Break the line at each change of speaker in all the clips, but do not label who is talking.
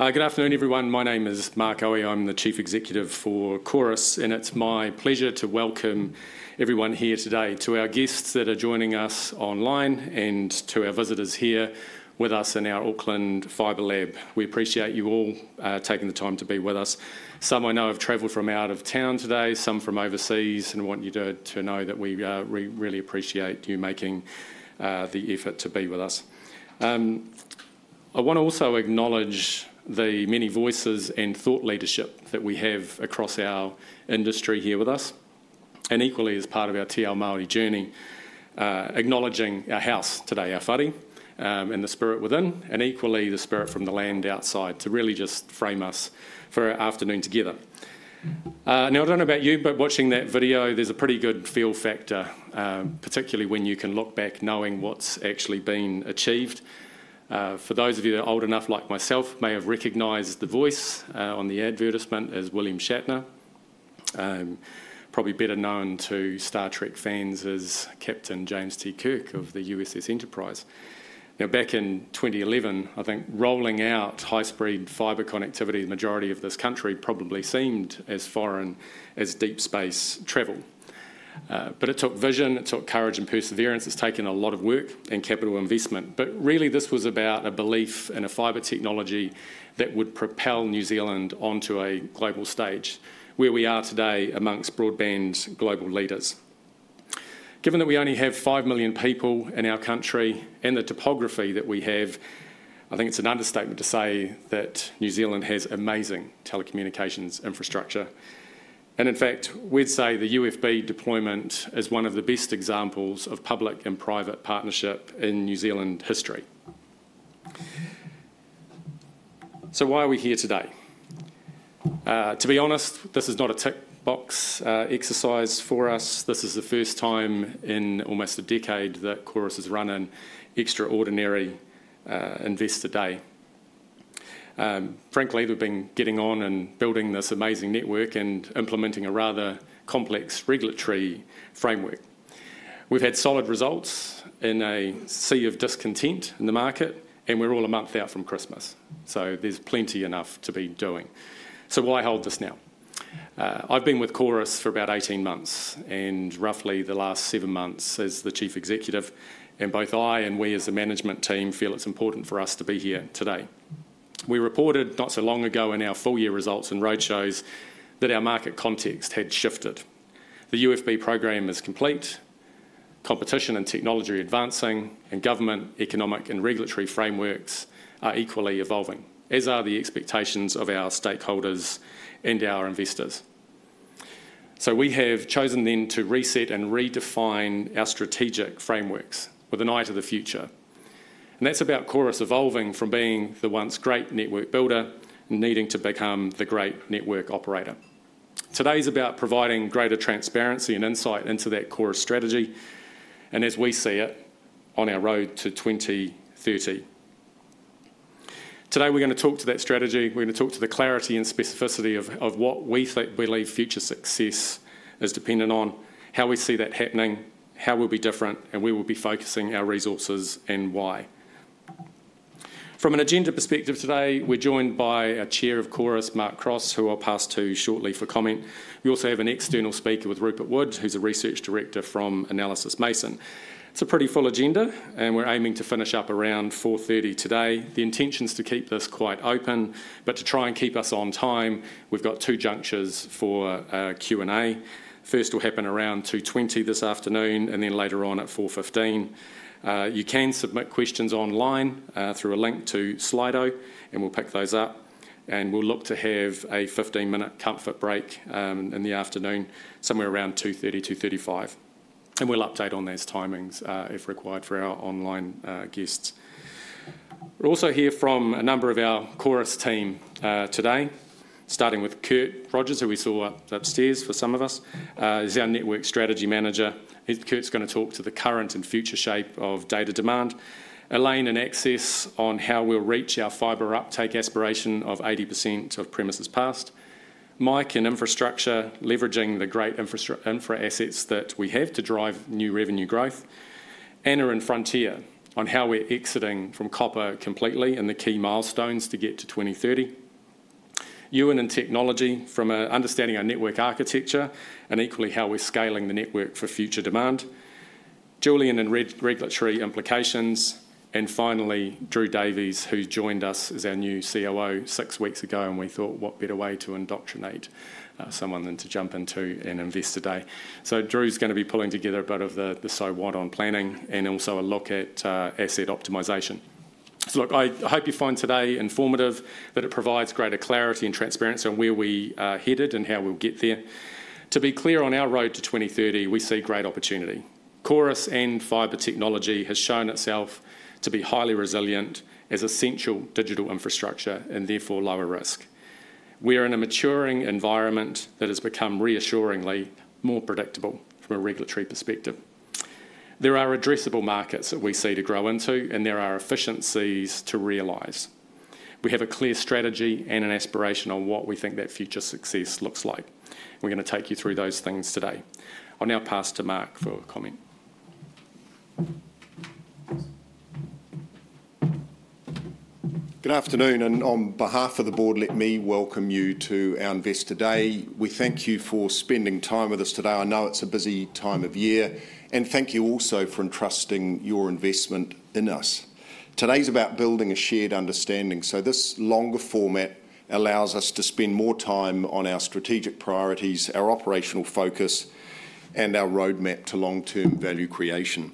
Good afternoon, everyone. My name is Mark Aue. I'm the Chief Executive for Chorus, and it's my pleasure to welcome everyone here today to our guests that are joining us online and to our visitors here with us in our Auckland Fibre Lab. We appreciate you all taking the time to be with us. Some I know have travelled from out of town today, some from overseas, and I want you to know that we really appreciate you making the effort to be with us. I want to also acknowledge the many voices and thought leadership that we have across our industry here with us, and equally, as part of our Te Ao Māori journey, acknowledging our house today, our whare, and the spirit within, and equally the spirit from the land outside to really just frame us for our afternoon together. Now, I don't know about you, but watching that video, there's a pretty good feel factor, particularly when you can look back knowing what's actually been achieved. For those of you that are old enough, like myself, may have recognized the voice on the advertisement as William Shatner, probably better known to Star Trek fans as Captain James T. Kirk of the USS Enterprise. Now, back in 2011, I think rolling out high-speed fibre connectivity in the majority of this country probably seemed as foreign as deep space travel. But it took vision, it took courage and perseverance, it's taken a lot of work and capital investment. But really, this was about a belief and a fibre technology that would propel New Zealand onto a global stage where we are today amongst broadband global leaders. Given that we only have five million people in our country and the topography that we have, I think it's an understatement to say that New Zealand has amazing telecommunications infrastructure. And in fact, we'd say the UFB deployment is one of the best examples of public and private partnership in New Zealand history. So why are we here today? To be honest, this is not a tick box exercise for us. This is the first time in almost a decade that Chorus has run an extraordinary investor day. Frankly, we've been getting on and building this amazing network and implementing a rather complex regulatory framework. We've had solid results in a sea of discontent in the market, and we're all a month out from Christmas. So why hold this now? I've been with Chorus for about 18 months, and roughly the last seven months as the Chief Executive, and both I and we as the management team feel it's important for us to be here today. We reported not so long ago in our full year results and roadshows that our market context had shifted. The UFB programmeme is complete, competition and technology advancing, and government, economic and regulatory frameworks are equally evolving, as are the expectations of our stakeholders and our investors, so we have chosen then to reset and redefine our strategic frameworks with an eye to the future, and that's about Chorus evolving from being the once great network builder and needing to become the great network operator. Today's about providing greater transparency and insight into that Chorus strategy and as we see it on our road to 2030. Today we're going to talk to that strategy, we're going to talk to the clarity and specificity of what we believe future success is dependent on, how we see that happening, how we'll be different, and where we'll be focusing our resources and why. From an agenda perspective today, we're joined by our Chair of Chorus, Mark Cross, who I'll pass to shortly for comment. We also have an external speaker with Rupert Wood, who's a research director from Analysys Mason. It's a pretty full agenda, and we're aiming to finish up around 4:30 P.M. today. The intention is to keep this quite open, but to try and keep us on time, we've got two junctures for Q&A. First will happen around 2:20 P.M. this afternoon and then later on at 4:15 P.M. You can submit questions online through a link to Slido, and we'll pick those up, and we'll look to have a 15-minute comfort break in the afternoon somewhere around 2:30 P.M., 2:35 P.M., and we'll update on those timings if required for our online guests. We're also here from a number of our Chorus team today, starting with Kurt Rogers, who we saw upstairs for some of us, is our network strategy manager. Kurt's going to talk to the current and future shape of data demand, Elaine and Access on how we'll reach our fibre uptake aspiration of 80% of premises passed, Mike and Infrastructure leveraging the great infra assets that we have to drive new revenue growth, Anna and Frontier on how we're exiting from copper completely and the key milestones to get to 2030, Ewan and Technology from understanding our network architecture and equally how we're scaling the network for future demand, Julian and Regulatory Implications, and finally Drew Davies, who joined us as our new COO six weeks ago, and we thought, what better way to indoctrinate someone than to jump into Investor Day, so Drew's going to be pulling together a bit of the so what on planning and also a look at asset optimization. So look, I hope you find today informative, that it provides greater clarity and transparency on where we are headed and how we'll get there. To be clear, on our road to 2030, we see great opportunity. Chorus and fibre technology has shown itself to be highly resilient as essential digital infrastructure and therefore lower risk. We are in a maturing environment that has become reassuringly more predictable from a regulatory perspective. There are addressable markets that we see to grow into, and there are efficiencies to realize. We have a clear strategy and an aspiration on what we think that future success looks like. We're going to take you through those things today. I'll now pass to Mark for comment.
Good afternoon, and on behalf of the board, let me welcome you to our investor day. We thank you for spending time with us today. I know it's a busy time of year, and thank you also for entrusting your investment in us. Today's about building a shared understanding, so this longer format allows us to spend more time on our strategic priorities, our operational focus, and our roadmap to long-term value creation.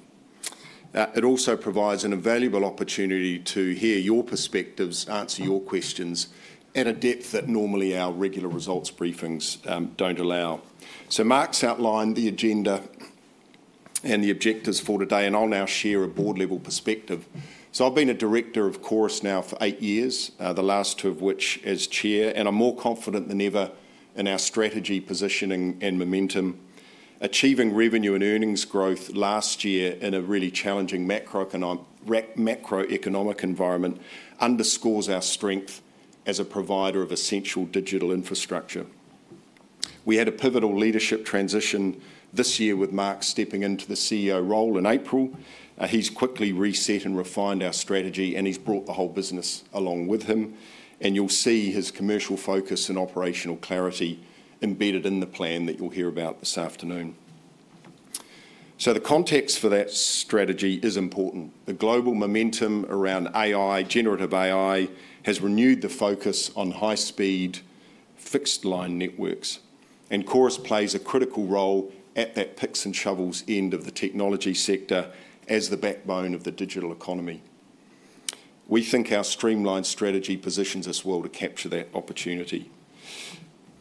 It also provides an invaluable opportunity to hear your perspectives, answer your questions at a depth that normally our regular results briefings don't allow, so Mark's outlined the agenda and the objectives for today, and I'll now share a board-level perspective, so I've been a director of Chorus now for eight years, the last two of which as chair, and I'm more confident than ever in our strategy, positioning, and momentum. Achieving revenue and earnings growth last year in a really challenging macroeconomic environment underscores our strength as a provider of essential digital infrastructure. We had a pivotal leadership transition this year with Mark stepping into the CEO role in April. He's quickly reset and refined our strategy, and he's brought the whole business along with him. And you'll see his commercial focus and operational clarity embedded in the plan that you'll hear about this afternoon. So the context for that strategy is important. The global momentum around AI, generative AI, has renewed the focus on high-speed fixed line networks. And Chorus plays a critical role at that picks and shovels end of the technology sector as the backbone of the digital economy. We think our streamlined strategy positions us well to capture that opportunity.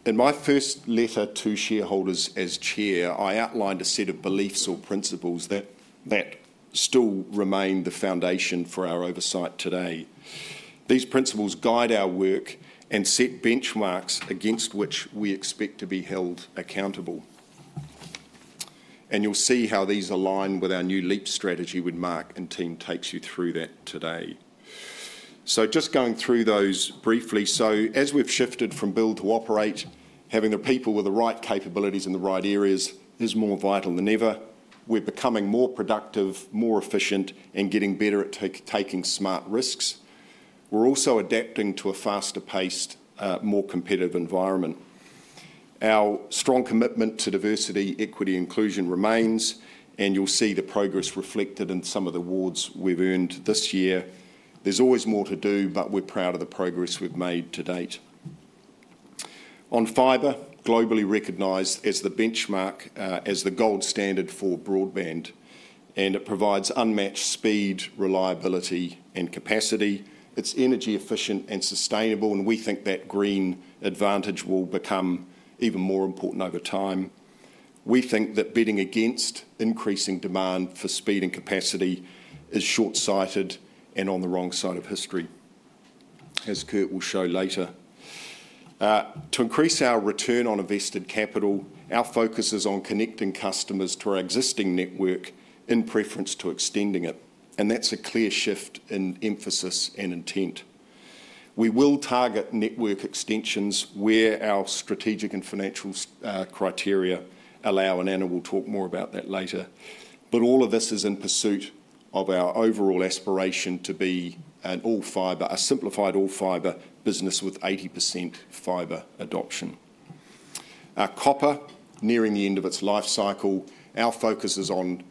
In my first letter to shareholders as Chair, I outlined a set of beliefs or principles that still remain the foundation for our oversight today. These principles guide our work and set benchmarks against which we expect to be held accountable, and you'll see how these align with our new LEAP strategy with Mark and team takes you through that today, so just going through those briefly, so as we've shifted from build to operate, having the people with the right capabilities in the right areas is more vital than ever. We're becoming more productive, more efficient, and getting better at taking smart risks. We're also adapting to a faster-paced, more competitive environment. Our strong commitment to diversity, equity, and inclusion remains, and you'll see the progress reflected in some of the awards we've earned this year. There's always more to do, but we're proud of the progress we've made to date. On fibre, globally recognized as the benchmark, as the gold standard for broadband, and it provides unmatched speed, reliability, and capacity. It's energy efficient and sustainable, and we think that green advantage will become even more important over time. We think that betting against increasing demand for speed and capacity is short-sighted and on the wrong side of history, as Kurt will show later. To increase our return on invested capital, our focus is on connecting customers to our existing network in preference to extending it, and that's a clear shift in emphasis and intent. We will target network extensions where our strategic and financial criteria allow, and Anna will talk more about that later. But all of this is in pursuit of our overall aspiration to be an all-fibre, a simplified all-fibre business with 80% fibre adoption. Our copper, nearing the end of its life cycle, our focus is on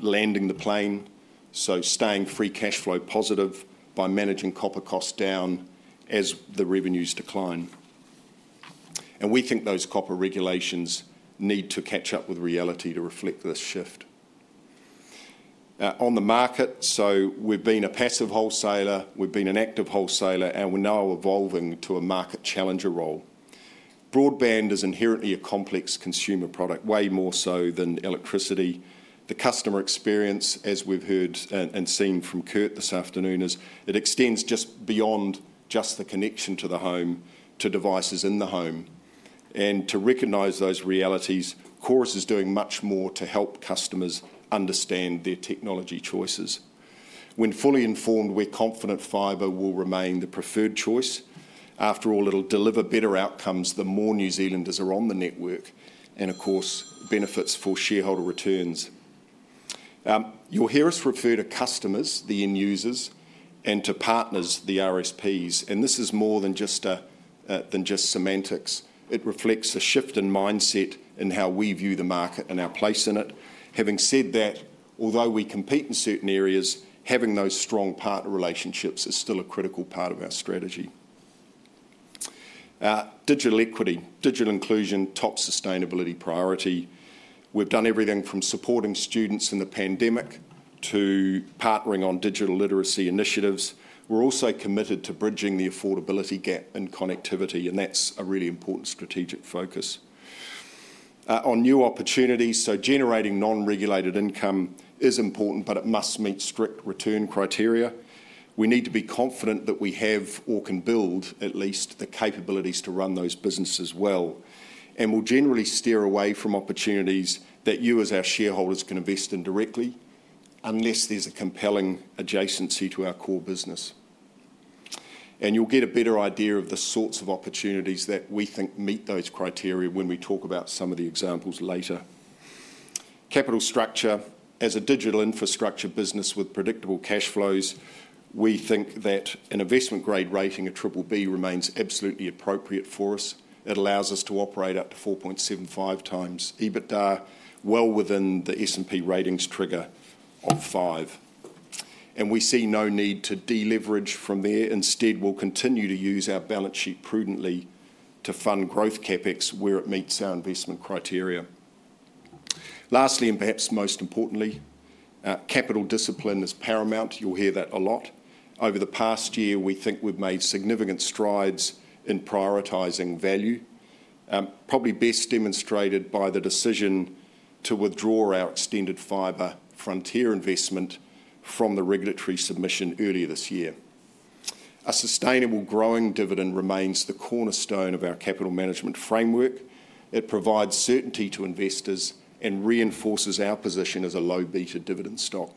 landing the plane, so staying free cash flow positive by managing copper costs down as the revenues decline, and we think those copper regulations need to catch up with reality to reflect this shift. On the market, so we've been a passive wholesaler, we've been an active wholesaler, and we're now evolving to a market challenger role. Broadband is inherently a complex consumer product, way more so than electricity. The customer experience, as we've heard and seen from Kurt this afternoon, is it extends just beyond just the connection to the home, to devices in the home, and to recognize those realities, Chorus is doing much more to help customers understand their technology choices. When fully informed, we're confident fibre will remain the preferred choice. After all, it'll deliver better outcomes the more New Zealanders are on the network, and of course, benefits for shareholder returns. You'll hear us refer to customers, the end users, and to partners, the RSPs. And this is more than just semantics. It reflects a shift in mindset in how we view the market and our place in it. Having said that, although we compete in certain areas, having those strong partner relationships is still a critical part of our strategy. Digital equity, digital inclusion, top sustainability priority. We've done everything from supporting students in the pandemic to partnering on digital literacy initiatives. We're also committed to bridging the affordability gap in connectivity, and that's a really important strategic focus. On new opportunities, so generating non-regulated income is important, but it must meet strict return criteria. We need to be confident that we have or can build at least the capabilities to run those businesses well. And we'll generally steer away from opportunities that you as our shareholders can invest in directly unless there's a compelling adjacency to our core business. And you'll get a better idea of the sorts of opportunities that we think meet those criteria when we talk about some of the examples later. Capital structure, as a digital infrastructure business with predictable cash flows, we think that an investment grade rating of BBB remains absolutely appropriate for us. It allows us to operate up to 4.75 times EBITDA, well within the S&P ratings trigger of five. And we see no need to deleverage from there. Instead, we'll continue to use our balance sheet prudently to fund growth CapEx where it meets our investment criteria. Lastly, and perhaps most importantly, capital discipline is paramount. You'll hear that a lot. Over the past year, we think we've made significant strides in prioritizing value, probably best demonstrated by the decision to withdraw our extended Fibre Frontier investment from the regulatory submission earlier this year. A sustainable growing dividend remains the cornerstone of our capital management framework. It provides certainty to investors and reinforces our position as a low-beta dividend stock.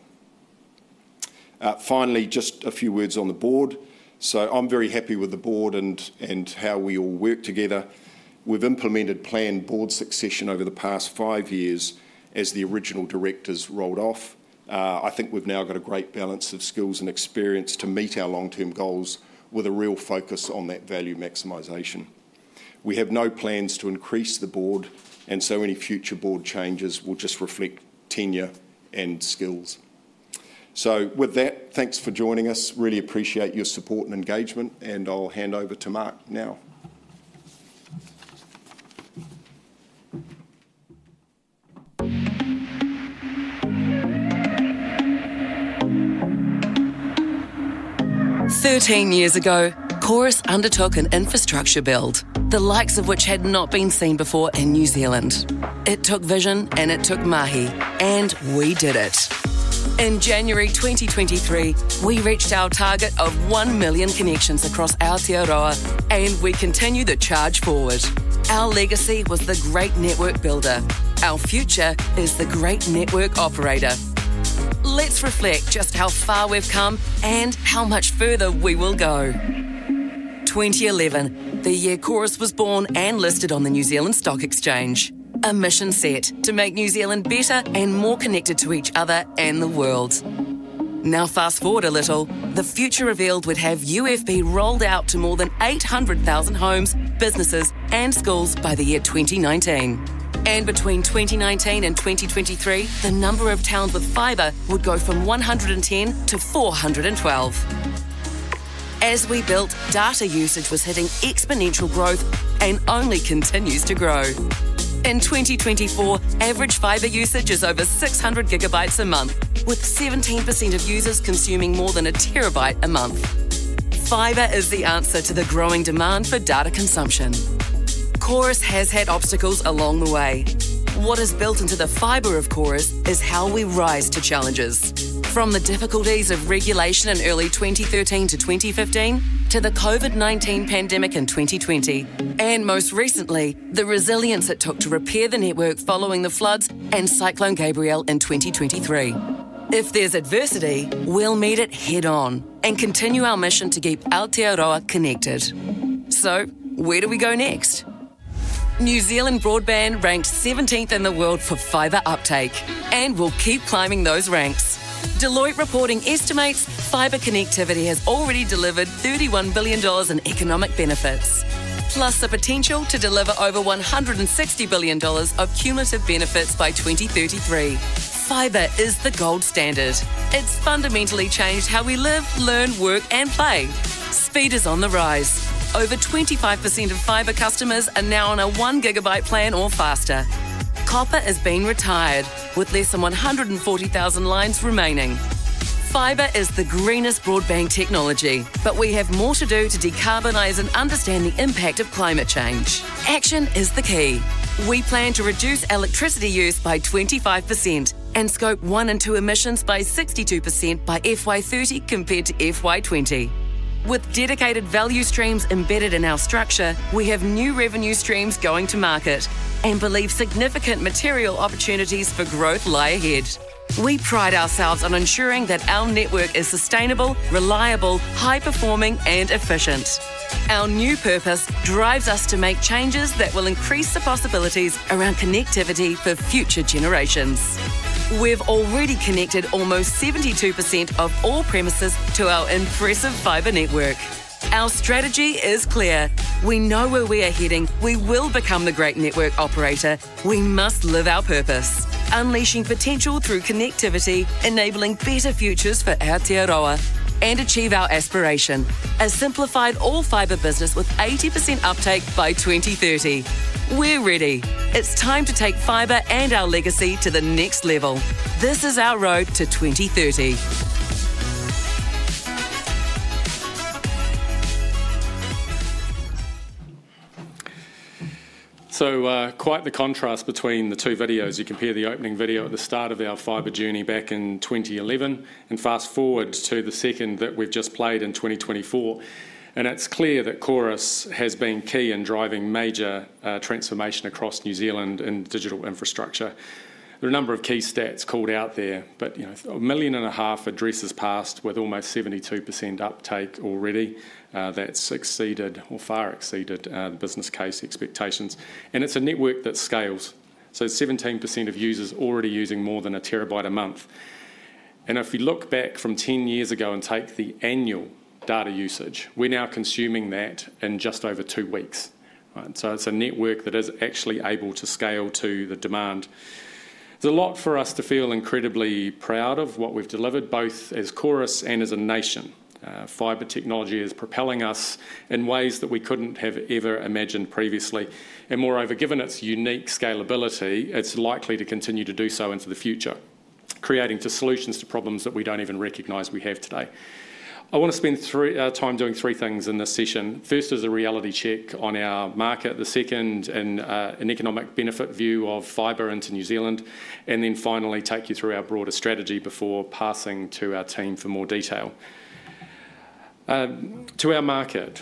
Finally, just a few words on the board. So I'm very happy with the board and how we all work together. We've implemented planned board succession over the past five years as the original directors rolled off. I think we've now got a great balance of skills and experience to meet our long-term goals with a real focus on that value maximization. We have no plans to increase the board, and so any future board changes will just reflect tenure and skills. So with that, thanks for joining us. Really appreciate your support and engagement, and I'll hand over to Mark now.
Thirteen years ago, Chorus undertook an infrastructure build, the likes of which had not been seen before in New Zealand. It took vision, and it took mahi, and we did it. In January 2023, we reached our target of one million connections across Aotearoa, and we continue to charge forward. Our legacy was the great network builder. Our future is the great network operator. Let's reflect just how far we've come and how much further we will go. 2011, the year Chorus was born and listed on the New Zealand Stock Exchange, a mission set to make New Zealand better and more connected to each other and the world. Now, fast forward a little, the future revealed would have UFB rolled out to more than 800,000 homes, businesses, and schools by the year 2019. And between 2019 and 2023, the number of towns with fibre would go from 110 to 412. As we built, data usage was hitting exponential growth and only continues to grow. In 2024, average fibre usage is over 600 gigabytes a month, with 17% of users consuming more than a terabyte a month. fibre is the answer to the growing demand for data consumption. Chorus has had obstacles along the way. What is built into the fibre of Chorus is how we rise to challenges. From the difficulties of regulation in early 2013 to 2015, to the COVID-19 pandemic in 2020, and most recently, the resilience it took to repair the network following the floods and Cyclone Gabrielle in 2023. If there's adversity, we'll meet it head-on and continue our mission to keep Aotearoa connected. So where do we go next? New Zealand broadband ranked 17th in the world for fibre uptake, and we'll keep climbing those ranks. Deloitte reporting estimates fibre connectivity has already delivered 31 billion dollars in economic benefits, plus the potential to deliver over 160 billion dollars of cumulative benefits by 2033. fibre is the gold standard. It's fundamentally changed how we live, learn, work, and play. Speed is on the rise. Over 25% of fibre customers are now on a 1-gigabit plan or faster. Copper has been retired with less than 140,000 lines remaining. fibre is the greenest broadband technology, but we have more to do to decarbonize and understand the impact of climate change. Action is the key. We plan to reduce electricity use by 25% and Scope 1 and 2 emissions by 62% by FY30 compared to FY20. With dedicated value streams embedded in our structure, we have new revenue streams going to market and believe significant material opportunities for growth lie ahead. We pride ourselves on ensuring that our network is sustainable, reliable, high-performing, and efficient. Our new purpose drives us to make changes that will increase the possibilities around connectivity for future generations. We've already connected almost 72% of all premises to our impressive fibre network. Our strategy is clear. We know where we are heading. We will become the great network operator. We must live our purpose, unleashing potential through connectivity, enabling better futures for Aotearoa, and achieve our aspiration: a simplified all-fibre business with 80% uptake by 2030. We're ready. It's time to take fibre and our legacy to the next level. This is our road to 2030.
Quite the contrast between the two videos. You can hear the opening video at the start of our fibre journey back in 2011, and fast forward to the second that we've just played in 2024. It's clear that Chorus has been key in driving major transformation across New Zealand in digital infrastructure. There are a number of key stats called out there, but 1.5 million addresses passed with almost 72% uptake already. That's exceeded or far exceeded the business case expectations. It's a network that scales. 17% of users are already using more than a terabyte a month. If you look back from 10 years ago and take the annual data usage, we're now consuming that in just over two weeks. It's a network that is actually able to scale to the demand. There's a lot for us to feel incredibly proud of what we've delivered, both as Chorus and as a nation. fibre technology is propelling us in ways that we couldn't have ever imagined previously. And moreover, given its unique scalability, it's likely to continue to do so into the future, creating solutions to problems that we don't even recognize we have today. I want to spend time doing three things in this session. First is a reality check on our market, the second, an economic benefit view of fibre into New Zealand, and then finally take you through our broader strategy before passing to our team for more detail. To our market,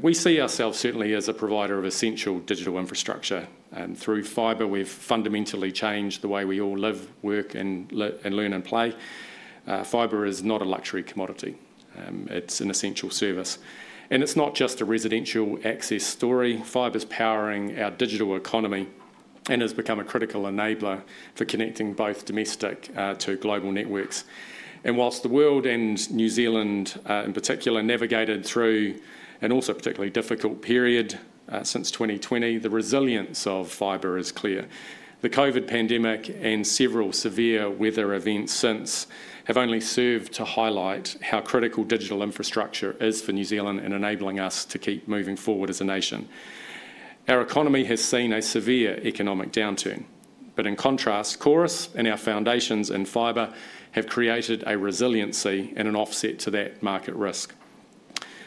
we see ourselves certainly as a provider of essential digital infrastructure. And through fibre, we've fundamentally changed the way we all live, work, and learn and play. fibre is not a luxury commodity. It's an essential service. And it's not just a residential access story. fibre is powering our digital economy and has become a critical enabler for connecting both domestic to global networks. And while the world and New Zealand in particular navigated through an also particularly difficult period since 2020, the resilience of fibre is clear. The COVID pandemic and several severe weather events since have only served to highlight how critical digital infrastructure is for New Zealand and enabling us to keep moving forward as a nation. Our economy has seen a severe economic downturn. But in contrast, Chorus and our foundations in fibre have created a resiliency and an offset to that market risk.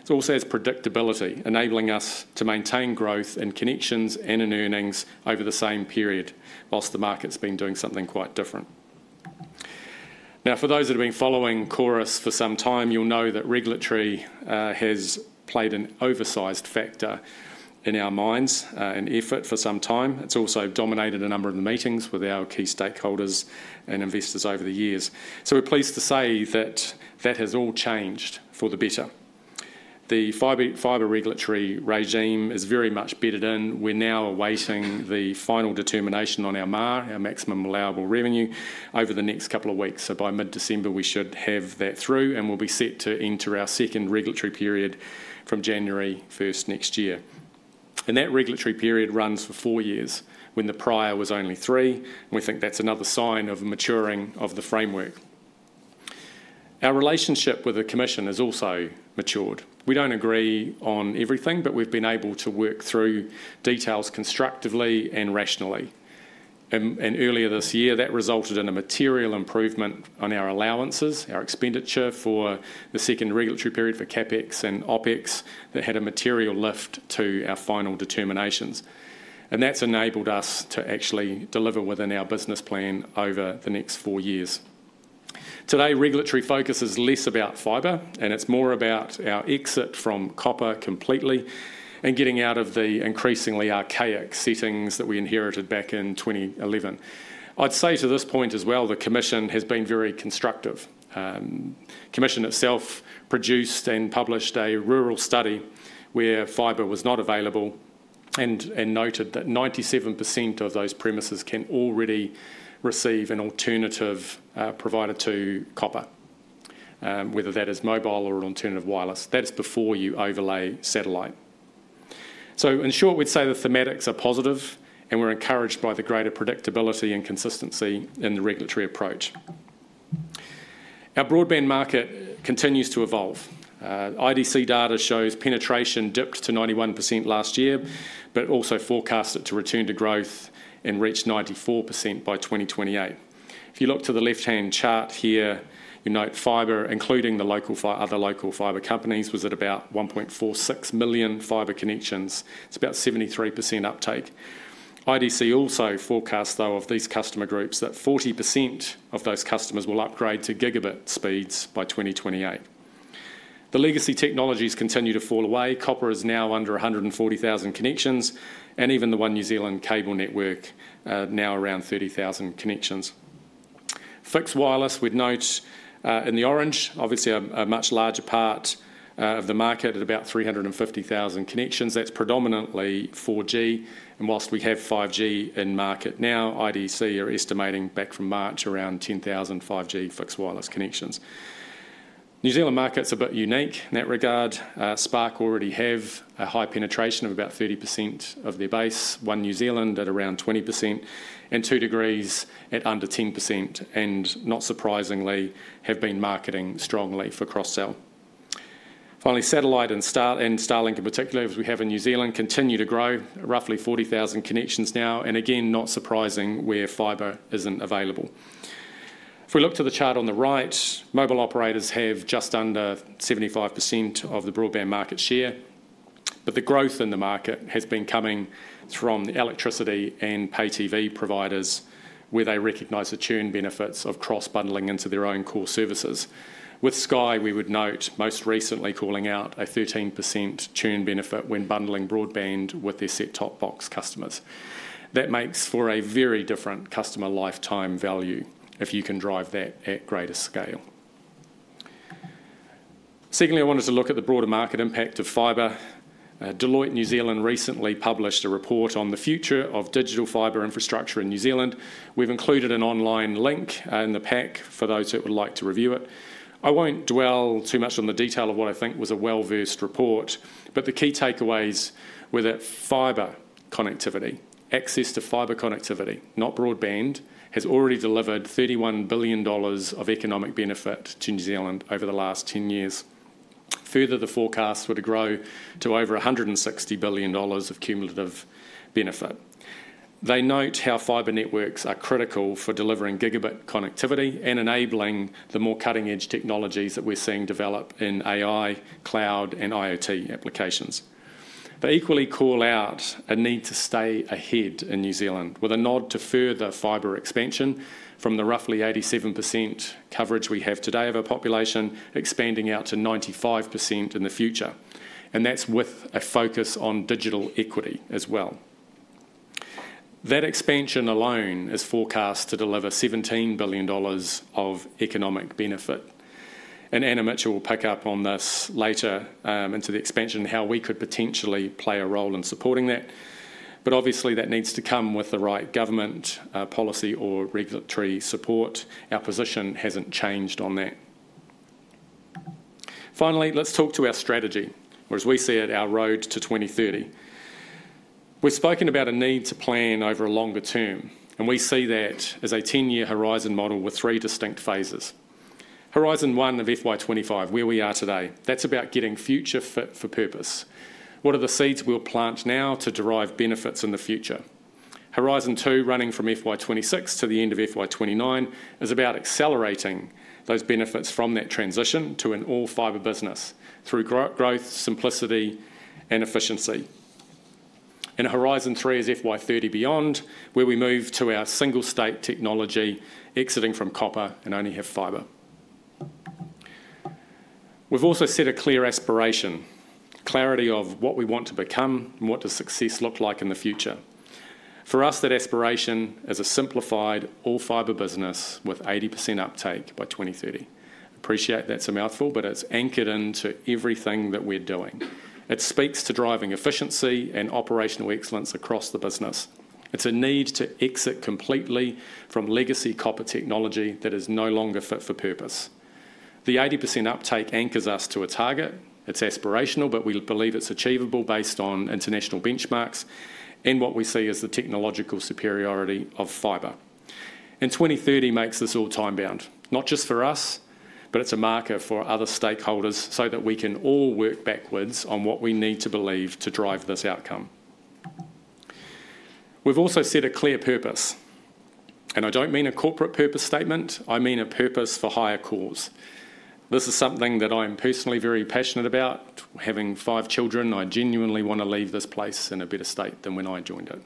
It also has predictability, enabling us to maintain growth in connections and in earnings over the same period while the market's been doing something quite different. Now, for those that have been following Chorus for some time, you'll know that regulatory has played an oversized factor in our minds and effort for some time. It's also dominated a number of the meetings with our key stakeholders and investors over the years. So we're pleased to say that that has all changed for the better. The fibre regulatory regime is very much bedded in. We're now awaiting the final determination on our MAR, our maximum allowable revenue, over the next couple of weeks. So by mid-December, we should have that through, and we'll be set to enter our second regulatory period from January 1st next year. And that regulatory period runs for four years when the prior was only three. We think that's another sign of maturing of the framework. Our relationship with the Commission has also matured. We don't agree on everything, but we've been able to work through details constructively and rationally. And earlier this year, that resulted in a material improvement on our allowances, our expenditure for the second regulatory period for CapEx and OpEx that had a material lift to our final determinations. And that's enabled us to actually deliver within our business plan over the next four years. Today, regulatory focus is less about fibre, and it's more about our exit from copper completely and getting out of the increasingly archaic settings that we inherited back in 2011. I'd say to this point as well, the commission has been very constructive. The commission itself produced and published a rural study where fibre was not available and noted that 97% of those premises can already receive an alternative provider to copper, whether that is mobile or an alternative wireless. That is before you overlay satellite. So in short, we'd say the thematics are positive, and we're encouraged by the greater predictability and consistency in the regulatory approach. Our broadband market continues to evolve. IDC data shows penetration dipped to 91% last year, but also forecasted to return to growth and reach 94% by 2028. If you look to the left-hand chart here, you note fibre, including the other Local Fibre Companies, was at about 1.46 million fibre connections. It's about 73% uptake. IDC also forecast, though, of these customer groups that 40% of those customers will upgrade to gigabit speeds by 2028. The legacy technologies continue to fall away. Copper is now under 140,000 connections, and even the One New Zealand cable network now around 30,000 connections. Fixed wireless, we'd note in the orange, obviously a much larger part of the market at about 350,000 connections. That's predominantly 4G. While we have 5G in market now, IDC are estimating back from March around 10,000 5G fixed wireless connections. New Zealand market's a bit unique in that regard. Spark already have a high penetration of about 30% of their base, One New Zealand at around 20%, and 2degrees at under 10%, and not surprisingly, have been marketing strongly for cross-sell. Finally, satellite and Starlink in particular, as we have in New Zealand, continue to grow, roughly 40,000 connections now, and again, not surprising where fibre isn't available. If we look to the chart on the right, mobile operators have just under 75% of the broadband market share, but the growth in the market has been coming from the electricity and pay-TV providers where they recognize the churn benefits of cross-bundling into their own core services. With Sky, we would note most recently calling out a 13% churn benefit when bundling broadband with their set-top box customers. That makes for a very different customer lifetime value if you can drive that at greater scale. Secondly, I wanted to look at the broader market impact of fibre. Deloitte New Zealand recently published a report on the future of digital fibre infrastructure in New Zealand. We've included an online link in the pack for those that would like to review it. I won't dwell too much on the detail of what I think was a well-versed report, but the key takeaways were that fibre connectivity, access to fibre connectivity, not broadband, has already delivered 31 billion dollars of economic benefit to New Zealand over the last 10 years. Further, the forecasts were to grow to over 160 billion dollars of cumulative benefit. They note how fibre networks are critical for delivering gigabit connectivity and enabling the more cutting-edge technologies that we're seeing develop in AI, cloud, and IoT applications. They equally call out a need to stay ahead in New Zealand with a nod to further fibre expansion from the roughly 87% coverage we have today of our population, expanding out to 95% in the future. And that's with a focus on digital equity as well. That expansion alone is forecast to deliver 17 billion dollars of economic benefit. And Anna Mitchell will pick up on this later into the expansion and how we could potentially play a role in supporting that. But obviously, that needs to come with the right government policy or regulatory support. Our position hasn't changed on that. Finally, let's talk to our strategy, or as we see it, our road to 2030. We've spoken about a need to plan over a longer term, and we see that as a 10-year horizon model with three distinct phases. Horizon one of FY25, where we are today, that's about getting future fit for purpose. What are the seeds we'll plant now to derive benefits in the future? Horizon two, running from FY26 to the end of FY29, is about accelerating those benefits from that transition to an all-fibre business through growth, simplicity, and efficiency. And horizon three is FY30 beyond, where we move to our single-state technology, exiting from copper and only have fibre. We've also set a clear aspiration, clarity of what we want to become and what does success look like in the future. For us, that aspiration is a simplified all-fibre business with 80% uptake by 2030. Appreciate that's a mouthful, but it's anchored into everything that we're doing. It speaks to driving efficiency and operational excellence across the business. It's a need to exit completely from legacy copper technology that is no longer fit for purpose. The 80% uptake anchors us to a target. It's aspirational, but we believe it's achievable based on international benchmarks and what we see as the technological superiority of fibre. And 2030 makes this all time-bound, not just for us, but it's a marker for other stakeholders so that we can all work backwards on what we need to believe to drive this outcome. We've also set a clear purpose. And I don't mean a corporate purpose statement. I mean a purpose for higher cause. This is something that I am personally very passionate about. Having five children, I genuinely want to leave this place in a better state than when I joined it.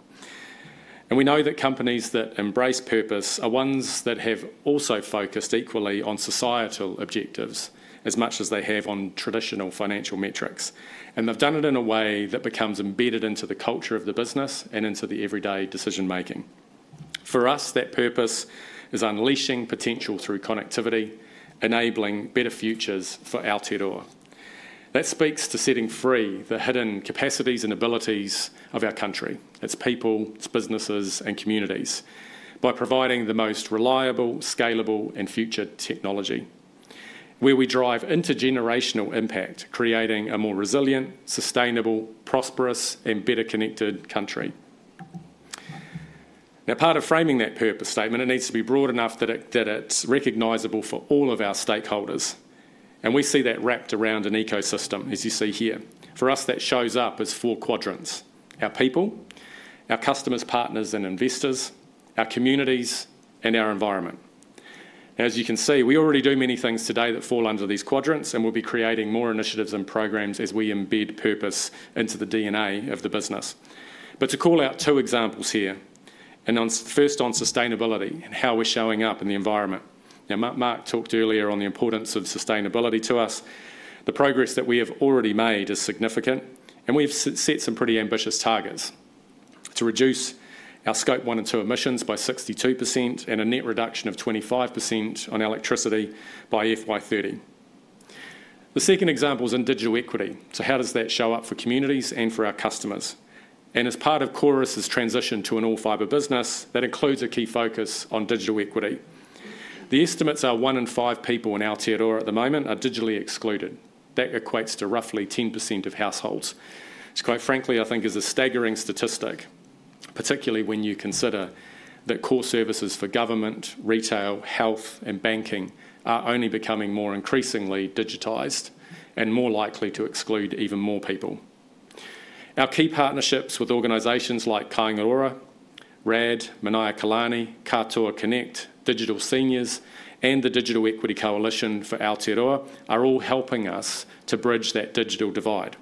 We know that companies that embrace purpose are ones that have also focused equally on societal objectives as much as they have on traditional financial metrics. They've done it in a way that becomes embedded into the culture of the business and into the everyday decision-making. For us, that purpose is unleashing potential through connectivity, enabling better futures for Aotearoa. That speaks to setting free the hidden capacities and abilities of our country. It's people, it's businesses, and communities by providing the most reliable, scalable, and future technology, where we drive intergenerational impact, creating a more resilient, sustainable, prosperous, and better-connected country. Now, part of framing that purpose statement, it needs to be broad enough that it's recognizable for all of our stakeholders. We see that wrapped around an ecosystem, as you see here. For us, that shows up as four quadrants: our people, our customers, partners, and investors, our communities, and our environment. As you can see, we already do many things today that fall under these quadrants, and we'll be creating more initiatives and programmes as we embed purpose into the DNA of the business. But to call out two examples here, first on sustainability and how we're showing up in the environment. Now, Mark talked earlier on the importance of sustainability to us. The progress that we have already made is significant, and we've set some pretty ambitious targets to reduce our Scope 1 and 2 emissions by 62% and a net reduction of 25% on electricity by FY30. The second example is in digital equity. So how does that show up for communities and for our customers? As part of Chorus' transition to an all-fibre business, that includes a key focus on digital equity. The estimates are one in five people in Aotearoa at the moment are digitally excluded. That equates to roughly 10% of households. It's quite frankly, I think, is a staggering statistic, particularly when you consider that core services for government, retail, health, and banking are only becoming more increasingly digitized and more likely to exclude even more people. Our key partnerships with organizations like Kāinga Ora, RAD, Manaiakalani, K'atua Connect, Digital Seniors, and the Digital Equity Coalition for Aotearoa are all helping us to bridge that digital divide.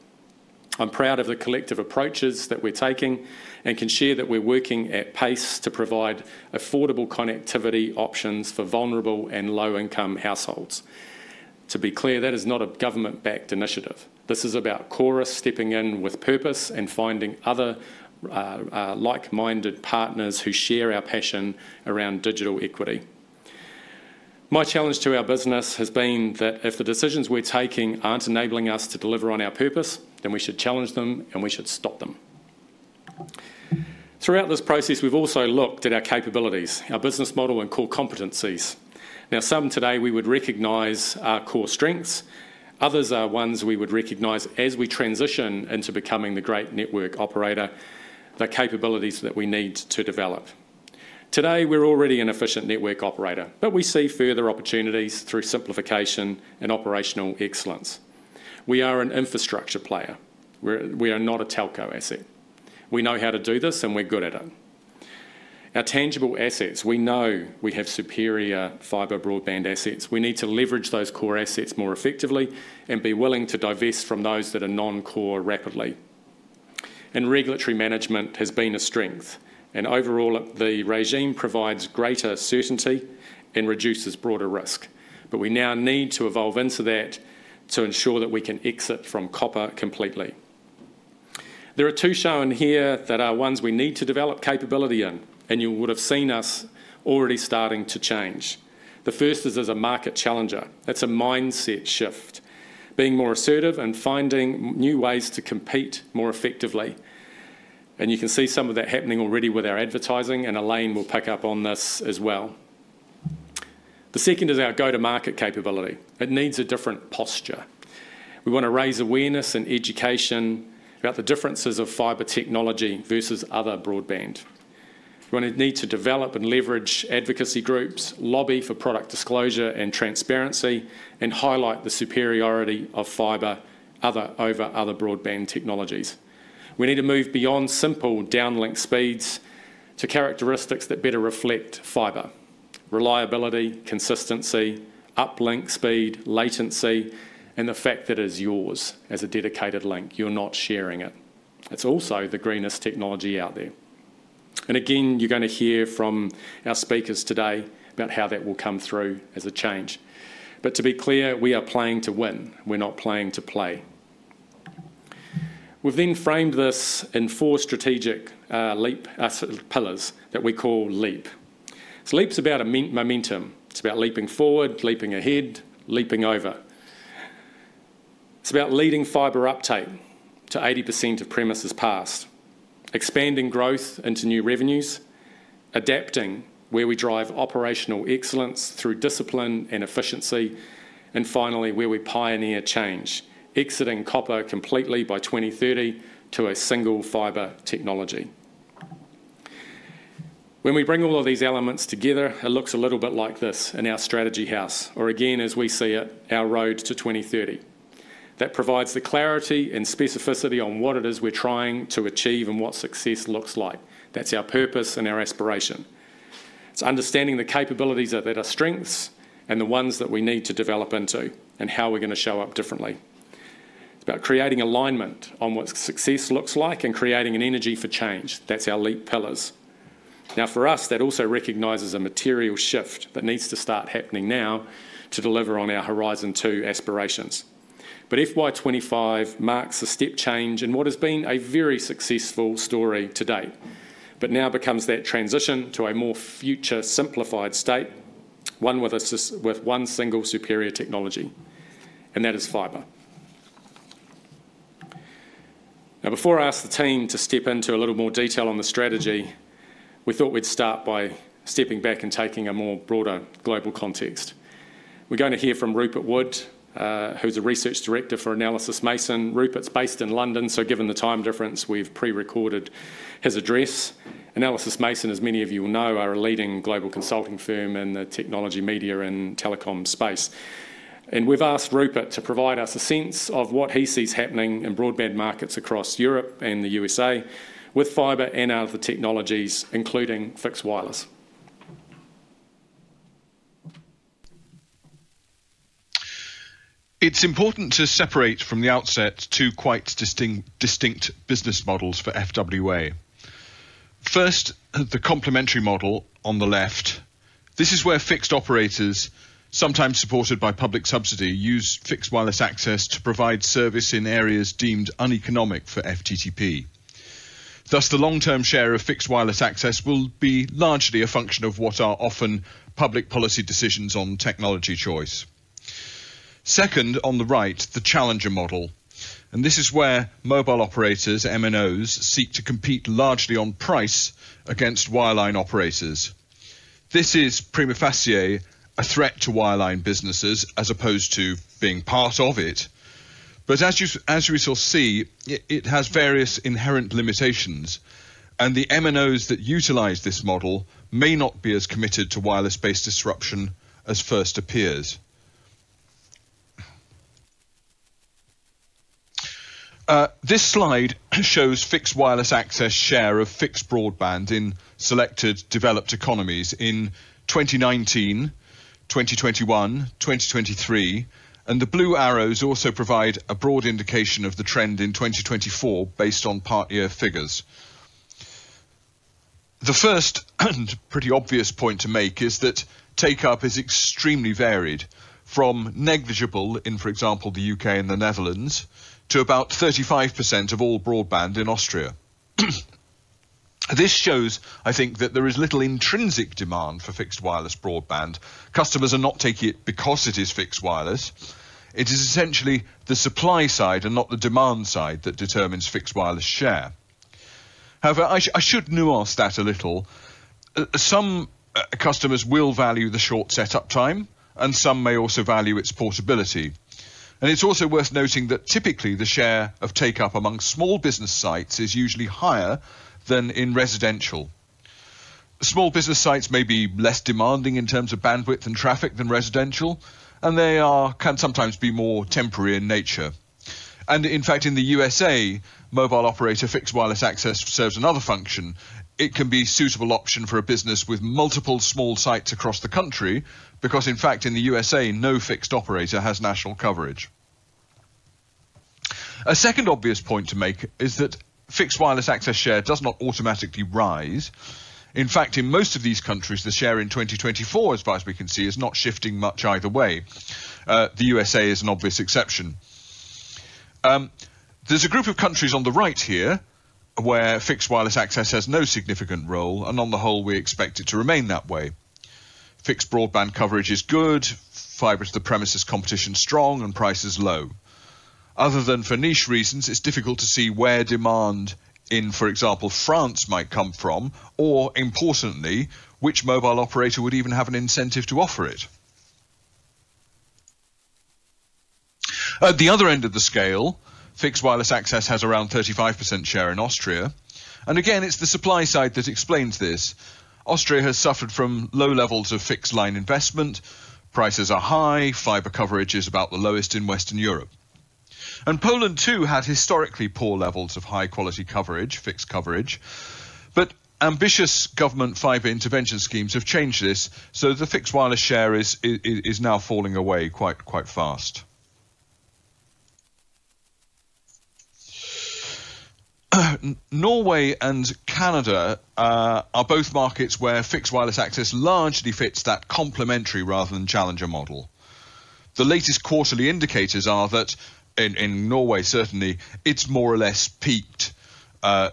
I'm proud of the collective approaches that we're taking and can share that we're working at pace to provide affordable connectivity options for vulnerable and low-income households. To be clear, that is not a government-backed initiative. This is about Chorus stepping in with purpose and finding other like-minded partners who share our passion around digital equity. My challenge to our business has been that if the decisions we're taking aren't enabling us to deliver on our purpose, then we should challenge them and we should stop them. Throughout this process, we've also looked at our capabilities, our business model, and core competencies. Now, some today we would recognize our core strengths. Others are ones we would recognize as we transition into becoming the great network operator, the capabilities that we need to develop. Today, we're already an efficient network operator, but we see further opportunities through simplification and operational excellence. We are an infrastructure player. We are not a telco asset. We know how to do this, and we're good at it. Our tangible assets, we know we have superior fibre broadband assets. We need to leverage those core assets more effectively and be willing to divest from those that are non-core rapidly. And regulatory management has been a strength. And overall, the regime provides greater certainty and reduces broader risk. But we now need to evolve into that to ensure that we can exit from copper completely. There are two shown here that are ones we need to develop capability in, and you would have seen us already starting to change. The first is as a market challenger. That's a mindset shift, being more assertive and finding new ways to compete more effectively. And you can see some of that happening already with our advertising, and Elaine will pick up on this as well. The second is our go-to-market capability. It needs a different posture. We want to raise awareness and education about the differences of fibre technology versus other broadband. We need to develop and leverage advocacy groups, lobby for product disclosure and transparency, and highlight the superiority of fibre over other broadband technologies. We need to move beyond simple downlink speeds to characteristics that better reflect fibre: reliability, consistency, uplink speed, latency, and the fact that it is yours as a dedicated link. You're not sharing it. It's also the greenest technology out there. And again, you're going to hear from our speakers today about how that will come through as a change. But to be clear, we are playing to win. We're not playing to play. We've then framed this in four strategic pillars that we call LEAP. So LEAP's about momentum. It's about LEAPing forward, LEAPing ahead, LEAPing over. It's about leading fibre uptake to 80% of premises passed, expanding growth into new revenues, adapting where we drive operational excellence through discipline and efficiency, and finally, where we pioneer change, exiting copper completely by 2030 to a single fibre technology. When we bring all of these elements together, it looks a little bit like this in our strategy house, or again, as we see it, our road to 2030. That provides the clarity and specificity on what it is we're trying to achieve and what success looks like. That's our purpose and our aspiration. It's understanding the capabilities that are strengths and the ones that we need to develop into and how we're going to show up differently. It's about creating alignment on what success looks like and creating an energy for change. That's our LEAP pillars. Now, for us, that also recognizes a material shift that needs to start happening now to deliver on our Horizon Two aspirations. But FY25 marks a step change in what has been a very successful story to date, but now becomes that transition to a more future simplified state, one with one single superior technology, and that is fibre. Now, before I ask the team to step into a little more detail on the strategy, we thought we'd start by stepping back and taking a more broader global context. We're going to hear from Rupert Wood, who's a research director for Analysys Mason. Rupert's based in London, so given the time difference, we've pre-recorded his address. Analysys Mason, as many of you will know, are a leading global consulting firm in the technology, media, and telecom space. We've asked Rupert to provide us a sense of what he sees happening in broadband markets across Europe and the USA with fibre and other technologies, including fixed wireless.
It's important to separate from the outset two quite distinct business models for FWA. First, the complementary model on the left. This is where fixed operators, sometimes supported by public subsidy, use fixed wireless access to provide service in areas deemed uneconomic for FTTP. Thus, the long-term share of fixed wireless access will be largely a function of what are often public policy decisions on technology choice. Second, on the right, the challenger model. This is where mobile operators, MNOs, seek to compete largely on price against wireline operators. This is, prima facie, a threat to wireline businesses as opposed to being part of it. But as we shall see, it has various inherent limitations, and the MNOs that utilize this model may not be as committed to wireless-based disruption as first appears. This slide shows fixed wireless access share of fixed broadband in selected developed economies in 2019, 2021, 2023, and the blue arrows also provide a broad indication of the trend in 2024 based on part-year figures. The first and pretty obvious point to make is that take-up is extremely varied, from negligible in, for example, the UK and the Netherlands, to about 35% of all broadband in Austria. This shows, I think, that there is little intrinsic demand for fixed wireless broadband. Customers are not taking it because it is fixed wireless. It is essentially the supply side and not the demand side that determines fixed wireless share. However, I should nuance that a little. Some customers will value the short setup time, and some may also value its portability. And it's also worth noting that typically the share of take-up among small business sites is usually higher than in residential. Small business sites may be less demanding in terms of bandwidth and traffic than residential, and they can sometimes be more temporary in nature. And in fact, in the USA, mobile operator fixed wireless access serves another function. It can be a suitable option for a business with multiple small sites across the country because, in fact, in the USA, no fixed operator has national coverage. A second obvious point to make is that fixed wireless access share does not automatically rise. In fact, in most of these countries, the share in 2024, as far as we can see, is not shifting much either way. The USA is an obvious exception. There's a group of countries on the right here where fixed wireless access has no significant role, and on the whole, we expect it to remain that way. Fixed broadband coverage is good, fibre to the premises competition strong, and price is low. Other than for niche reasons, it's difficult to see where demand in, for example, France might come from, or importantly, which mobile operator would even have an incentive to offer it. At the other end of the scale, fixed wireless access has around 35% share in Austria. Again, it's the supply side that explains this. Austria has suffered from low levels of fixed line investment. Prices are high. fibre coverage is about the lowest in Western Europe. Poland, too, had historically poor levels of high-quality fixed coverage. Ambitious government fibre intervention schemes have changed this, so the fixed wireless share is now falling away quite fast. Norway and Canada are both markets where fixed wireless access largely fits that complementary rather than challenger model. The latest quarterly indicators are that in Norway, certainly, it's more or less peaked.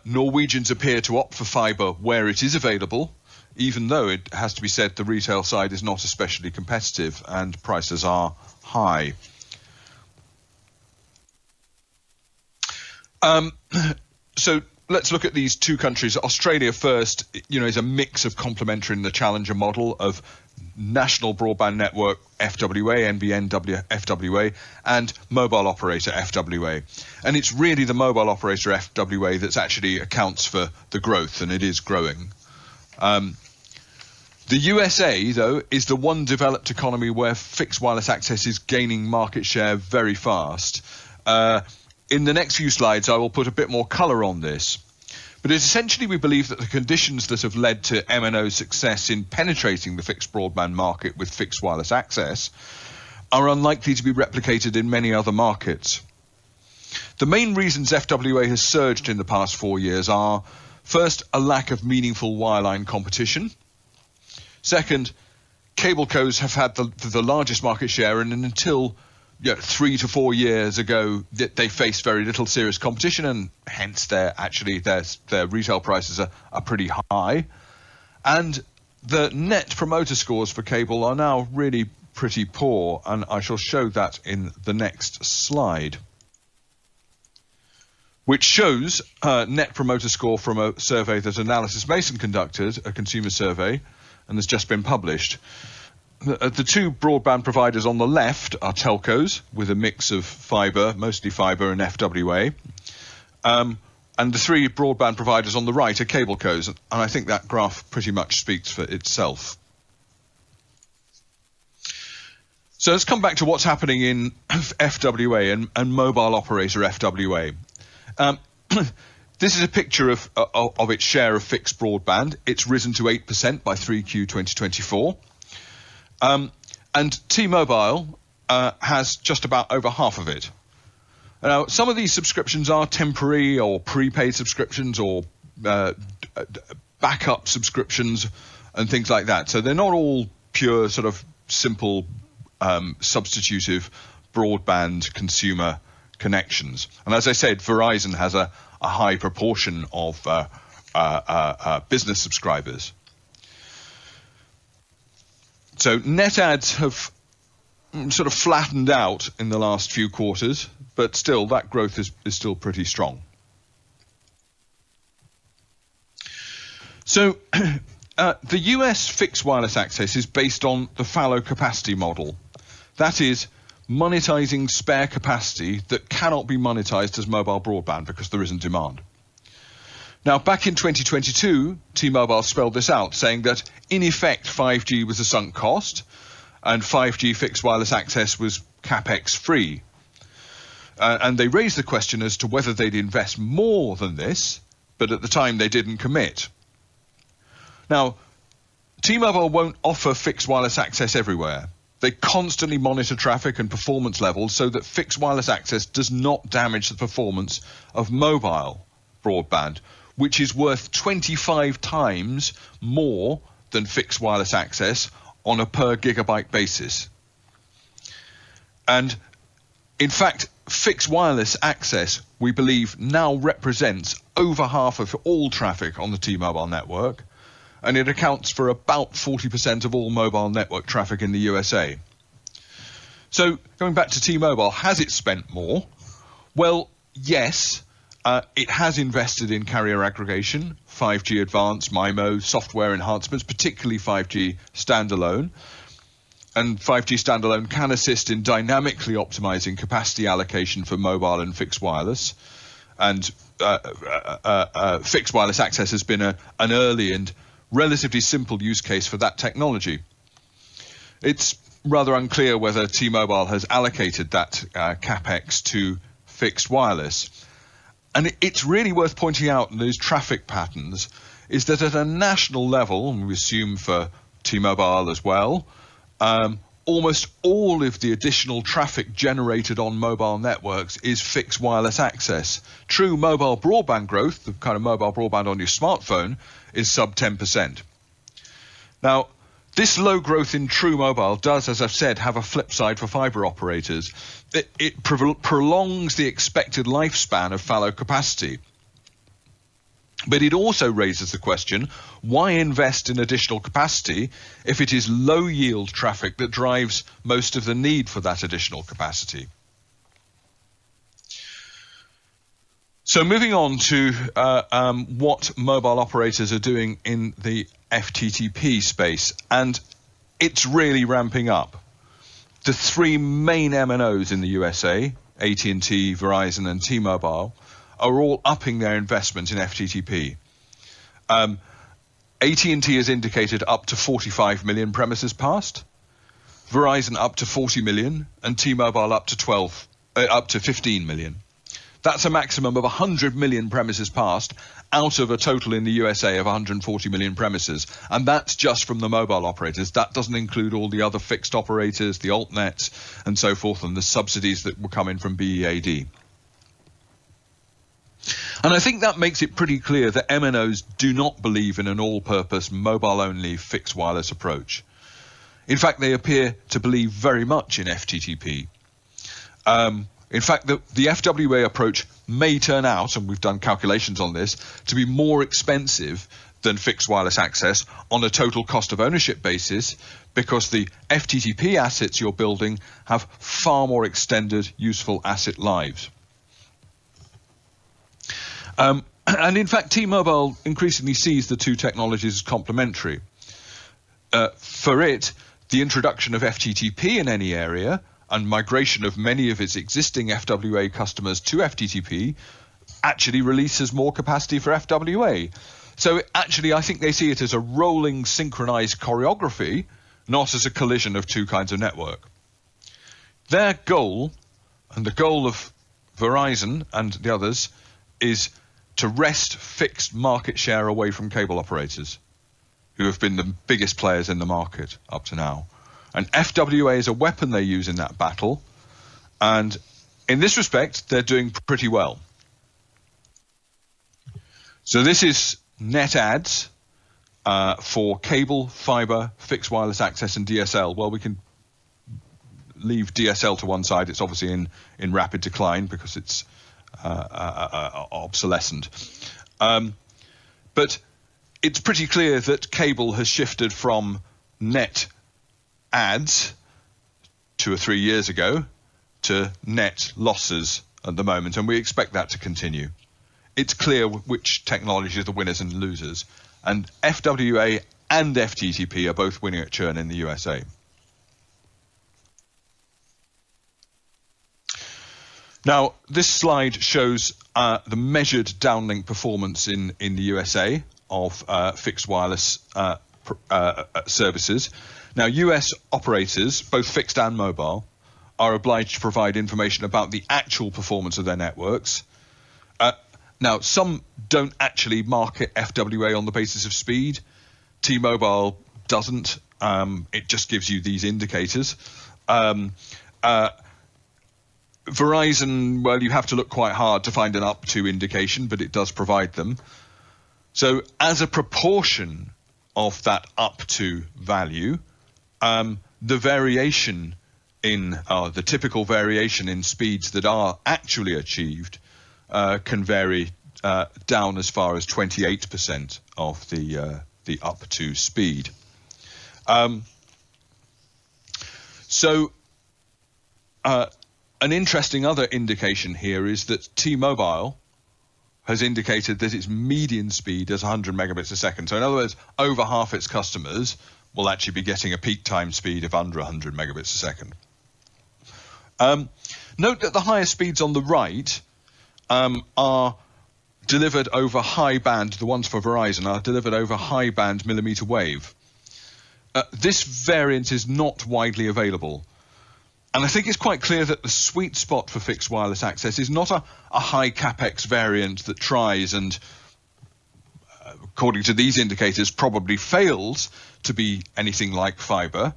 Norwegians appear to opt for fibre where it is available, even though, it has to be said, the retail side is not especially competitive and prices are high. Let's look at these two countries. Australia first is a mix of complementary and the challenger model of national broadband network FWA, NBN FWA, and mobile operator FWA. It's really the mobile operator FWA that actually accounts for the growth, and it is growing. The USA, though, is the one developed economy where fixed wireless access is gaining market share very fast. In the next few slides, I will put a bit more color on this. But essentially, we believe that the conditions that have led to MNO's success in penetrating the fixed broadband market with fixed wireless access are unlikely to be replicated in many other markets. The main reasons FWA has surged in the past four years are, first, a lack of meaningful wireline competition. Second, cable cos have had the largest market share, and until three to four years ago, they faced very little serious competition, and hence, actually, their retail prices are pretty high, and the net promoter scores for cable are now really pretty poor, and I shall show that in the next slide, which shows a net promoter score from a survey that Analysys Mason conducted, a consumer survey, and has just been published. The two broadband providers on the left are telcos with a mix of fibre, mostly fibre and FWA, and the three broadband providers on the right are cable cos. And I think that graph pretty much speaks for itself. So let's come back to what's happening in FWA and mobile operator FWA. This is a picture of its share of fixed broadband. It's risen to 8% by 3Q 2024. And T-Mobile has just about over half of it. Now, some of these subscriptions are temporary or prepaid subscriptions or backup subscriptions and things like that. So they're not all pure, sort of simple substitutive broadband consumer connections. And as I said, Verizon has a high proportion of business subscribers. So net adds have sort of flattened out in the last few quarters, but still, that growth is still pretty strong. The US fixed wireless access is based on the fallow capacity model. That is, monetizing spare capacity that cannot be monetized as mobile broadband because there isn't demand. Now, back in 2022, T-Mobile spelled this out, saying that in effect, 5G was a sunk cost and 5G fixed wireless access was CapEx-free. And they raised the question as to whether they'd invest more than this, but at the time, they didn't commit. Now, T-Mobile won't offer fixed wireless access everywhere. They constantly monitor traffic and performance levels so that fixed wireless access does not damage the performance of mobile broadband, which is worth 25 times more than fixed wireless access on a per-gigabyte basis. And in fact, fixed wireless access, we believe, now represents over half of all traffic on the T-Mobile network, and it accounts for about 40% of all mobile network traffic in the USA. Going back to T-Mobile, has it spent more? Well, yes, it has invested in carrier aggregation, 5G Advanced, MIMO, software enhancements, particularly 5G standalone. And 5G standalone can assist in dynamically optimizing capacity allocation for mobile and fixed wireless. And fixed wireless access has been an early and relatively simple use case for that technology. It's rather unclear whether T-Mobile has allocated that CapEx to fixed wireless. And it's really worth pointing out in those traffic patterns is that at a national level, and we assume for T-Mobile as well, almost all of the additional traffic generated on mobile networks is fixed wireless access. True mobile broadband growth, the kind of mobile broadband on your smartphone, is sub 10%. Now, this low growth in true mobile does, as I've said, have a flip side for fibre operators. It prolongs the expected lifespan of fallow capacity. But it also raises the question, why invest in additional capacity if it is low-yield traffic that drives most of the need for that additional capacity? So moving on to what mobile operators are doing in the FTTP space, and it's really ramping up. The three main MNOs in the USA, AT&T, Verizon, and T-Mobile, are all upping their investment in FTTP. AT&T has indicated up to 45 million premises passed, Verizon up to 40 million, and T-Mobile up to 15 million. That's a maximum of 100 million premises passed out of a total in the USA of 140 million premises. And that's just from the mobile operators. That doesn't include all the other fixed operators, the altnets, and so forth, and the subsidies that were coming from BEAD. And I think that makes it pretty clear that MNOs do not believe in an all-purpose mobile-only fixed wireless approach. In fact, they appear to believe very much in FTTP. In fact, the FWA approach may turn out, and we've done calculations on this, to be more expensive than fixed wireless access on a total cost of ownership basis because the FTTP assets you're building have far more extended useful asset lives, and in fact, T-Mobile increasingly sees the two technologies as complementary. For it, the introduction of FTTP in any area and migration of many of its existing FWA customers to FTTP actually releases more capacity for FWA, so actually, I think they see it as a rolling synchronized choreography, not as a collision of two kinds of network. Their goal, and the goal of Verizon and the others, is to wrest fixed market share away from cable operators, who have been the biggest players in the market up to now. FWA is a weapon they use in that battle. In this respect, they're doing pretty well. This is net adds for cable, fibre, fixed wireless access, and DSL. Well, we can leave DSL to one side. It's obviously in rapid decline because it's obsolescent. But it's pretty clear that cable has shifted from net adds two or three years ago to net losses at the moment, and we expect that to continue. It's clear which technology are the winners and losers. FWA and FTTP are both winning a churn in the USA. This slide shows the measured downlink performance in the USA of fixed wireless services. U.S. operators, both fixed and mobile, are obliged to provide information about the actual performance of their networks. Some don't actually market FWA on the basis of speed. T-Mobile doesn't. It just gives you these indicators. Verizon, well, you have to look quite hard to find an up to indication, but it does provide them. So as a proportion of that up to value, the typical variation in speeds that are actually achieved can vary down as far as 28% of the up to speed. So an interesting other indication here is that T-Mobile has indicated that its median speed is 100 megabits a second. So in other words, over half its customers will actually be getting a peak time speed of under 100 megabits a second. Note that the highest speeds on the right are delivered over high band. The ones for Verizon are delivered over high band millimetre wave. This variant is not widely available. I think it's quite clear that the sweet spot for fixed wireless access is not a high CapEx variant that tries and, according to these indicators, probably fails to be anything like fibre.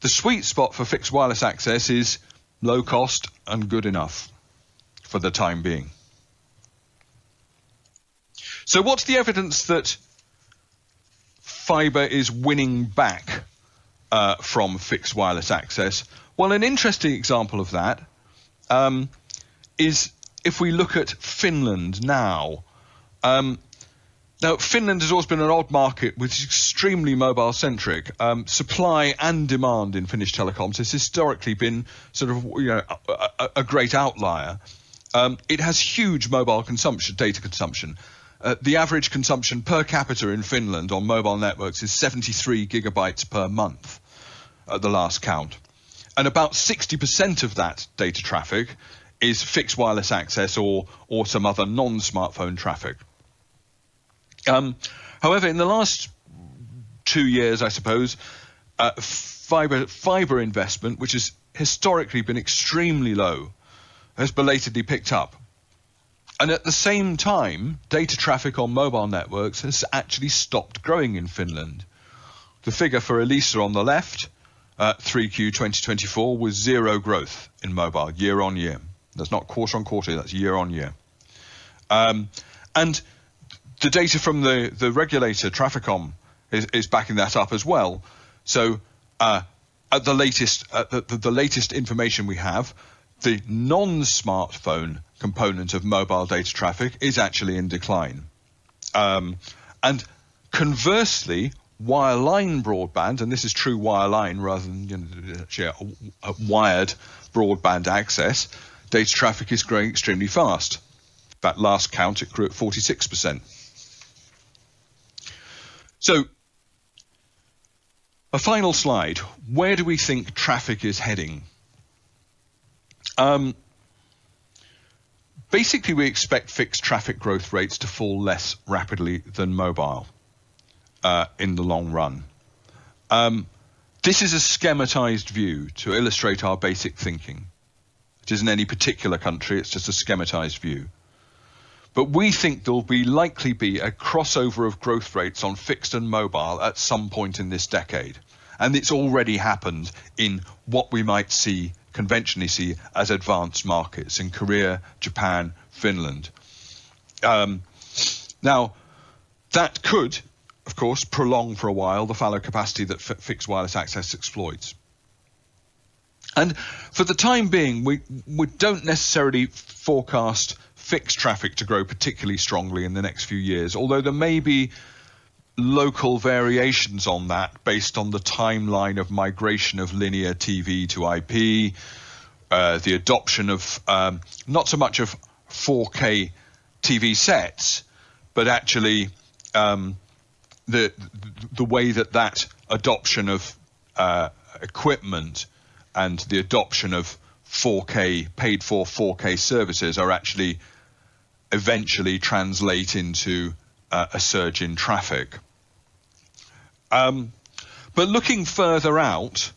The sweet spot for fixed wireless access is low cost and good enough for the time being. What's the evidence that fibre is winning back from fixed wireless access? An interesting example of that is if we look at Finland now. Finland has always been an odd market with extremely mobile-centric supply and demand in Finnish telecoms has historically been sort of a great outlier. It has huge mobile data consumption. The average consumption per capita in Finland on mobile networks is 73 gigabytes per month at the last count. About 60% of that data traffic is fixed wireless access or some other non-smartphone traffic. However, in the last two years, I suppose, fibre investment, which has historically been extremely low, has belatedly picked up. And at the same time, data traffic on mobile networks has actually stopped growing in Finland. The figure for Elisa on the left, 3Q 2024, was zero growth in mobile year on year. That's not quarter on quarter. That's year on year. And the data from the regulator, Traficom, is backing that up as well. So at the latest information we have, the non-smartphone component of mobile data traffic is actually in decline. And conversely, wireline broadband, and this is true wireline rather than wired broadband access, data traffic is growing extremely fast. That last count, it grew at 46%. So a final slide. Where do we think traffic is heading? Basically, we expect fixed traffic growth rates to fall less rapidly than mobile in the long run. This is a schematized view to illustrate our basic thinking. It isn't any particular country. It's just a schematized view. But we think there'll likely be a crossover of growth rates on fixed and mobile at some point in this decade. And it's already happened in what we might conventionally see as advanced markets in Korea, Japan, Finland. Now, that could, of course, prolong for a while the fallow capacity that fixed wireless access exploits. And for the time being, we don't necessarily forecast fixed traffic to grow particularly strongly in the next few years, although there may be local variations on that based on the timeline of migration of linear TV to IP, the adoption of not so much of 4K TV sets, but actually the way that that adoption of equipment and the adoption of paid-for 4K services are actually eventually translating to a surge in traffic. But looking further out,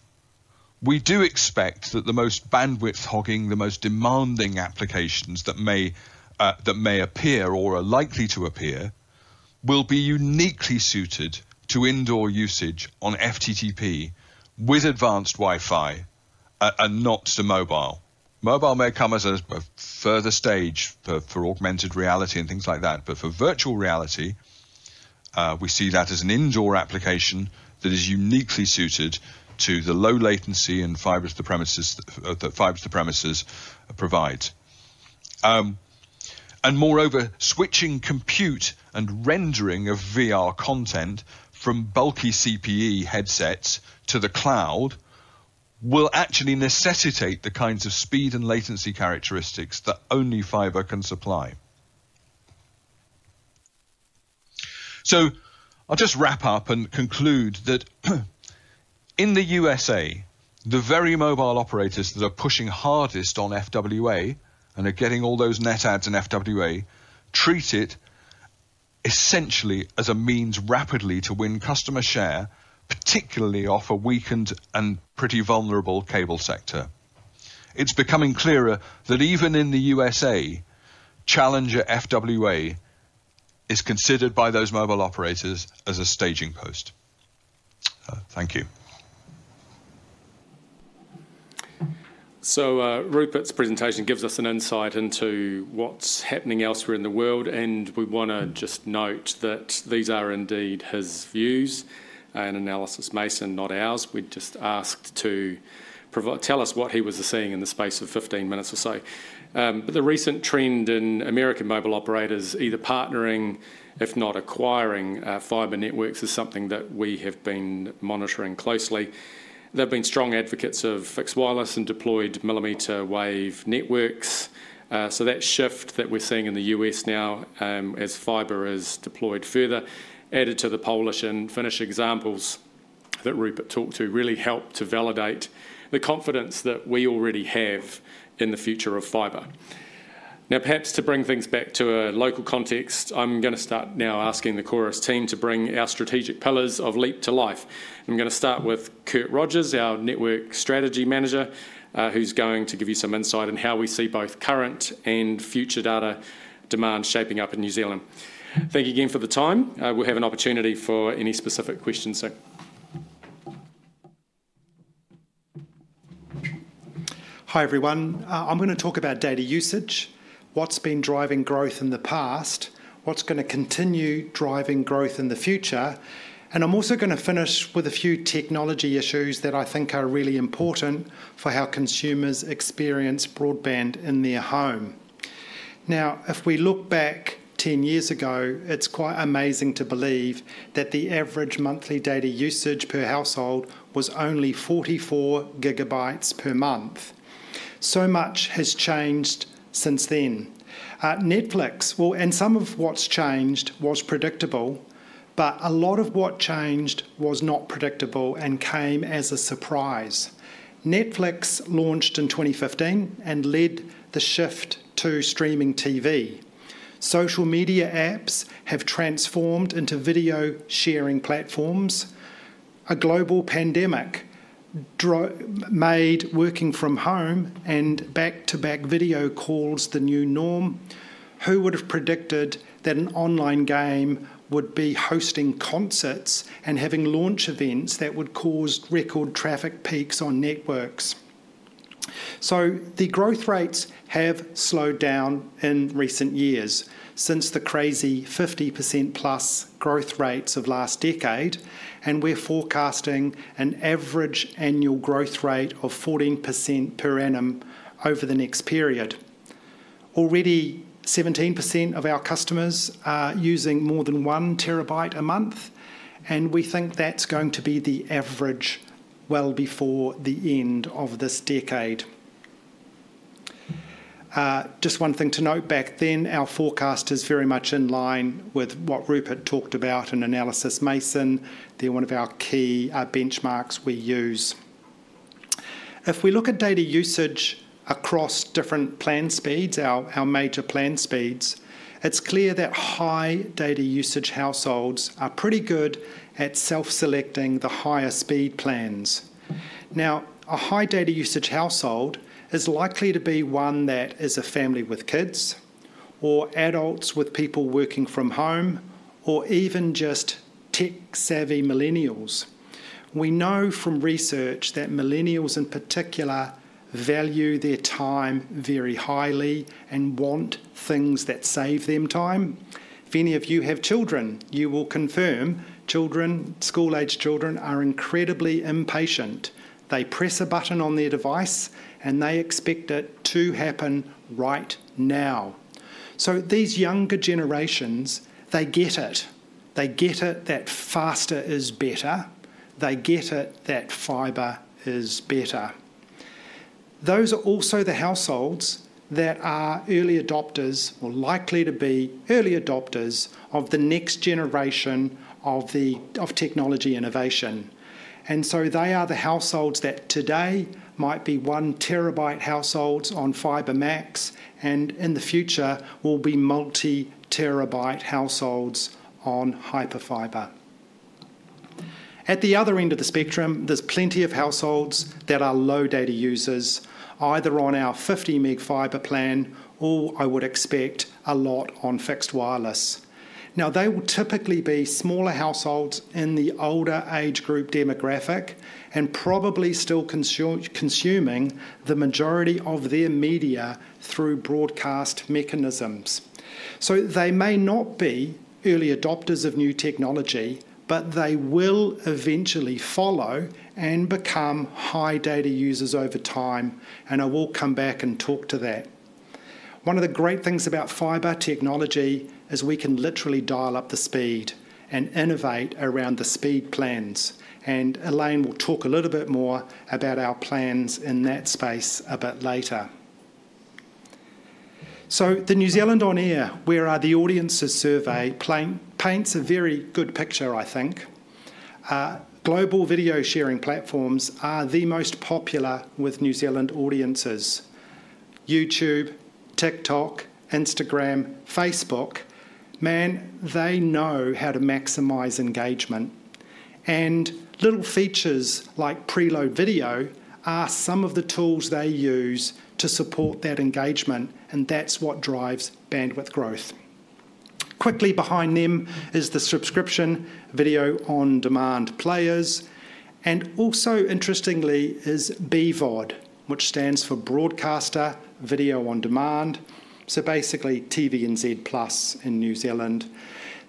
we do expect that the most bandwidth-hogging, the most demanding applications that may appear or are likely to appear will be uniquely suited to indoor usage on FTTP with advanced Wi-Fi and not to mobile. Mobile may come as a further stage for augmented reality and things like that, but for virtual reality, we see that as an indoor application that is uniquely suited to the low latency and fibre-to-the-premises provides. And moreover, switching compute and rendering of VR content from bulky CPE headsets to the cloud will actually necessitate the kinds of speed and latency characteristics that only fibre can supply. I'll just wrap up and conclude that in the USA, the very mobile operators that are pushing hardest on FWA and are getting all those net adds in FWA treat it essentially as a means rapidly to win customer share, particularly off a weakened and pretty vulnerable cable sector. It's becoming clearer that even in the USA, challenger FWA is considered by those mobile operators as a staging post. Thank you.
Rupert's presentation gives us an insight into what's happening elsewhere in the world, and we want to just note that these are indeed his views and Analysys Mason, not ours. We're just asked to tell us what he was seeing in the space of 15 minutes or so. But the recent trend in American mobile operators either partnering, if not acquiring, fibre networks is something that we have been monitoring closely. They've been strong advocates of fixed wireless and deployed millimetre wave networks, so that shift that we're seeing in the U.S. now as fibre is deployed further, added to the Polish and Finnish examples that Rupert talked to, really helped to validate the confidence that we already have in the future of fibre. Now, perhaps to bring things back to a local context, I'm going to start now asking the Chorus team to bring our strategic pillars of LEAP to life. I'm going to start with Kurt Rodgers, our network strategy manager, who's going to give you some insight on how we see both current and future data demand shaping up in New Zealand. Thank you again for the time. We'll have an opportunity for any specific questions soon.
Hi everyone. I'm going to talk about data usage, what's been driving growth in the past, what's going to continue driving growth in the future, and I'm also going to finish with a few technology issues that I think are really important for how consumers experience broadband in their home. Now, if we look back 10 years ago, it's quite amazing to believe that the average monthly data usage per household was only 44 gigabytes per month. So much has changed since then. Netflix, well, and some of what's changed was predictable, but a lot of what changed was not predictable and came as a surprise. Netflix launched in 2015 and led the shift to streaming TV. Social media apps have transformed into video sharing platforms. A global pandemic made working from home and back-to-back video calls the new norm. Who would have predicted that an online game would be hosting concerts and having launch events that would cause record traffic peaks on networks? So the growth rates have slowed down in recent years since the crazy 50% plus growth rates of last decade, and we're forecasting an average annual growth rate of 14% per annum over the next period. Already, 17% of our customers are using more than one terabyte a month, and we think that's going to be the average well before the end of this decade. Just one thing to note back then, our forecast is very much in line with what Rupert talked about and Analysys Mason. They're one of our key benchmarks we use. If we look at data usage across different plan speeds, our major plan speeds, it's clear that high data usage households are pretty good at self-selecting the higher speed plans. Now, a high data usage household is likely to be one that is a family with kids or adults with people working from home or even just tech-savvy millennials. We know from research that millennials in particular value their time very highly and want things that save them time. If any of you have children, you will confirm children, school-aged children are incredibly impatient. They press a button on their device, and they expect it to happen right now. So these younger generations, they get it. They get it that faster is better. They get it that fibre is better. Those are also the households that are early adopters or likely to be early adopters of the next generation of technology innovation. And so they are the households that today might be one terabyte households on FibreMax and in the future will be multi-terabyte households on Hyperfibre. At the other end of the spectrum, there's plenty of households that are low data users, either on our 50 meg fibre plan or I would expect a lot on fixed wireless. Now, they will typically be smaller households in the older age group demographic and probably still consuming the majority of their media through broadcast mechanisms. They may not be early adopters of new technology, but they will eventually follow and become high data users over time, and I will come back and talk to that. One of the great things about fibre technology is we can literally dial up the speed and innovate around the speed plans. Elaine will talk a little bit more about our plans in that space a bit later. The New Zealand On Air's Where Are the Audiences survey paints a very good picture, I think. Global video sharing platforms are the most popular with New Zealand audiences. YouTube, TikTok, Instagram, Facebook, man, they know how to maximize engagement. Little features like preload video are some of the tools they use to support that engagement, and that's what drives bandwidth growth. Quickly behind them is the subscription video on demand players. Also, interestingly, is BVOD, which stands for broadcaster video on demand. So basically, TVNZ+ in New Zealand.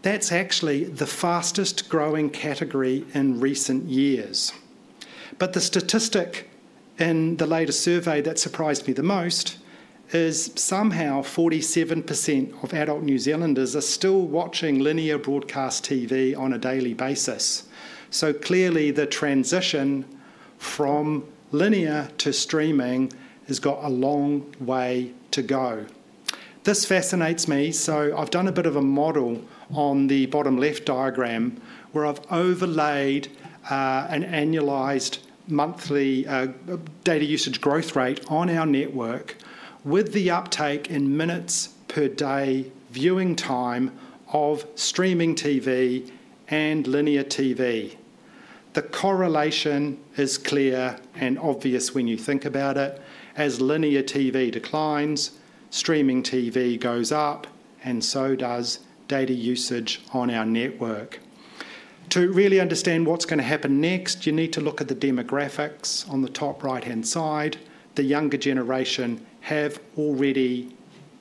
That's actually the fastest growing category in recent years. The statistic in the latest survey that surprised me the most is somehow 47% of adult New Zealanders are still watching linear broadcast TV on a daily basis. Clearly, the transition from linear to streaming has got a long way to go. This fascinates me, so I've done a bit of a model on the bottom left diagram where I've overlaid an annualized monthly data usage growth rate on our network with the uptake in minutes per day viewing time of streaming TV and linear TV. The correlation is clear and obvious when you think about it. As linear TV declines, streaming TV goes up, and so does data usage on our network. To really understand what's going to happen next, you need to look at the demographics on the top right-hand side. The younger generation have already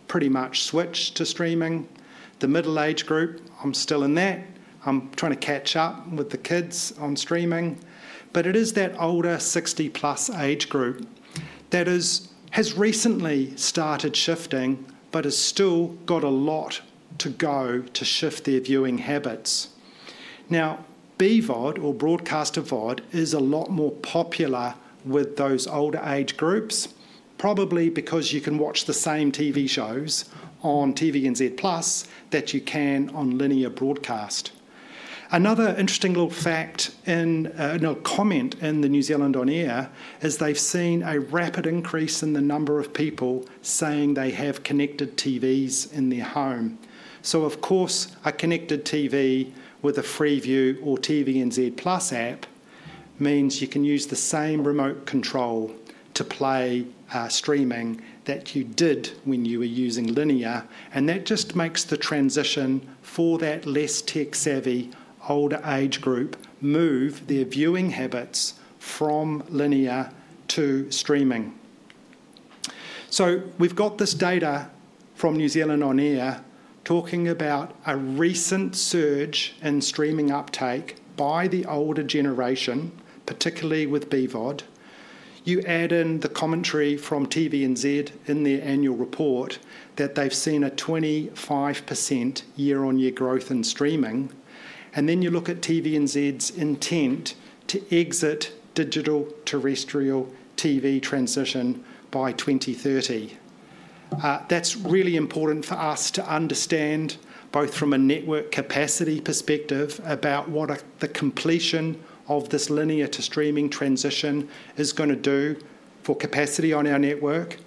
pretty much switched to streaming. The middle-aged group, I'm still in that. I'm trying to catch up with the kids on streaming. But it is that older 60-plus age group that has recently started shifting but has still got a lot to go to shift their viewing habits. Now, BVOD or Broadcaster VOD is a lot more popular with those older age groups, probably because you can watch the same TV shows on TVNZ+ that you can on linear broadcast. Another interesting little fact and comment in the New Zealand on Air is they've seen a rapid increase in the number of people saying they have connected TVs in their home. So, of course, a connected TV with a Freeview or TVNZ+ app means you can use the same remote control to play streaming that you did when you were using linear. And that just makes the transition for that less tech-savvy older age group move their viewing habits from linear to streaming. So we've got this data from New Zealand on Air talking about a recent surge in streaming uptake by the older generation, particularly with BVOD. You add in the commentary from TVNZ in their annual report that they've seen a 25% year-on-year growth in streaming. And then you look at TVNZ's intent to exit digital terrestrial TV transition by 2030. That's really important for us to understand both from a network capacity perspective about what the completion of this linear to streaming transition is going to do for capacity on our network.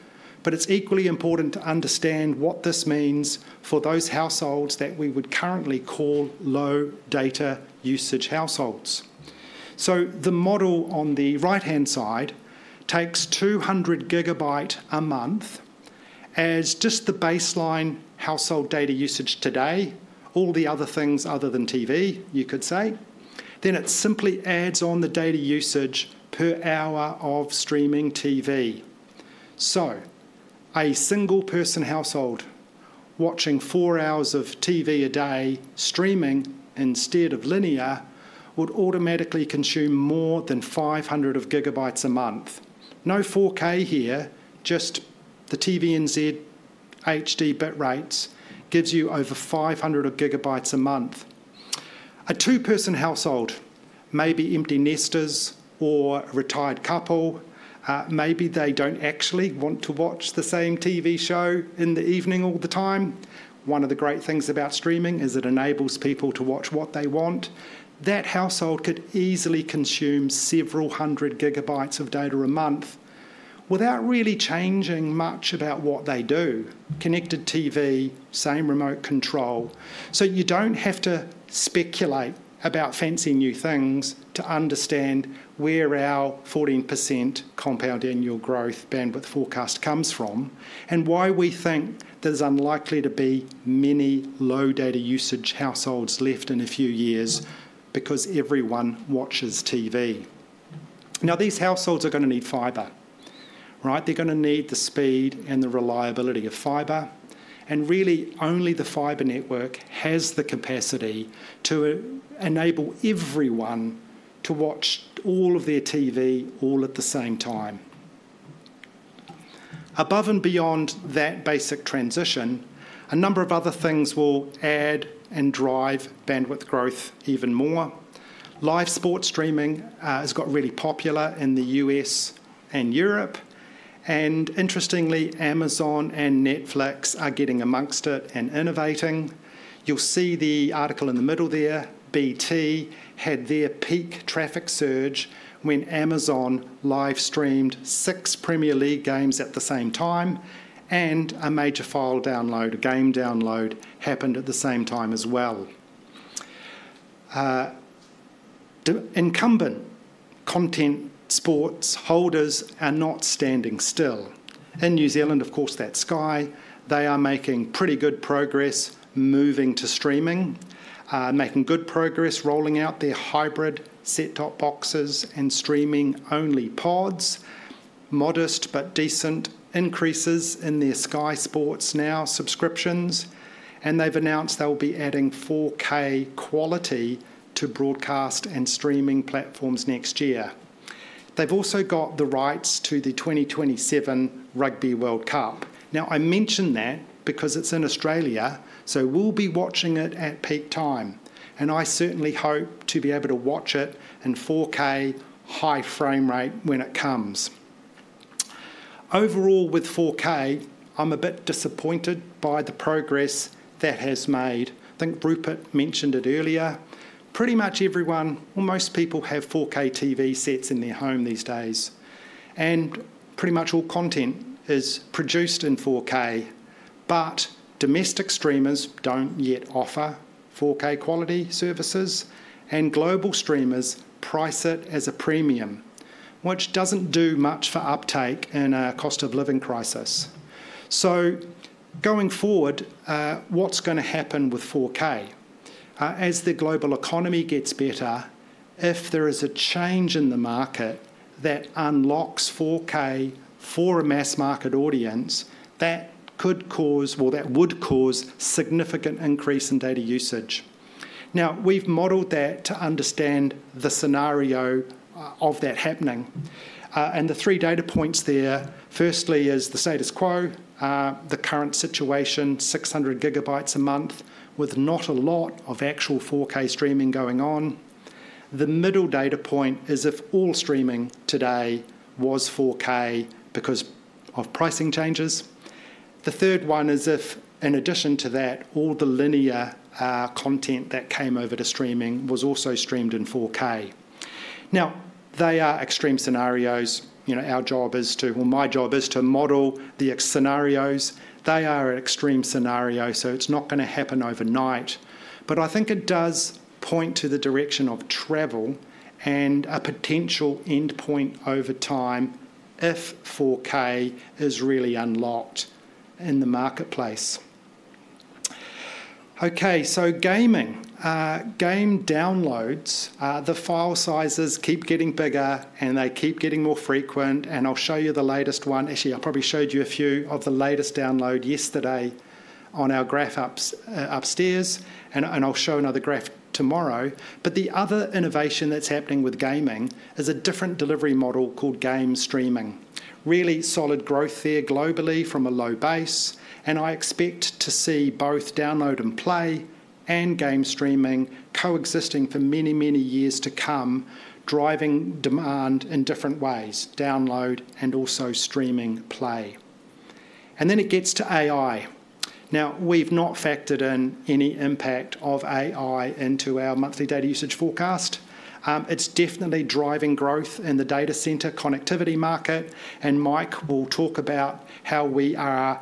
But it's equally important to understand what this means for those households that we would currently call low data usage households. So the model on the right-hand side takes 200 gigabyte a month as just the baseline household data usage today, all the other things other than TV, you could say. Then it simply adds on the data usage per hour of streaming TV. A single-person household watching four hours of TV a day streaming instead of linear would automatically consume more than 500 gigabytes a month. No 4K here, just the SD and HD bit rates gives you over 500 gigabytes a month. A two-person household, maybe empty nesters or a retired couple, maybe they don't actually want to watch the same TV show in the evening all the time. One of the great things about streaming is it enables people to watch what they want. That household could easily consume several hundred gigabytes of data a month without really changing much about what they do. Connected TV, same remote control. You don't have to speculate about fancy new things to understand where our 14% compound annual growth bandwidth forecast comes from and why we think there's unlikely to be many low data usage households left in a few years because everyone watches TV. Now, these households are going to need fibre. They're going to need the speed and the reliability of fibre. And really, only the fibre network has the capacity to enable everyone to watch all of their TV all at the same time. Above and beyond that basic transition, a number of other things will add and drive bandwidth growth even more. Live sports streaming has got really popular in the U.S. and Europe. And interestingly, Amazon and Netflix are getting amongst it and innovating. You'll see the article in the middle there. BT had their peak traffic surge when Amazon live streamed six Premier League games at the same time, and a major file download, a game download happened at the same time as well. Incumbent content sports holders are not standing still. In New Zealand, of course, that's Sky. They are making pretty good progress moving to streaming, making good progress rolling out their hybrid set-top boxes and streaming-only pods. Modest but decent increases in their Sky Sport Now subscriptions. And they've announced they'll be adding 4K quality to broadcast and streaming platforms next year. They've also got the rights to the 2027 Rugby World Cup. Now, I mention that because it's in Australia, so we'll be watching it at peak time. And I certainly hope to be able to watch it in 4K high frame rate when it comes. Overall, with 4K, I'm a bit disappointed by the progress that has made. I think Rupert mentioned it earlier. Pretty much everyone or most people have 4K TV sets in their home these days. Pretty much all content is produced in 4K. But domestic streamers don't yet offer 4K quality services, and global streamers price it as a premium, which doesn't do much for uptake in a cost of living crisis. So going forward, what's going to happen with 4K? As the global economy gets better, if there is a change in the market that unlocks 4K for a mass market audience, that could cause, well, that would cause significant increase in data usage. Now, we've modeled that to understand the scenario of that happening. And the three data points there, firstly, is the status quo, the current situation, 600 gigabytes a month with not a lot of actual 4K streaming going on. The middle data point is if all streaming today was 4K because of pricing changes. The third one is if, in addition to that, all the linear content that came over to streaming was also streamed in 4K. Now, they are extreme scenarios. Our job is to, well, my job is to model the scenarios. They are an extreme scenario, so it's not going to happen overnight. But I think it does point to the direction of travel and a potential endpoint over time if 4K is really unlocked in the marketplace. Okay, so gaming. Game downloads, the file sizes keep getting bigger, and they keep getting more frequent. And I'll show you the latest one. Actually, I probably showed you a few of the latest download yesterday on our graph upstairs, and I'll show another graph tomorrow, but the other innovation that's happening with gaming is a different delivery model called game streaming. Really solid growth there globally from a low base, and I expect to see both download and play and game streaming coexisting for many, many years to come, driving demand in different ways, download and also streaming play, and then it gets to AI. Now, we've not factored in any impact of AI into our monthly data usage forecast. It's definitely driving growth in the data centrer connectivity market, and Mike will talk about how we are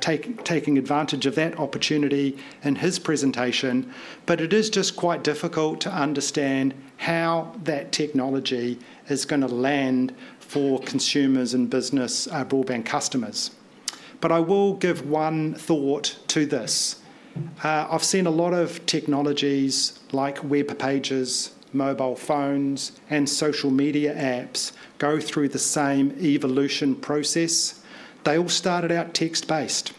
taking advantage of that opportunity in his presentation, but it is just quite difficult to understand how that technology is going to land for consumers and business, broadband customers. But I will give one thought to this. I've seen a lot of technologies like web pages, mobile phones, and social media apps go through the same evolution process. They all started out text-based.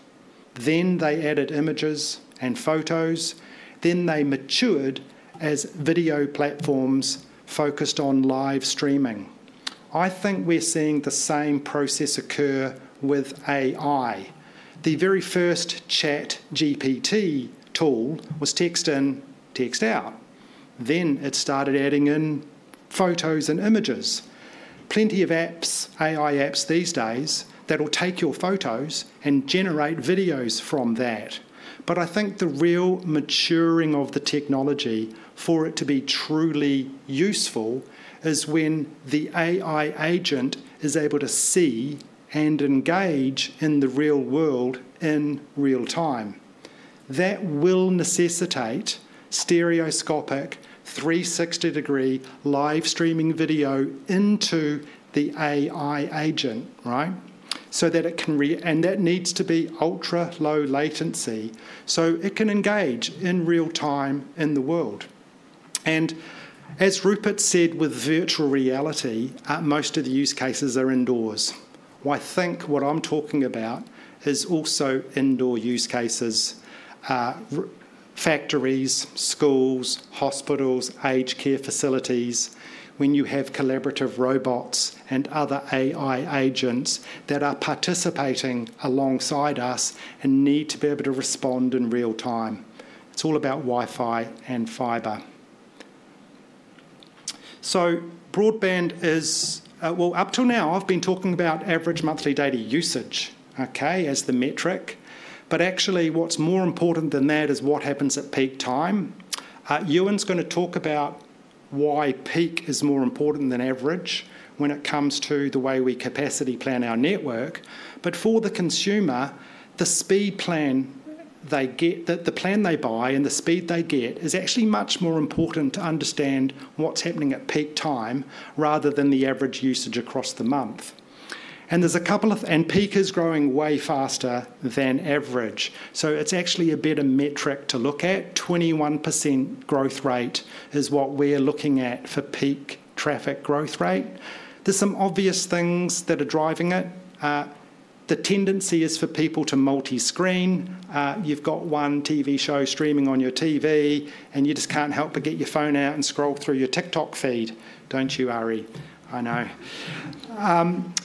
Then they added images and photos. Then they matured as video platforms focused on live streaming. I think we're seeing the same process occur with AI. The very first ChatGPT tool was text in, text out. Then it started adding in photos and images. Plenty of apps, AI apps these days, that will take your photos and generate videos from that. But I think the real maturing of the technology for it to be truly useful is when the AI agent is able to see and engage in the real world in real time. That will necessitate stereoscopic 360-degree live streaming video into the AI agent, right? So that it can, and that needs to be ultra low latency so it can engage in real time in the world. As Rupert said, with virtual reality, most of the use cases are indoors. I think what I'm talking about is also indoor use cases, factories, schools, hospitals, aged care facilities, when you have collaborative robots and other AI agents that are participating alongside us and need to be able to respond in real time. It's all about Wi-Fi and fibre. Broadband is, well, up till now, I've been talking about average monthly data usage, okay, as the metric. Actually, what's more important than that is what happens at peak time. Ewan's going to talk about why peak is more important than average when it comes to the way we capacity plan our network. But for the consumer, the speed plan they get, the plan they buy and the speed they get is actually much more important to understand what's happening at peak time rather than the average usage across the month. And peak is growing way faster than average. So it's actually a better metric to look at. 21% growth rate is what we're looking at for peak traffic growth rate. There's some obvious things that are driving it. The tendency is for people to multi-screen. You've got one TV show streaming on your TV, and you just can't help but get your phone out and scroll through your TikTok feed. Don't you worry. I know.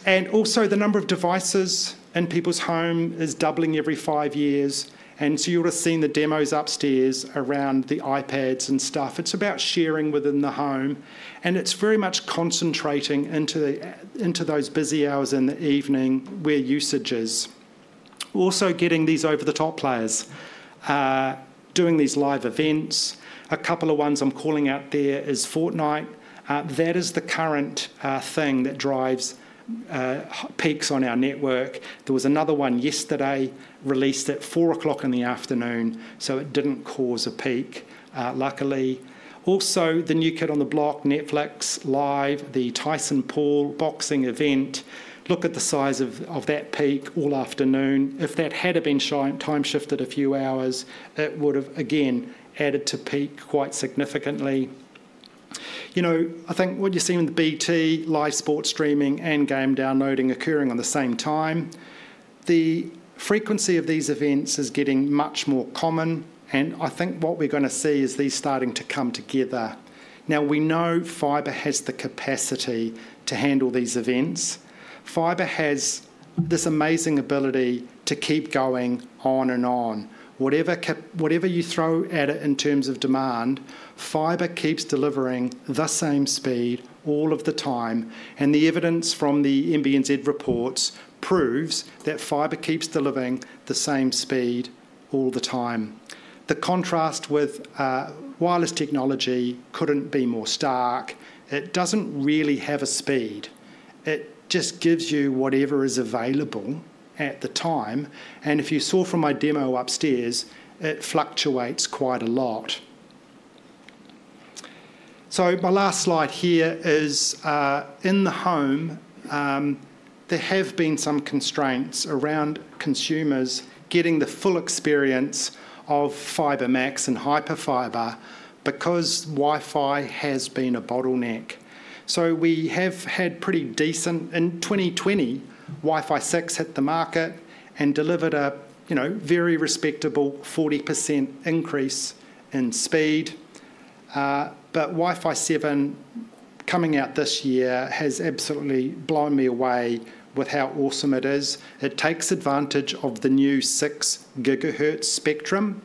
And also, the number of devices in people's home is doubling every five years. And so you'll have seen the demos upstairs around the iPads and stuff. It's about sharing within the home. And it's very much concentrating into those busy hours in the evening where usage is. Also getting these over-the-top players, doing these live events. A couple of ones I'm calling out there is Fortnite. That is the current thing that drives peaks on our network. There was another one yesterday released at 4:00 P.M., so it didn't cause a peak, luckily. Also, the new kid on the block, Netflix Live, the Tyson Paul boxing event. Look at the size of that peak all afternoon. If that had been time-shifted a few hours, it would have, again, added to peak quite significantly. I think what you're seeing with the BT, live sports streaming, and game downloading occurring at the same time, the frequency of these events is getting much more common. I think what we're going to see is these starting to come together. Now, we know fibre has the capacity to handle these events. fibre has this amazing ability to keep going on and on. Whatever you throw at it in terms of demand, fibre keeps delivering the same speed all of the time. The evidence from the MBIE reports proves that fibre keeps delivering the same speed all the time. The contrast with wireless technology couldn't be more stark. It doesn't really have a speed. It just gives you whatever is available at the time. If you saw from my demo upstairs, it fluctuates quite a lot. My last slide here is in the home, there have been some constraints around consumers getting the full experience of FibreMax and Hyperfibre because Wi-Fi has been a bottleneck. We have had pretty decent, in 2020, Wi-Fi 6 hit the market and delivered a very respectable 40% increase in speed. But Wi-Fi 7 coming out this year has absolutely blown me away with how awesome it is. It takes advantage of the new 6 gigahertz spectrum,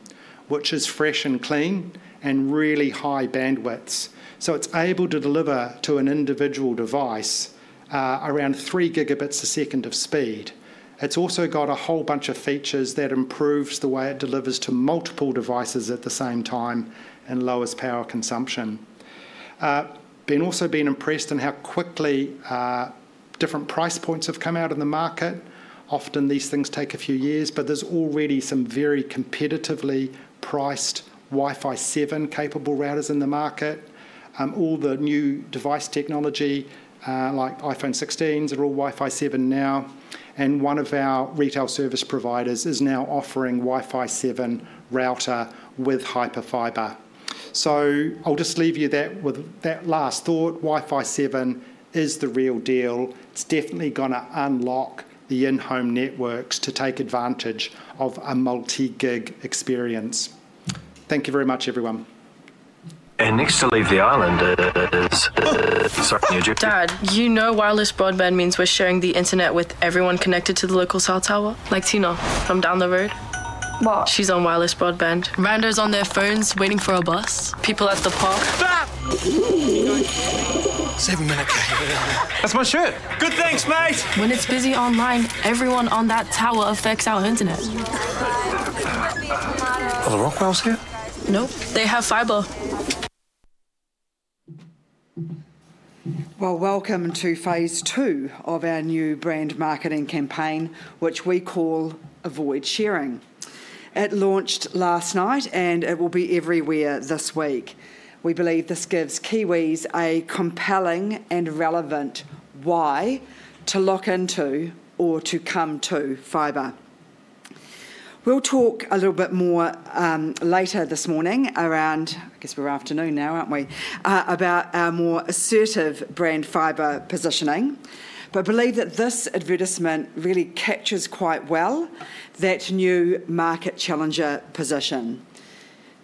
which is fresh and clean and really high bandwidth. So it's able to deliver to an individual device around 3 gigabits a second of speed. It's also got a whole bunch of features that improves the way it delivers to multiple devices at the same time and lowers power consumption. Also been impressed in how quickly different price points have come out in the market. Often these things take a few years, but there's already some very competitively priced Wi-Fi 7 capable routers in the market. All the new device technology, like iPhone 16s, are all Wi-Fi 7 now. One of our retail service providers is now offering Wi-Fi 7 router with Hyperfibre. So I'll just leave you that with that last thought. Wi-Fi 7 is the real deal. It's definitely going to unlock the in-home networks to take advantage of a multi-gig experience. Thank you very much, everyone.
And next to leave the island is, sorry, New Jersey. Dad, you know wireless broadband means we're sharing the internet with everyone connected to the local cell tower? Like Tina from Down the Road. What? She's on wireless broadband. Randos on their phones waiting for a bus. People at the park. Seven minutes here. That's my shirt. Good thanks, mate. When it's busy online, everyone on that tower affects our internet. Are the Rockwells here? Nope. They have fibre.
Well, welcome to phase two of our new brand marketing campaign, which we call Avoid Sharing. It launched last night, and it will be everywhere this week. We believe this gives Kiwis a compelling and relevant why to lock into or to come to fibre. We'll talk a little bit more later this morning around, I guess we're afternoon now, aren't we, about our more assertive brand fibre positioning. But I believe that this advertisement really captures quite well that new market challenger position,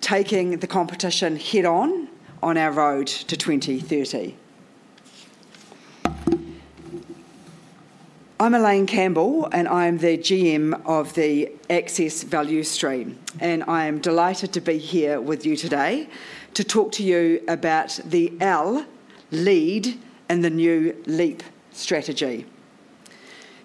taking the competition head-on on our road to 2030. I'm Elaine Campbell, and I'm the GM of the Access Value Stream, and I am delighted to be here with you today to talk to you about the L, Lead, and the new LEAP strategy.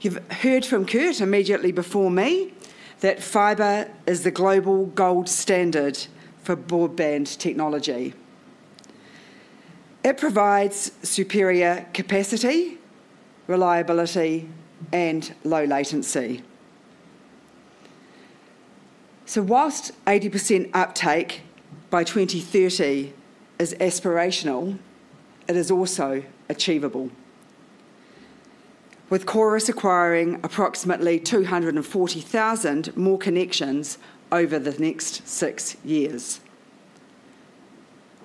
You've heard from Kurt immediately before me that fibre is the global gold standard for broadband technology. It provides superior capacity, reliability, and low latency. While 80% uptake by 2030 is aspirational, it is also achievable, with Chorus acquiring approximately 240,000 more connections over the next six years.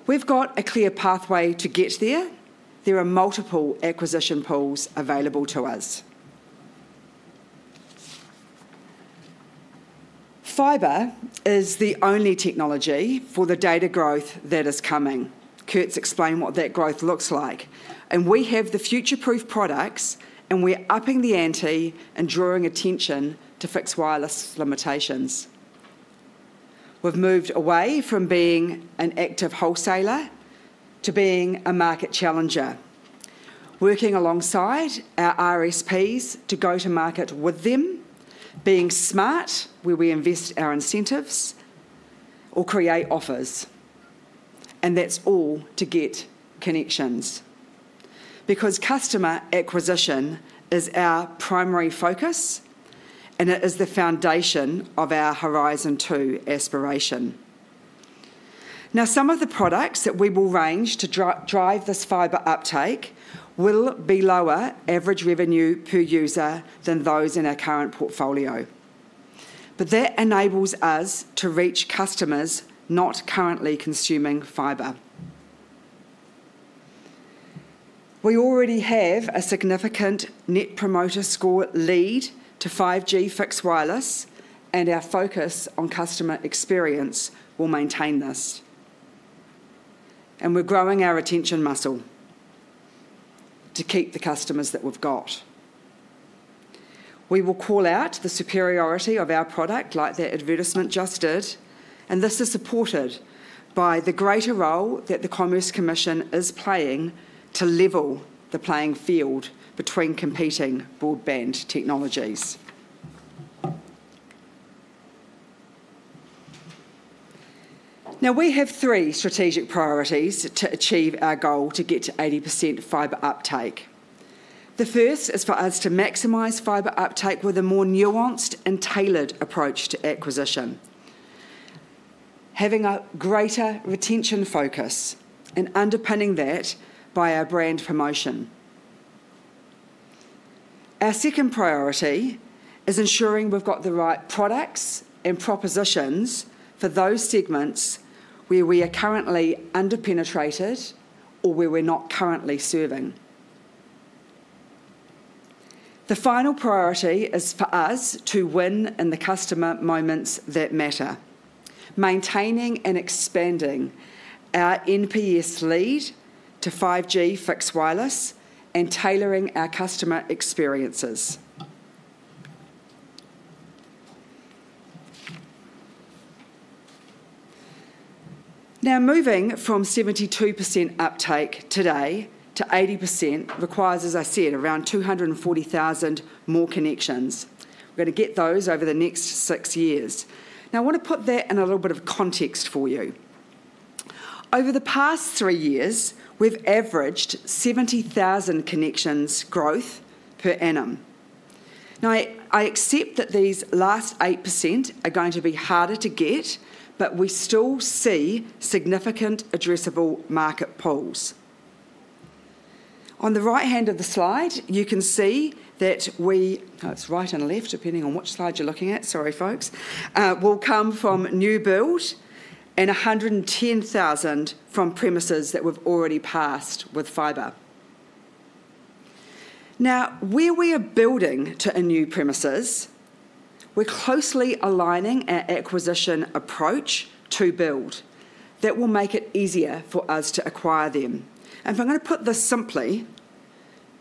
We've got a clear pathway to get there. There are multiple acquisition pools available to us. fibre is the only technology for the data growth that is coming. Kurt's explained what that growth looks like. And we have the future-proof products, and we're upping the ante and drawing attention to fixed wireless limitations. We've moved away from being an active wholesaler to being a market challenger, working alongside our RSPs to go to market with them, being smart where we invest our incentives or create offers. And that's all to get connections. Because customer acquisition is our primary focus, and it is the foundation of our Horizon 2 aspiration. Now, some of the products that we will launch to drive this fibre uptake will be lower average revenue per user than those in our current portfolio. But that enables us to reach customers not currently consuming fibre. We already have a significant net promoter score lead over 5G fixed wireless, and our focus on customer experience will maintain this. And we're growing our retention muscle to keep the customers that we've got. We will call out the superiority of our product like that advertisement just did. And this is supported by the greater role that the Commerce Commission is playing to level the playing field between competing broadband technologies. Now, we have three strategic priorities to achieve our goal to get to 80% fibre uptake. The first is for us to maximize fibre uptake with a more nuanced and tailored approach to acquisition, having a greater retention focus and underpinning that by our brand promotion. Our second priority is ensuring we've got the right products and propositions for those segments where we are currently underpenetrated or where we're not currently serving. The final priority is for us to win in the customer moments that matter, maintaining and expanding our NPS lead to 5G fixed wireless and tailoring our customer experiences. Now, moving from 72% uptake today to 80% requires, as I said, around 240,000 more connections. We're going to get those over the next six years. Now, I want to put that in a little bit of context for you. Over the past three years, we've averaged 70,000 connections growth per annum. Now, I accept that these last 8% are going to be harder to get, but we still see significant addressable market pools. On the right hand of the slide, you can see that we, it's right and left depending on which slide you're looking at, sorry, folks, will come from new build and 110,000 from premises that we've already passed with fibre. Now, where we are building to a new premises, we're closely aligning our acquisition approach to build that will make it easier for us to acquire them, and if I'm going to put this simply,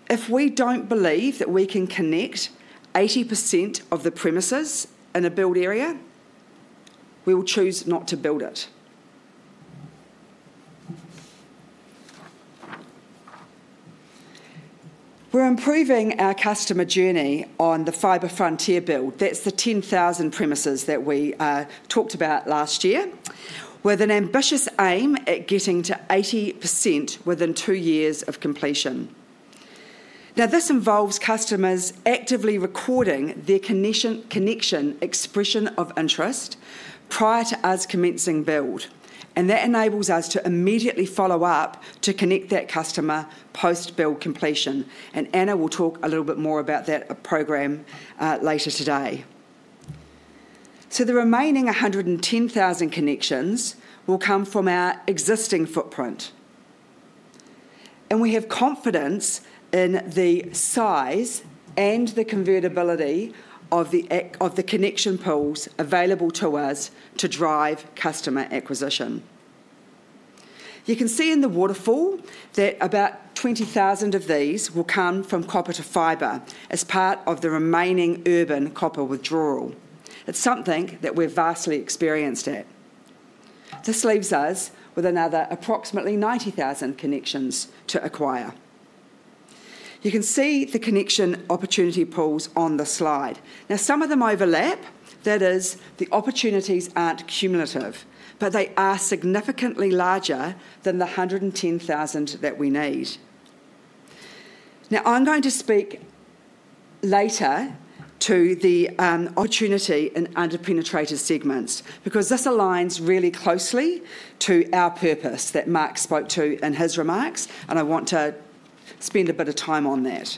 if we don't believe that we can connect 80% of the premises in a build area, we will choose not to build it. We're improving our customer journey on the Fibre Frontier build. That's the 10,000 premises that we talked about last year with an ambitious aim at getting to 80% within two years of completion. Now, this involves customers actively recording their connection expression of interest prior to us commencing build, and that enables us to immediately follow up to connect that customer post-build completion, and Anna will talk a little bit more about that programmeme later today, so the remaining 110,000 connections will come from our existing footprint, and we have confidence in the size and the convertibility of the connection pools available to us to drive customer acquisition. You can see in the waterfall that about 20,000 of these will come from copper to fibre as part of the remaining urban copper withdrawal. It's something that we're vastly experienced at. This leaves us with another approximately 90,000 connections to acquire. You can see the connection opportunity pools on the slide. Now, some of them overlap. That is, the opportunities aren't cumulative, but they are significantly larger than the 110,000 that we need. Now, I'm going to speak later to the opportunity in underpenetrated segments because this aligns really closely to our purpose that Mark spoke to in his remarks, and I want to spend a bit of time on that.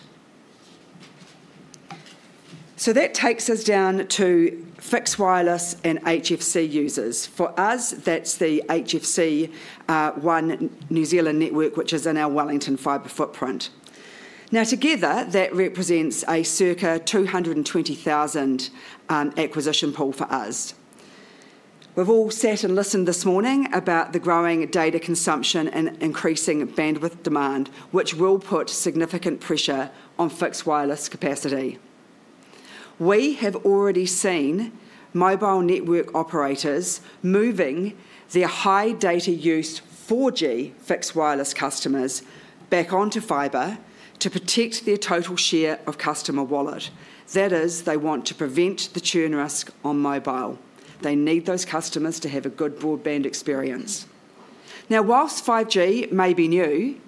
So that takes us down to fixed wireless and HFC users. For us, that's the HFC One New Zealand Network, which is in our Wellington fibre footprint. Now, together, that represents a circa 220,000 acquisition pool for us. We've all sat and listened this morning about the growing data consumption and increasing bandwidth demand, which will put significant pressure on fixed wireless capacity. We have already seen mobile network operators moving their high data use 4G fixed wireless customers back onto fibre to protect their total share of customer wallet. That is, they want to prevent the churn risk on mobile. They need those customers to have a good broadband experience. Now, while 5G may be new,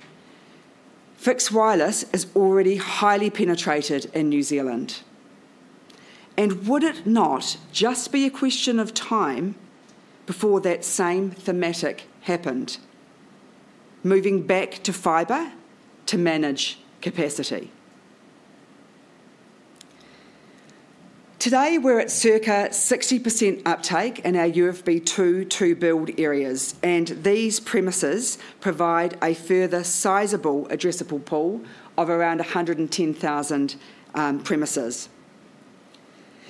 fixed wireless is already highly penetrated in New Zealand. And would it not just be a question of time before that same thematic happened, moving back to fibre to manage capacity? Today, we're at circa 60% uptake in our UFB2 two-build areas, and these premises provide a further sizable addressable pool of around 110,000 premises.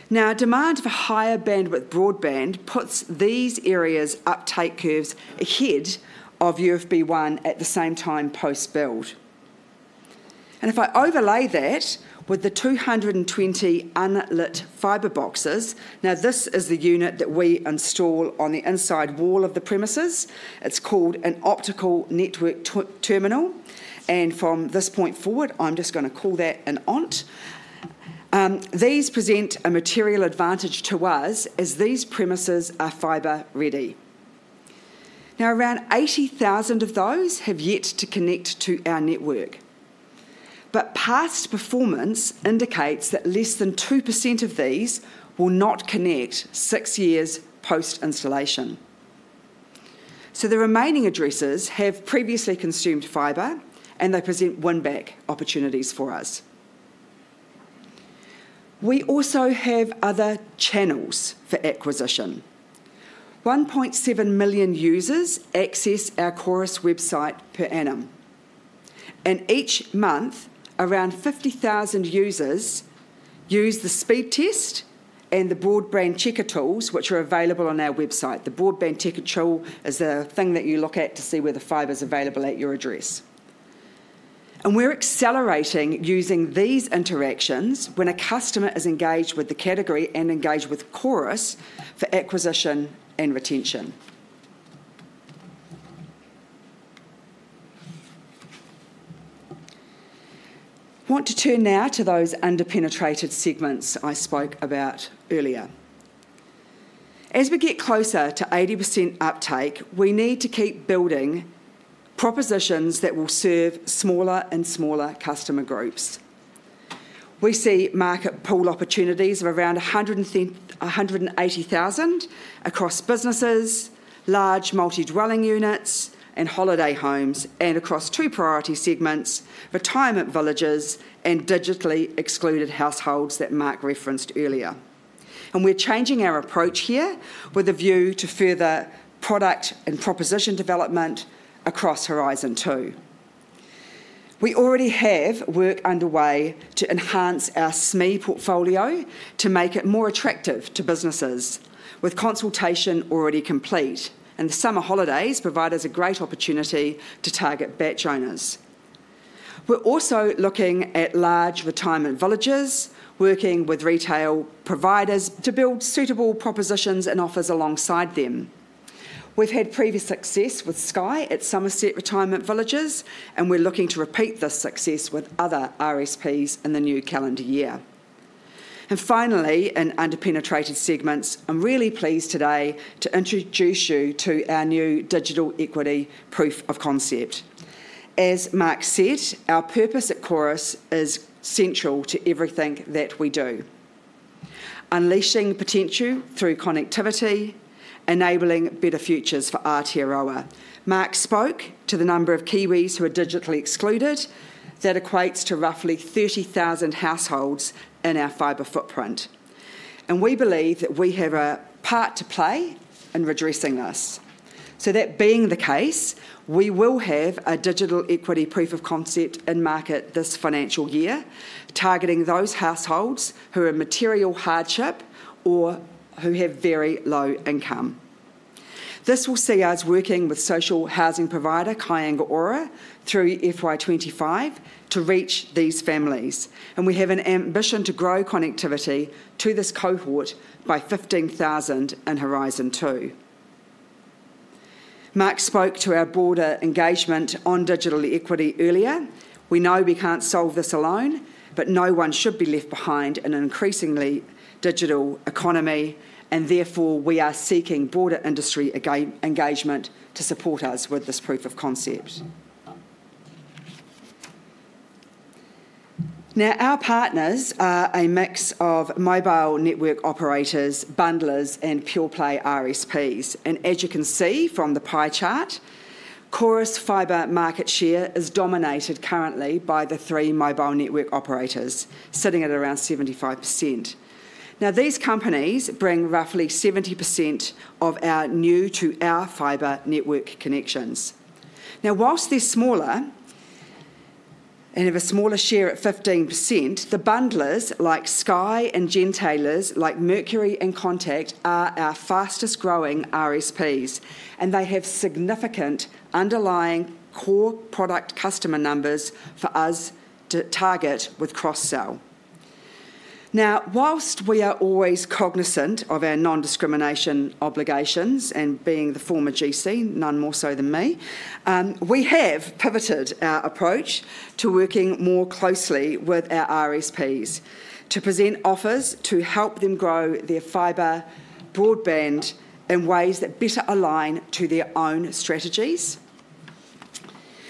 Now, demand for higher bandwidth broadband puts these areas' uptake curves ahead of UFB1 at the same time post-build. And if I overlay that with the 220 unlit fibre boxes, now this is the unit that we install on the inside wall of the premises. It's called an optical network terminal. And from this point forward, I'm just going to call that an ONT. These present a material advantage to us as these premises are fibre ready. Now, around 80,000 of those have yet to connect to our network. But past performance indicates that less than 2% of these will not connect six years post-installation. So the remaining addresses have previously consumed fibre, and they present win-back opportunities for us. We also have other channels for acquisition. 1.7 million users access our Chorus website per annum. And each month, around 50,000 users use the speed test and the broadband checker tools, which are available on our website. The broadband checker tool is the thing that you look at to see whether fibre is available at your address. And we're accelerating using these interactions when a customer is engaged with the category and engaged with Chorus for acquisition and retention. I want to turn now to those underpenetrated segments I spoke about earlier. As we get closer to 80% uptake, we need to keep building propositions that will serve smaller and smaller customer groups. We see market pool opportunities of around 180,000 across businesses, large multi-dwelling units, and holiday homes, and across two priority segments, retirement villages and digitally excluded households that Mark referenced earlier, and we're changing our approach here with a view to further product and proposition development across Horizon 2. We already have work underway to enhance our SME portfolio to make it more attractive to businesses, with consultation already complete, and the summer holidays provide us a great opportunity to target bach owners. We're also looking at large retirement villages, working with retail providers to build suitable propositions and offers alongside them. We've had previous success with Sky at Summerset Retirement Villages, and we're looking to repeat this success with other RSPs in the new calendar year. And finally, in underpenetrated segments, I'm really pleased today to introduce you to our new digital equity proof of concept. As Mark said, our purpose at Chorus is central to everything that we do, unleashing potential through connectivity, enabling better futures for Aotearoa. Mark spoke to the number of Kiwis who are digitally excluded, that equates to roughly 30,000 households in our fibre footprint. And we believe that we have a part to play in redressing this. So that being the case, we will have a digital equity proof of concept in market this financial year, targeting those households who are in material hardship or who have very low income. This will see us working with social housing provider Kāinga Ora through FY25 to reach these families. And we have an ambition to grow connectivity to this cohort by 15,000 in Horizon 2. Mark spoke to our broader engagement on digital equity earlier. We know we can't solve this alone, but no one should be left behind in an increasingly digital economy. And therefore, we are seeking broader industry engagement to support us with this proof of concept. Now, our partners are a mix of mobile network operators, bundlers, and pure-play RSPs. And as you can see from the pie chart, Chorus fibre market share is dominated currently by the three mobile network operators, sitting at around 75%. Now, these companies bring roughly 70% of our new to our fibre network connections. Now, while they're smaller and have a smaller share at 15%, the bundlers like Sky and gentailers like Mercury and Contact are our fastest-growing RSPs. And they have significant underlying core product customer numbers for us to target with cross-sell. Now, while we are always cognizant of our non-discrimination obligations and being the former GC, none more so than me, we have pivoted our approach to working more closely with our RSPs to present offers to help them grow their fibre broadband in ways that better align to their own strategies.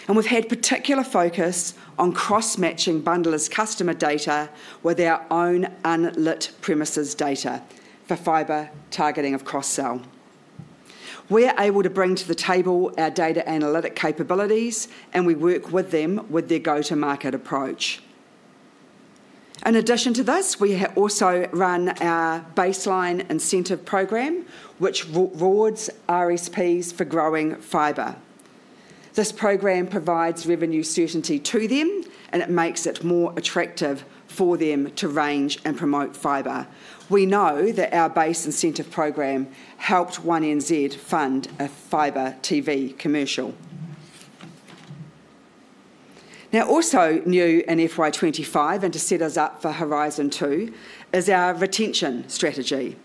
And we've had particular focus on cross-matching bundlers' customer data with our own unlit premises data for fibre targeting of cross-sell. We're able to bring to the table our data analytic capabilities, and we work with them with their go-to-market approach. In addition to this, we also run our baseline incentive programme, which rewards RSPs for growing fibre. This programme provides revenue certainty to them, and it makes it more attractive for them to range and promote fibre. We know that our base incentive programme helped One NZ fund a fibre TV commercial. Now, also new in FY25 and to set us up for Horizon 2 is our retention strategy.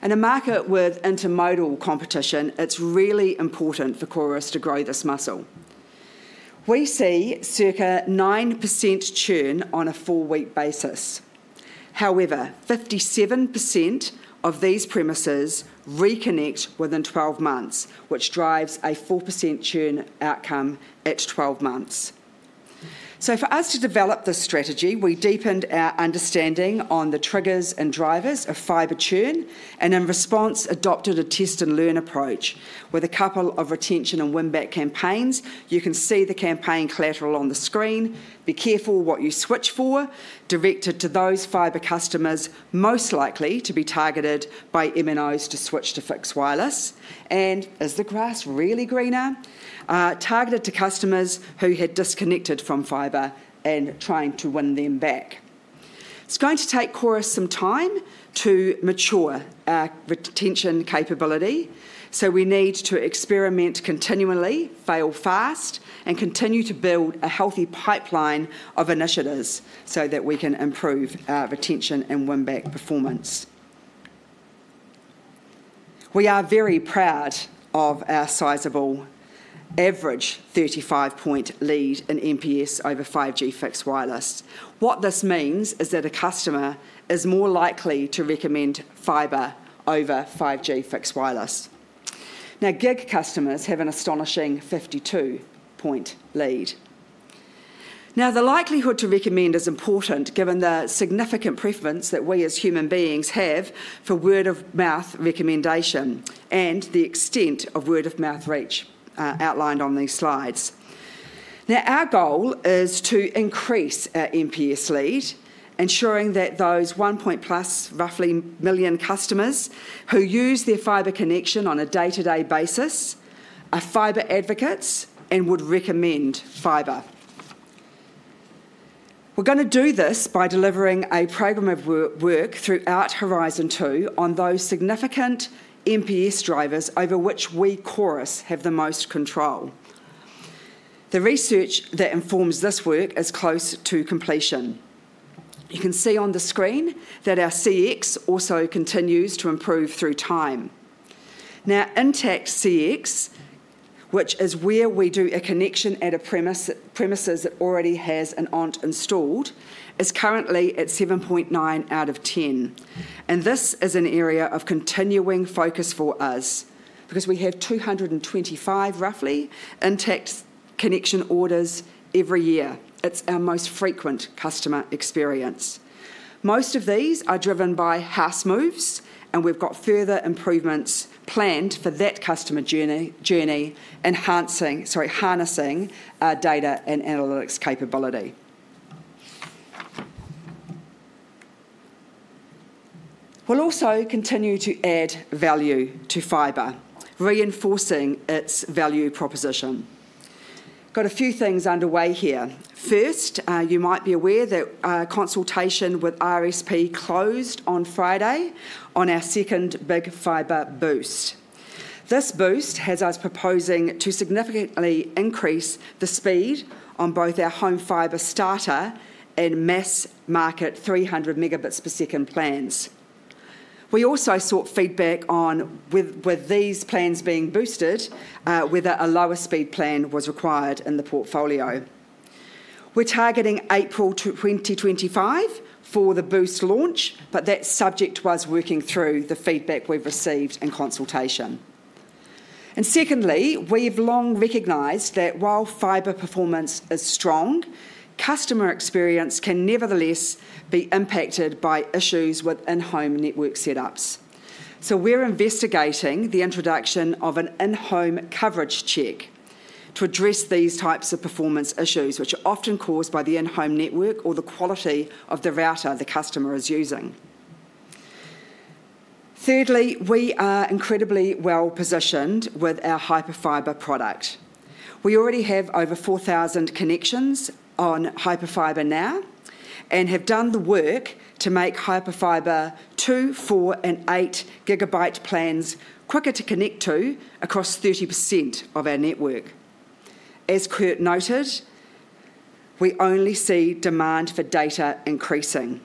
In a market with intermodal competition, it's really important for Chorus to grow this muscle. We see circa 9% churn on a four-week basis. However, 57% of these premises reconnect within 12 months, which drives a 4% churn outcome at 12 months. So for us to develop this strategy, we deepened our understanding on the triggers and drivers of fibre churn and in response adopted a test-and-learn approach with a couple of retention and win-back campaigns. You can see the campaign collateral on the screen. "Be careful what you switch for," directed to those fibre customers most likely to be targeted by MNOs to switch to fixed wireless. And "Is the grass really greener," targeted to customers who had disconnected from fibre and trying to win them back. It's going to take Chorus some time to mature our retention capability. So we need to experiment continually, fail fast, and continue to build a healthy pipeline of initiatives so that we can improve our retention and win-back performance. We are very proud of our sizable average 35-point lead in NPS over 5G fixed wireless. What this means is that a customer is more likely to recommend fibre over 5G fixed wireless. Now, gig customers have an astonishing 52-point lead. Now, the likelihood to recommend is important given the significant preference that we as human beings have for word-of-mouth recommendation and the extent of word-of-mouth reach outlined on these slides. Now, our goal is to increase our NPS lead, ensuring that those one-point-plus roughly million customers who use their fibre connection on a day-to-day basis are fibre advocates and would recommend fibre. We're going to do this by delivering a programme of work throughout Horizon 2 on those significant NPS drivers over which we Chorus have the most control. The research that informs this work is close to completion. You can see on the screen that our CX also continues to improve through time. Now, Intact CX, which is where we do a connection at a premises that already has an ONT installed, is currently at 7.9 out of 10, and this is an area of continuing focus for us because we have roughly 225 Intact connection orders every year. It's our most frequent customer experience. Most of these are driven by house moves, and we've got further improvements planned for that customer journey, enhancing, sorry, harnessing our data and analytics capability. We'll also continue to add value to fibre, reinforcing its value proposition. Got a few things underway here. First, you might be aware that our consultation with RSP closed on Friday on our second big Fibre Boost. This boost has us proposing to significantly increase the speed on Home Fibre Starter and mass market 300 megabits per second plans. We also sought feedback on, with these plans being boosted, whether a lower speed plan was required in the portfolio. We're targeting April 2025 for the boost launch, but that subject was working through the feedback we've received in consultation. And secondly, we've long recognized that while fibre performance is strong, customer experience can nevertheless be impacted by issues with in-home network setups. So we're investigating the introduction of an in-home coverage check to address these types of performance issues, which are often caused by the in-home network or the quality of the router the customer is using. Thirdly, we are incredibly well positioned with our Hyperfibre product. We already have over 4,000 connections on Hyperfibre now and have done the work to make Hyperfibre 2, 4, and 8 gigabit plans quicker to connect to across 30% of our network. As Kurt noted, we only see demand for data increasing,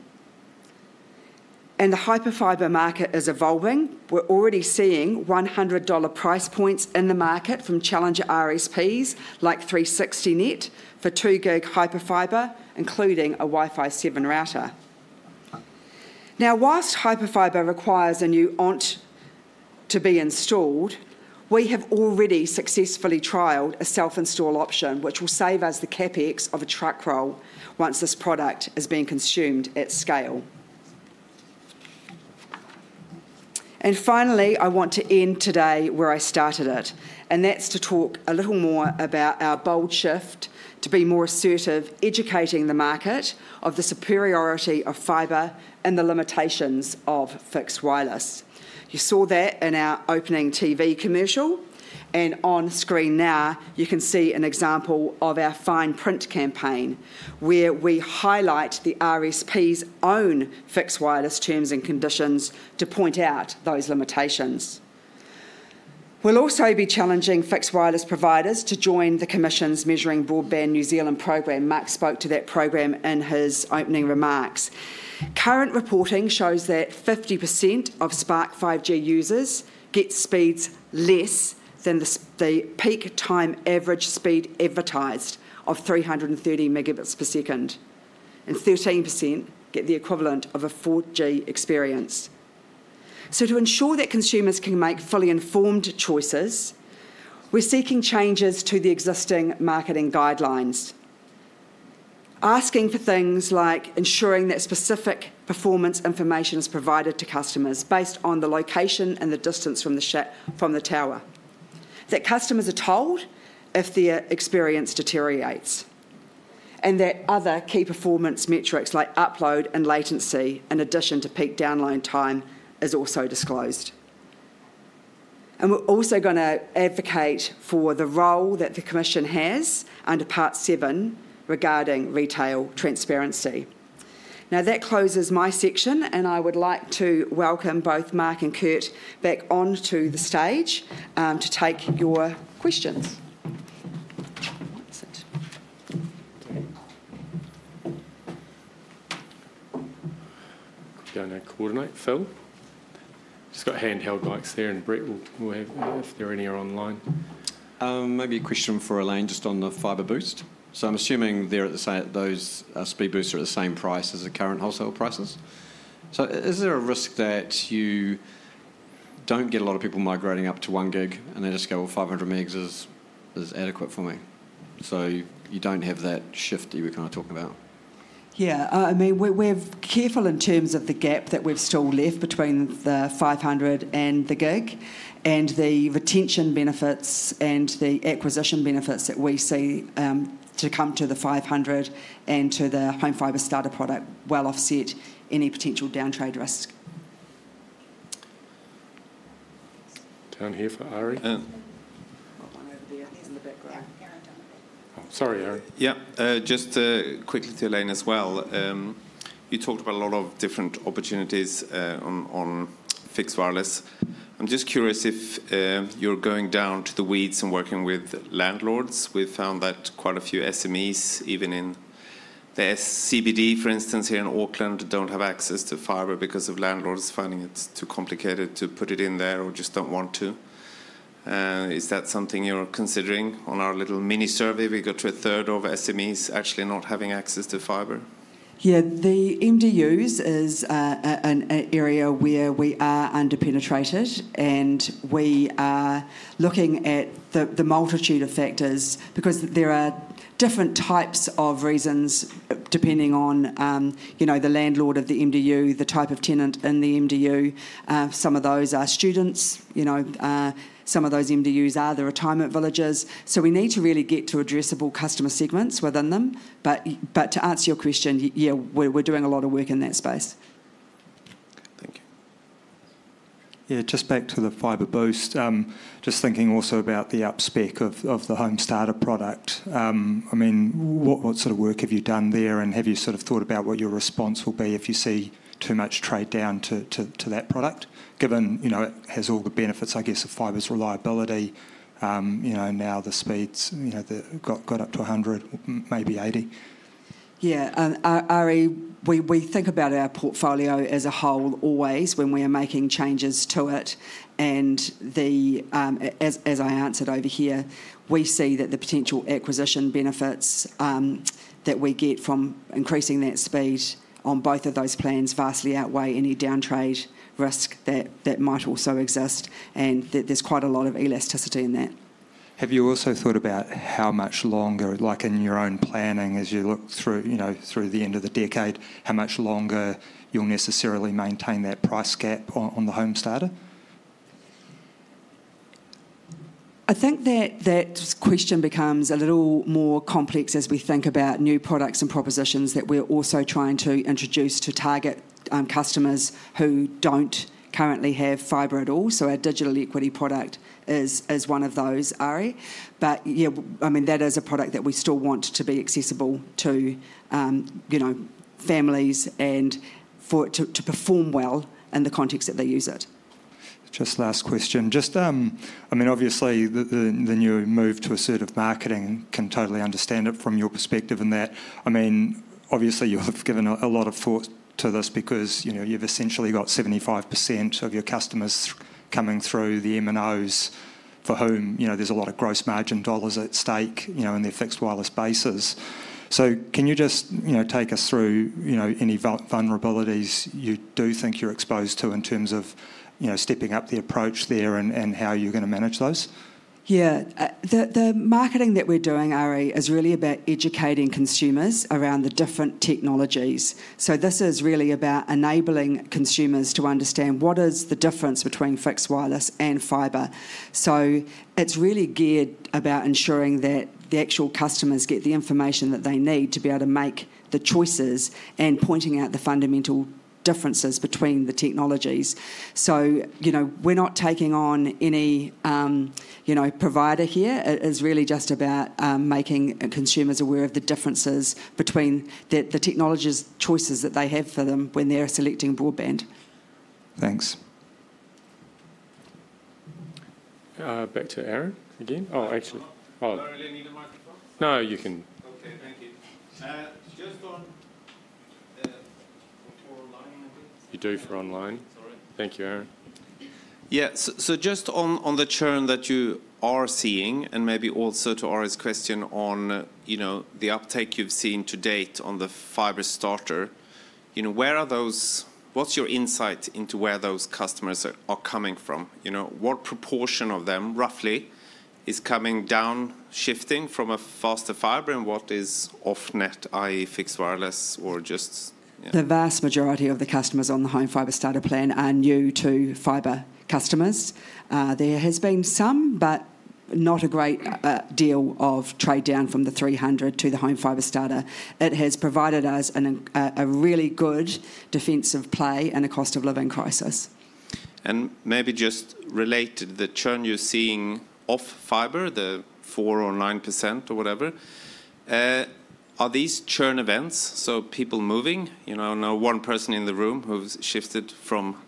and the Hyperfibre market is evolving. We're already seeing 100 dollar price points in the market from challenger RSPs like 360net for 2 gig Hyperfibre, including a Wi-Fi 7 router. Now, while Hyperfibre requires a new ONT to be installed, we have already successfully trialed a self-install option, which will save us the CapEx of a truck roll once this product is being consumed at scale. Finally, I want to end today where I started it, and that's to talk a little more about our bold shift to be more assertive, educating the market of the superiority of fibre and the limitations of fixed wireless. You saw that in our opening TV commercial. And on screen now, you can see an example of our fine print campaign where we highlight the RSP's own fixed wireless terms and conditions to point out those limitations. We'll also be challenging fixed wireless providers to join the Commission's Measuring Broadband New Zealand programme. Mark spoke to that programme in his opening remarks. Current reporting shows that 50% of Spark 5G users get speeds less than the peak time average speed advertised of 330 megabits per second, and 13% get the equivalent of a 4G experience. So to ensure that consumers can make fully informed choices, we're seeking changes to the existing marketing guidelines, asking for things like ensuring that specific performance information is provided to customers based on the location and the distance from the tower, that customers are told if their experience deteriorates, and that other key performance metrics like upload and latency, in addition to peak download time, are also disclosed. And we're also going to advocate for the role that the Commission has under Part 7 regarding retail transparency. Now, that closes my section, and I would like to welcome both Mark and Kurt back onto the stage to take your questions.
Can I coordinate Phil? Just got handheld mics there and Brett will have if there are any online.
Maybe a question for Elaine just on the Fibre Boost. So I'm assuming they're at the same those speed boosts are at the same price as the current wholesale prices. So is there a risk that you don't get a lot of people migrating up to one gig and they just go, "Well, 500 megs is adequate for me"? So you don't have that shift that you were kind of talking about.
Yeah. I mean, we're careful in terms of the gap that we've still left between the 500 and the gig and the retention benefits and the acquisition benefits that we see to come to the 500 and Home Fibre Starter product will offset any potential downtrade risk.
Down here for Ari.
One over there in the background.
Yeah, Aaron down the back.
Sorry, Aaron.
Yeah, just quickly to Elaine as well. You talked about a lot of different opportunities on fixed wireless. I'm just curious if you're going down to the weeds and working with landlords. We found that quite a few SMEs, even in the CBD, for instance, here in Auckland, don't have access to fibre because of landlords finding it too complicated to put it in there or just don't want to. Is that something you're considering on our little mini survey? We got to a third of SMEs actually not having access to fibre.
Yeah, the MDUs is an area where we are underpenetrated, and we are looking at the multitude of factors because there are different types of reasons depending on the landlord of the MDU, the type of tenant in the MDU. Some of those are students. Some of those MDUs are the retirement villages. So we need to really get to addressable customer segments within them. But to answer your question, yeah, we're doing a lot of work in that space.
Thank you.
Yeah, just back to the Fibre Boost, just thinking also about the upspec of the Home Starter product. I mean, what sort of work have you done there and have you sort of thought about what your response will be if you see too much trade down to that product, given it has all the benefits, I guess, of fibre's reliability? Now the speeds, they've got up to 100, maybe 80.
Yeah. Ari, we think about our portfolio as a whole always when we are making changes to it, and as I answered over here, we see that the potential acquisition benefits that we get from increasing that speed on both of those plans vastly outweigh any downtrade risk that might also exist, and there's quite a lot of elasticity in that.
Have you also thought about how much longer, like in your own planning as you look through the end of the decade, how much longer you'll necessarily maintain that price gap on the Home Starter?
I think that question becomes a little more complex as we think about new products and propositions that we're also trying to introduce to target customers who don't currently have fibre at all. So our digital equity product is one of those, Ari. But yeah, I mean, that is a product that we still want to be accessible to families and to perform well in the context that they use it.
Just last question. Just, I mean, obviously, the new move to assertive marketing can totally understand it from your perspective in that, I mean, obviously, you have given a lot of thought to this because you've essentially got 75% of your customers coming through the MNOs for whom there's a lot of gross margin dollars at stake in their fixed wireless bases. So can you just take us through any vulnerabilities you do think you're exposed to in terms of stepping up the approach there and how you're going to manage those?
Yeah. The marketing that we're doing, Ari, is really about educating consumers around the different technologies. So this is really about enabling consumers to understand what is the difference between fixed wireless and fibre. So it's really geared about ensuring that the actual customers get the information that they need to be able to make the choices and pointing out the fundamental differences between the technologies. So we're not taking on any provider here. It is really just about making consumers aware of the differences between the technologies' choices that they have for them when they're selecting broadband.
Thanks.
Back to Aaron again. Oh, actually, hold on. No, you can.
Okay, thank you. Just on for online?
You do for online.
Sorry.
Thank you, Aaron.
Yeah. So just on the churn that you are seeing and maybe also to Ari's question on the uptake you've seen to date on the Fibre Starter, where are those? What's your insight into where those customers are coming from? What proportion of them, roughly, is coming down, shifting from a faster fibre and what is offnet, i.e., fixed wireless or just?
The vast majority of the customers Home Fibre Starter plan are new to fibre customers. There has been some, but not a great deal of trade down from the 300 Home Fibre Starter. it has provided us a really good defensive play in a cost of living crisis.
Maybe just related, the churn you're seeing off fibre, the 4% or 9% or whatever, are these churn events? So people moving? I know one person in the room who's shifted from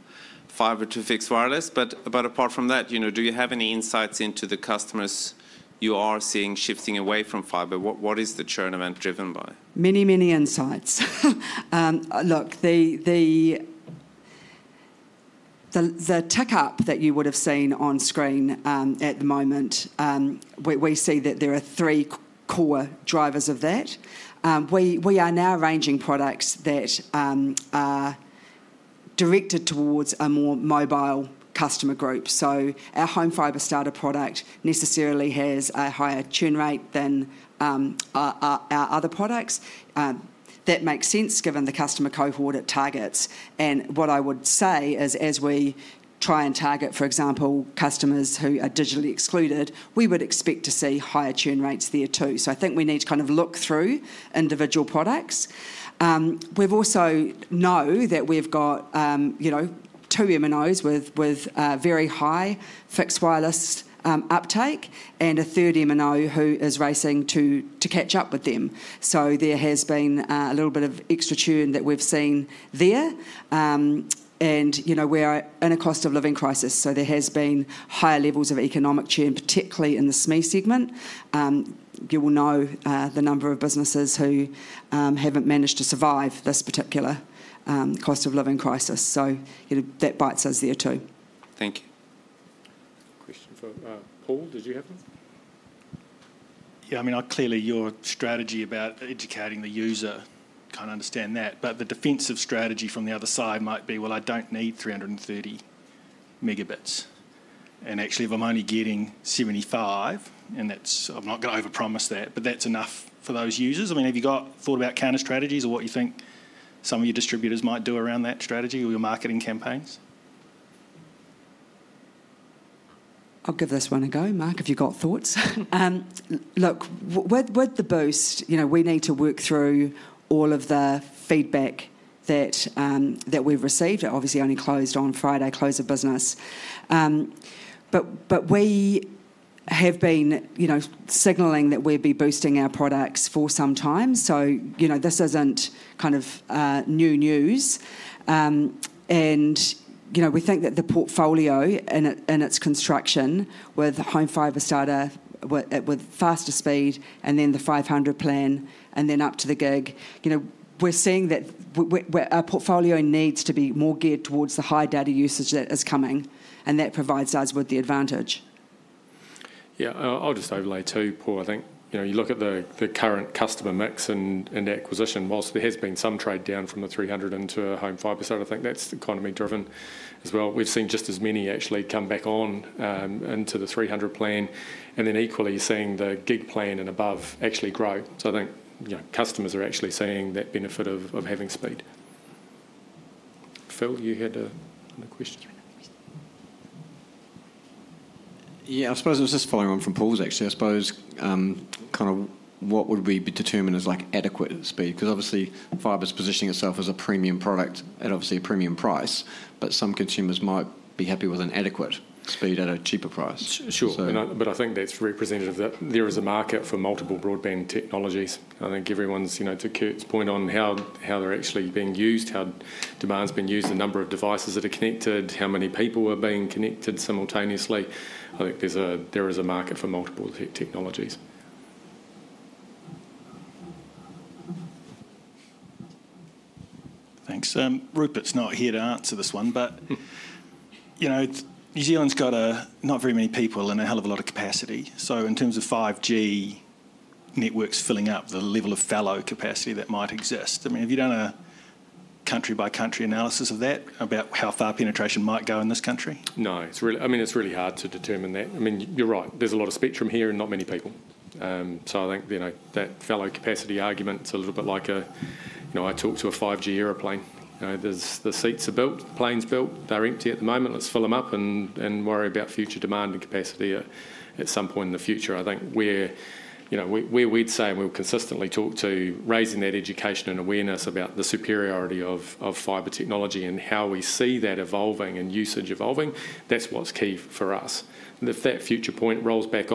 fibre to fixed wireless. But apart from that, do you have any insights into the customers you are seeing shifting away from fibre? What is the churn event driven by?
Many, many insights. Look, the tick up that you would have seen on screen at the moment. We see that there are three core drivers of that. We are now arranging products that are directed towards a more mobile customer group. Home Fibre Starter product necessarily has a higher churn rate than our other products. That makes sense given the customer cohort it targets. And what I would say is, as we try and target, for example, customers who are digitally excluded, we would expect to see higher churn rates there too. So I think we need to kind of look through individual products. We also know that we've got two MNOs with very high fixed wireless uptake and a third MNO who is racing to catch up with them. So there has been a little bit of extra churn that we've seen there. We're in a cost of living crisis. There has been higher levels of economic churn, particularly in the SME segment. You will know the number of businesses who haven't managed to survive this particular cost of living crisis. That bites us there too.
Thank you.
Question for Paul. Did you have one?
Yeah. I mean, clearly, your strategy about educating the user, I kind of understand that. But the defensive strategy from the other side might be, "Well, I don't need 330 megabits." And actually, if I'm only getting 75, and I'm not going to overpromise that, but that's enough for those users. I mean, have you thought about counter-strategies or what you think some of your distributors might do around that strategy or your marketing campaigns?
I'll give this one a go, Mark, if you've got thoughts. Look, with the boost, we need to work through all of the feedback that we've received. Obviously, only closed on Friday, close of business. But we have been signaling that we'll be boosting our products for some time. So this isn't kind of new news. And we think that the portfolio and its Home Fibre Starter, with faster speed, and then the 500 plan, and then up to the gig, we're seeing that our portfolio needs to be more geared towards the high data usage that is coming, and that provides us with the advantage.
Yeah. I'll just overlay too, Paul. I think you look at the current customer mix and acquisition. Whilst there has been some trade down from the 300 Home Fibre Starter, i think that's economy-driven as well. We've seen just as many actually come back on into the 300 plan and then equally seeing the gig plan and above actually grow. So I think customers are actually seeing that benefit of having speed. Phil, you had a question.
Yeah, I suppose it was just following on from Paul's actually. I suppose kind of what would we determine as adequate speed? Because obviously, fibre's positioning itself as a premium product at obviously a premium price, but some consumers might be happy with an adequate speed at a cheaper price.
Sure. But I think that's representative that there is a market for multiple broadband technologies. I think everyone's to Kurt's point on how they're actually being used, how demand's been used, the number of devices that are connected, how many people are being connected simultaneously. I think there is a market for multiple technologies.
Thanks. Rupert's not here to answer this one, but New Zealand's got not very many people and a hell of a lot of capacity. So in terms of 5G networks filling up the level of fallow capacity that might exist, I mean, have you done a country-by-country analysis of that, about how far penetration might go in this country?
No, I mean, it's really hard to determine that. I mean, you're right. There's a lot of spectrum here and not many people. So I think that fallow capacity argument's a little bit like talking to a 5G airplane. The seats are built, the plane's built, they're empty at the moment. Let's fill them up and worry about future demand and capacity at some point in the future. I think where we'd say, and we'll consistently talk to, raising that education and awareness about the superiority of fibre technology and how we see that evolving and usage evolving, that's what's key for us. If that future point rolls around,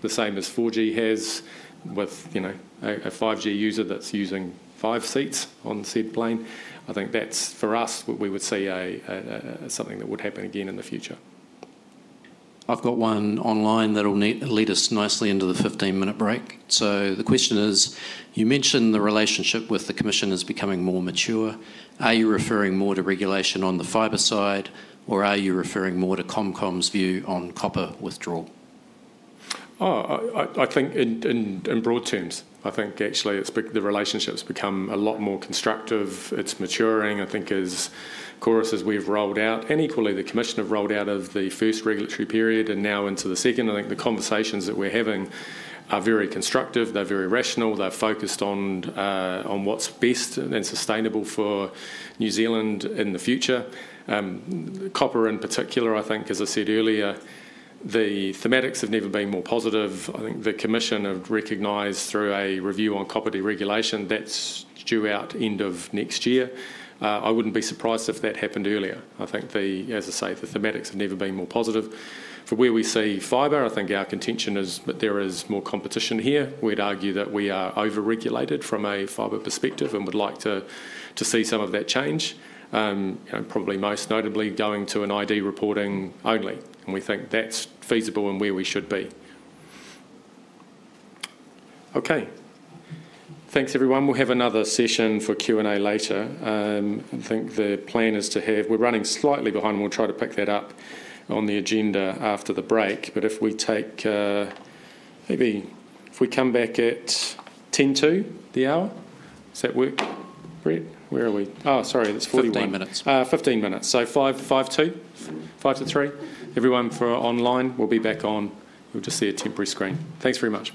the same as 4G has with a 5G user that's using five seats on said plane, I think that's, for us, we would see something that would happen again in the future.
I've got one online that'll lead us nicely into the 15-minute break, so the question is, you mentioned the relationship with the commission is becoming more mature. Are you referring more to regulation on the fibre side, or are you referring more to ComCom's view on copper withdrawal?
Oh, I think in broad terms, I think actually the relationship's become a lot more constructive. It's maturing, I think, as Chorus has rolled out. And equally, the Commission have rolled out of the first regulatory period and now into the second. I think the conversations that we're having are very constructive. They're very rational. They're focused on what's best and sustainable for New Zealand in the future. Copper, in particular, I think, as I said earlier, the thematics have never been more positive. I think the Commission have recognized through a review on copper deregulation that's due out end of next year. I wouldn't be surprised if that happened earlier. I think, as I say, the thematics have never been more positive. For where we see fibre, I think our contention is that there is more competition here. We'd argue that we are over-regulated from a fibre perspective and would like to see some of that change, probably most notably going to an ID reporting only. And we think that's feasible and where we should be. Okay. Thanks, everyone. We'll have another session for Q&A later. I think the plan is to have we're running slightly behind. We'll try to pick that up on the agenda after the break. But if we take maybe if we come back at 10:00 A.M. to the hour, does that work, Brett? Where are we? Oh, sorry. It's 41.
15 minutes.
15 minutes. So 5:00 to 3:00? Everyone for online, we'll be back on. You'll just see a temporary screen. Thanks very much.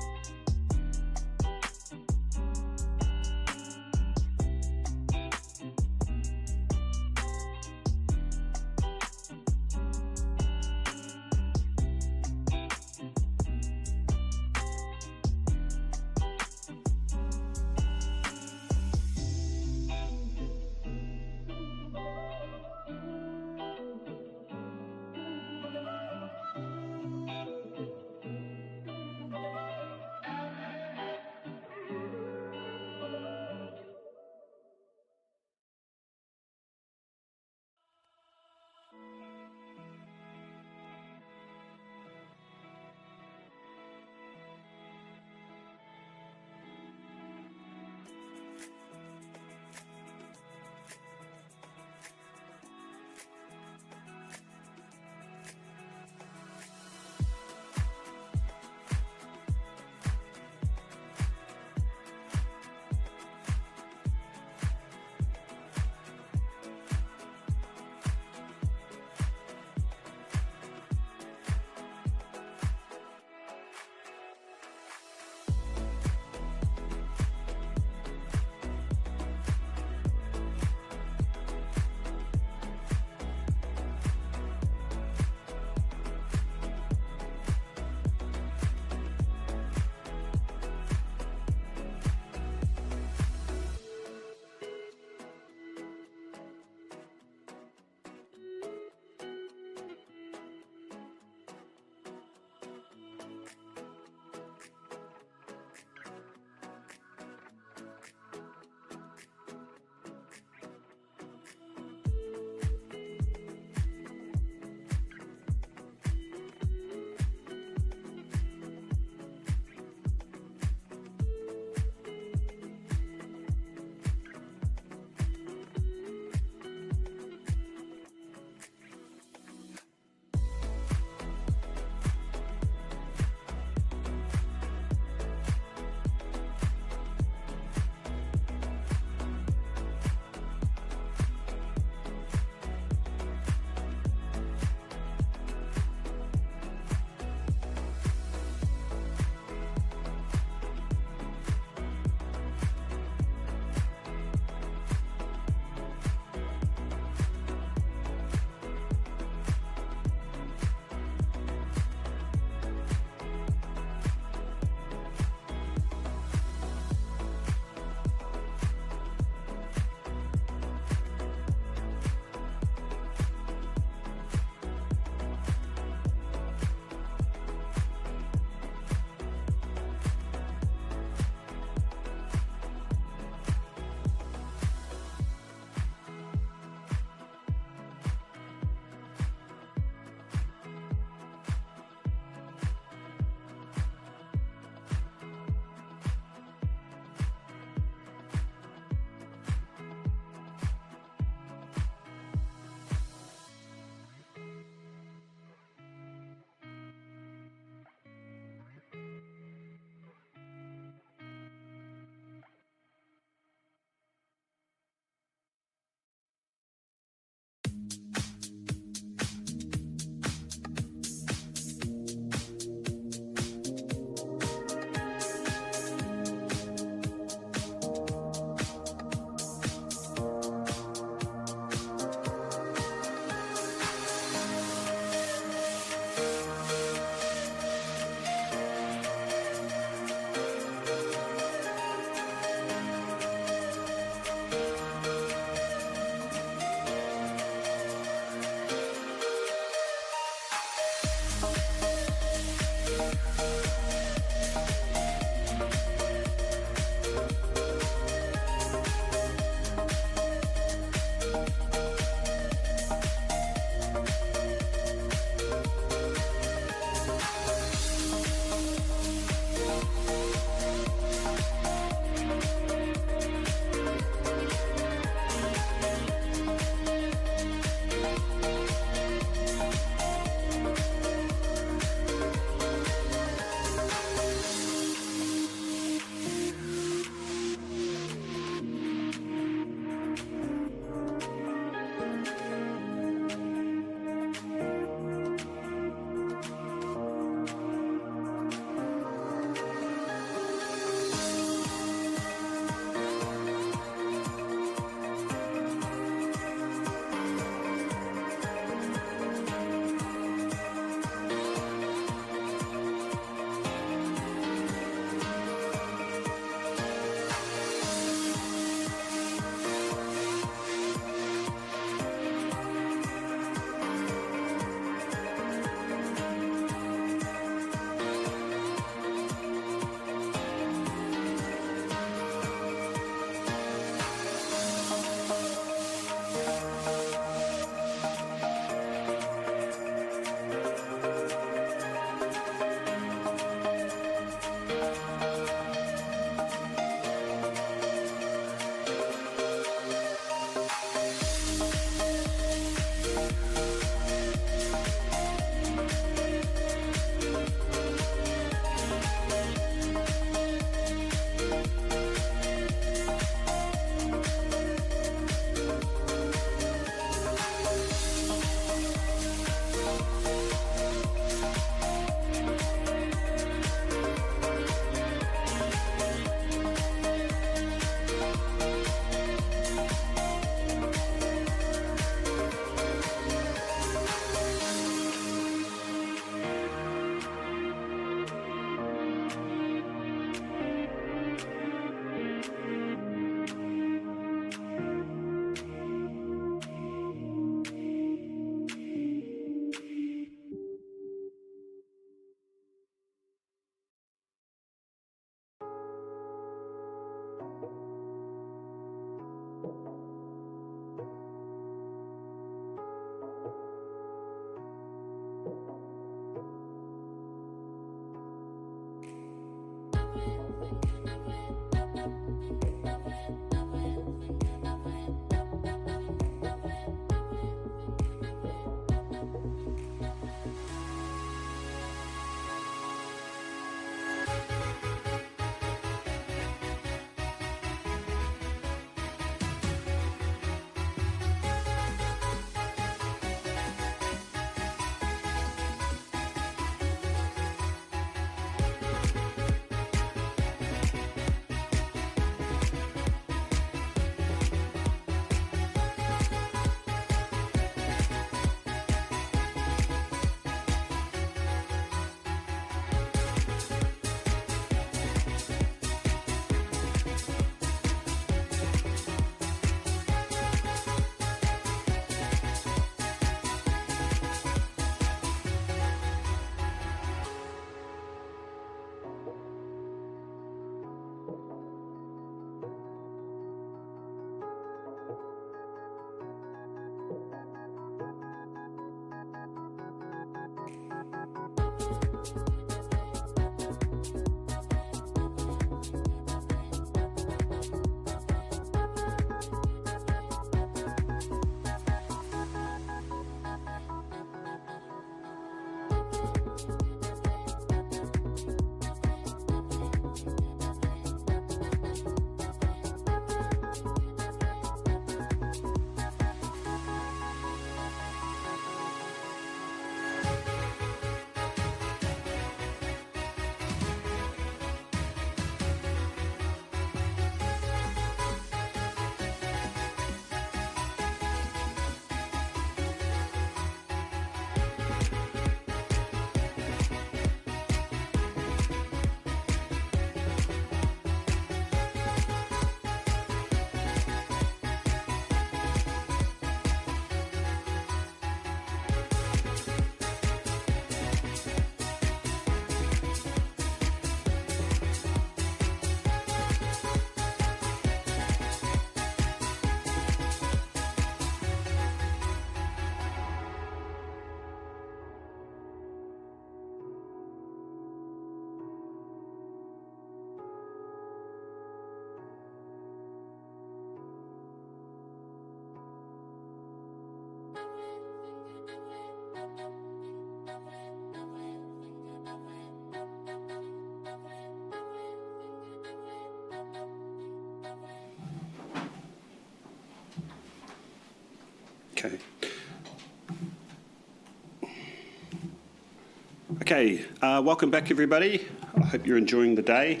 Okay, welcome back, everybody. I hope you're enjoying the day.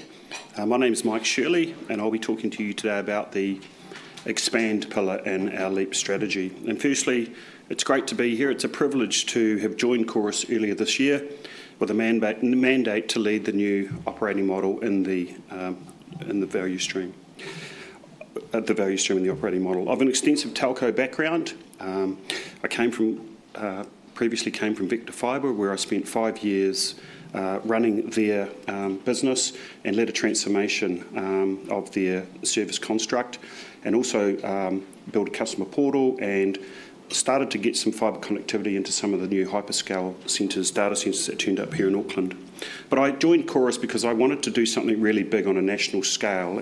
My name is Mike Shirley, and I'll be talking to you today about the Expand Pillar and our LEAP strategy. Firstly, it's great to be here. It's a privilege to have joined Chorus earlier this year with a mandate to lead the new operating model in the value stream and the operating model. I have an extensive telco background. I previously came from Vocus Fibre, where I spent five years running their business and led a transformation of their service construct, and also built a customer portal and started to get some fibre connectivity into some of the new hyperscale data centres that turned up here in Auckland. I joined Chorus because I wanted to do something really big on a national scale.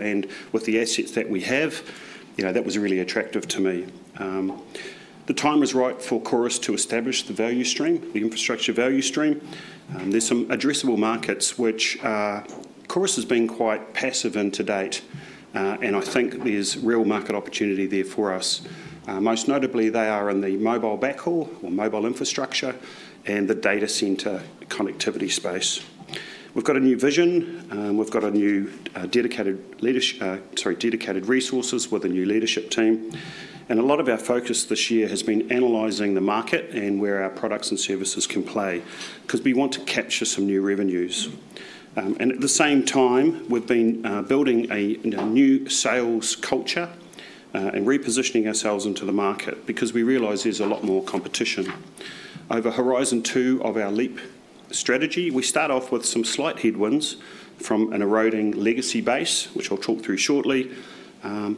With the assets that we have, that was really attractive to me. The time was right for Chorus to establish the value stream, the infrastructure value stream. There's some addressable markets which Chorus has been quite passive in to date, and I think there's real market opportunity there for us. Most notably, they are in the mobile backhaul or mobile infrastructure and the data centrer connectivity space. We've got a new vision, and we've got a new dedicated resources with a new leadership team. A lot of our focus this year has been analyzing the market and where our products and services can play because we want to capture some new revenues. At the same time, we've been building a new sales culture and repositioning ourselves into the market because we realize there's a lot more competition. Over Horizon Two of our LEAP strategy, we start off with some slight headwinds from an eroding legacy base, which I'll talk through shortly.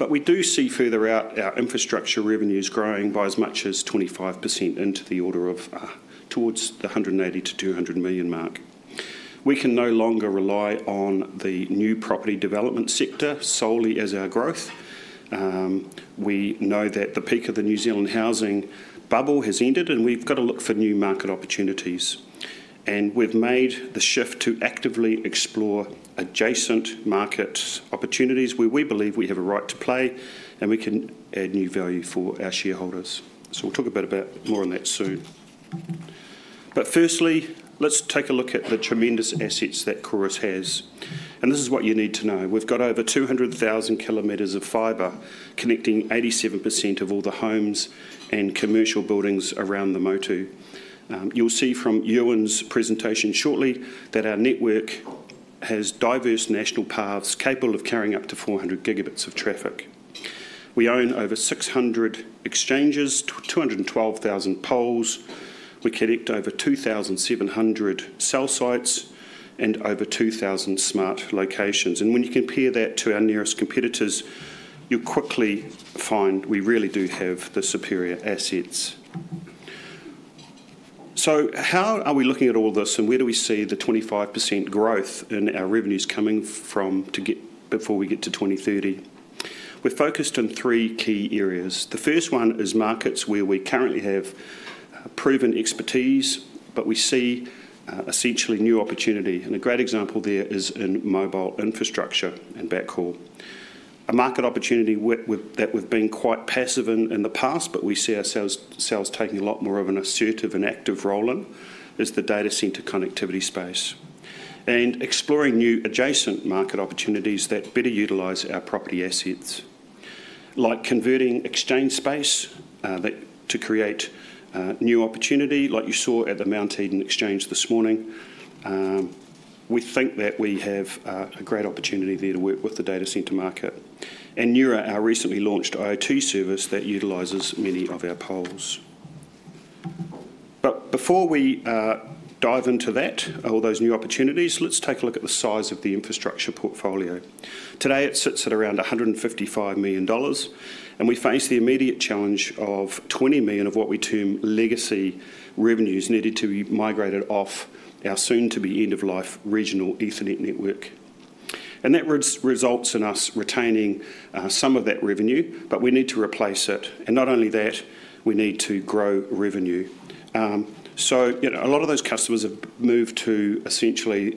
We do see further out our infrastructure revenues growing by as much as 25% into the order of towards the 180-200 million mark. We can no longer rely on the new property development sector solely as our growth. We know that the peak of the New Zealand housing bubble has ended, and we've got to look for new market opportunities. We've made the shift to actively explore adjacent market opportunities where we believe we have a right to play and we can add new value for our shareholders. We'll talk a bit about more on that soon. But firstly, let's take a look at the tremendous assets that Chorus has. This is what you need to know. We've got over 200,000 kilometers of fibre connecting 87% of all the homes and commercial buildings around the motu. You'll see from Ewen's presentation shortly that our network has diverse national paths capable of carrying up to 400 gigabits of traffic. We own over 600 exchanges, 212,000 poles. We connect over 2,700 cell sites and over 2,000 Smart Locations. When you compare that to our nearest competitors, you'll quickly find we really do have the superior assets. How are we looking at all this, and where do we see the 25% growth in our revenues coming from before we get to 2030? We're focused on three key areas. The first one is markets where we currently have proven expertise, but we see essentially new opportunity, and a great example there is in mobile infrastructure and backhaul. A market opportunity that we've been quite passive in the past, but we see ourselves taking a lot more of an assertive and active role in is the data centrer connectivity space and exploring new adjacent market opportunities that better utilize our property assets, like converting exchange space to create new opportunity, like you saw at the Mount Eden Exchange this morning. We think that we have a great opportunity there to work with the data centrer market and Neura, our recently launched IoT service that utilizes many of our poles, but before we dive into that, all those new opportunities, let's take a look at the size of the infrastructure portfolio. Today, it sits at around 155 million dollars, and we face the immediate challenge of 20 million of what we term legacy revenues needed to be migrated off our soon-to-be end-of-life regional Ethernet network. And that results in us retaining some of that revenue, but we need to replace it. And not only that, we need to grow revenue. So a lot of those customers have moved to essentially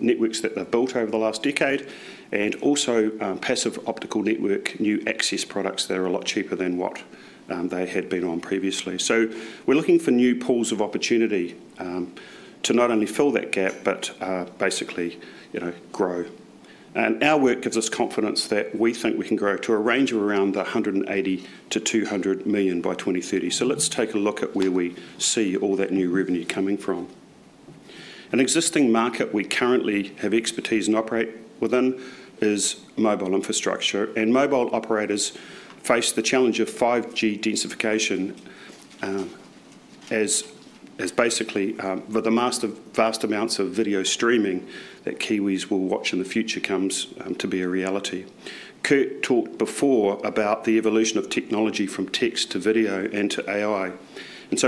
networks that they've built over the last decade and also passive optical network, new access products that are a lot cheaper than what they had been on previously. So we're looking for new pools of opportunity to not only fill that gap, but basically grow. And our work gives us confidence that we think we can grow to a range of around 180-200 million by 2030. Let's take a look at where we see all that new revenue coming from. An existing market we currently have expertise and operate within is mobile infrastructure. Mobile operators face the challenge of 5G densification as basically the massive vast amounts of video streaming that Kiwis will watch in the future comes to be a reality. Kurt talked before about the evolution of technology from text to video and to AI.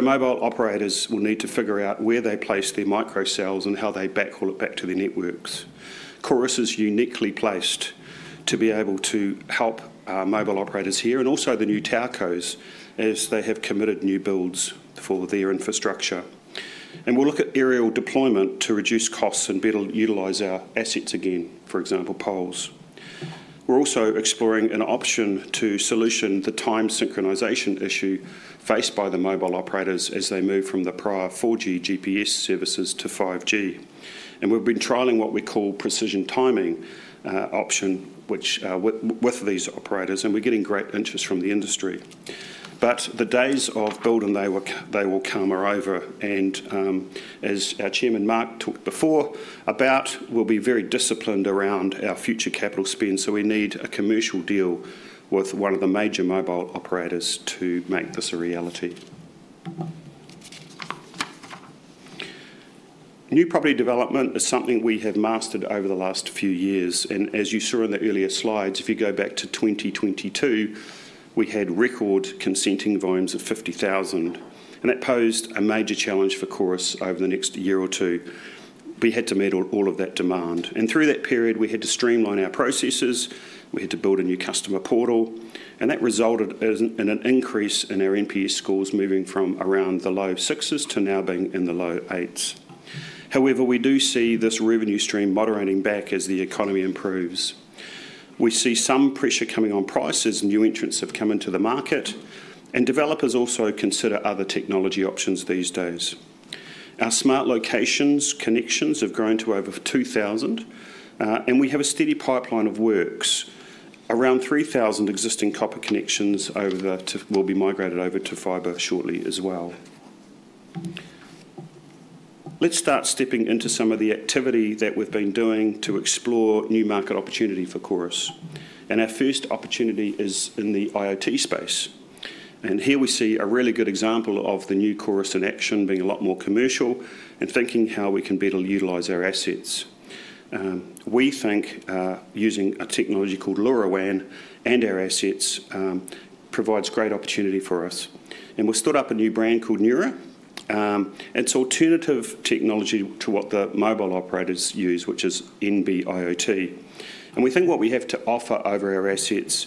Mobile operators will need to figure out where they place their micro cells and how they backhaul it back to their networks. Chorus is uniquely placed to be able to help mobile operators here and also the new telcos as they have committed new builds for their infrastructure. We'll look at aerial deployment to reduce costs and better utilize our assets again, for example, poles. We're also exploring an option to solution the time synchronization issue faced by the mobile operators as they move from the prior 4G GPS services to 5G, and we've been trialing what we call precision timing option with these operators, and we're getting great interest from the industry, but the days of build and they will come are over, and as our chairman, Mark, talked before about, we'll be very disciplined around our future capital spend, so we need a commercial deal with one of the major mobile operators to make this a reality. New property development is something we have mastered over the last few years, and as you saw in the earlier slides, if you go back to 2022, we had record consenting volumes of 50,000, and that posed a major challenge for Chorus over the next year or two. We had to meet all of that demand. And through that period, we had to streamline our processes. We had to build a new customer portal. And that resulted in an increase in our NPS scores moving from around the low sixes to now being in the low eights. However, we do see this revenue stream moderating back as the economy improves. We see some pressure coming on prices and new entrants have come into the market. And developers also consider other technology options these days. Our Smart Locations connections have grown to over 2,000, and we have a steady pipeline of works. Around 3,000 existing copper connections will be migrated over to fibre shortly as well. Let's start stepping into some of the activity that we've been doing to explore new market opportunity for Chorus. And our first opportunity is in the IoT space. Here we see a really good example of the new Chorus in action being a lot more commercial and thinking how we can better utilize our assets. We think using a technology called LoRaWAN and our assets provides great opportunity for us. We've stood up a new brand called Neura. It's an alternative technology to what the mobile operators use, which is NB-IoT. We think what we have to offer over our assets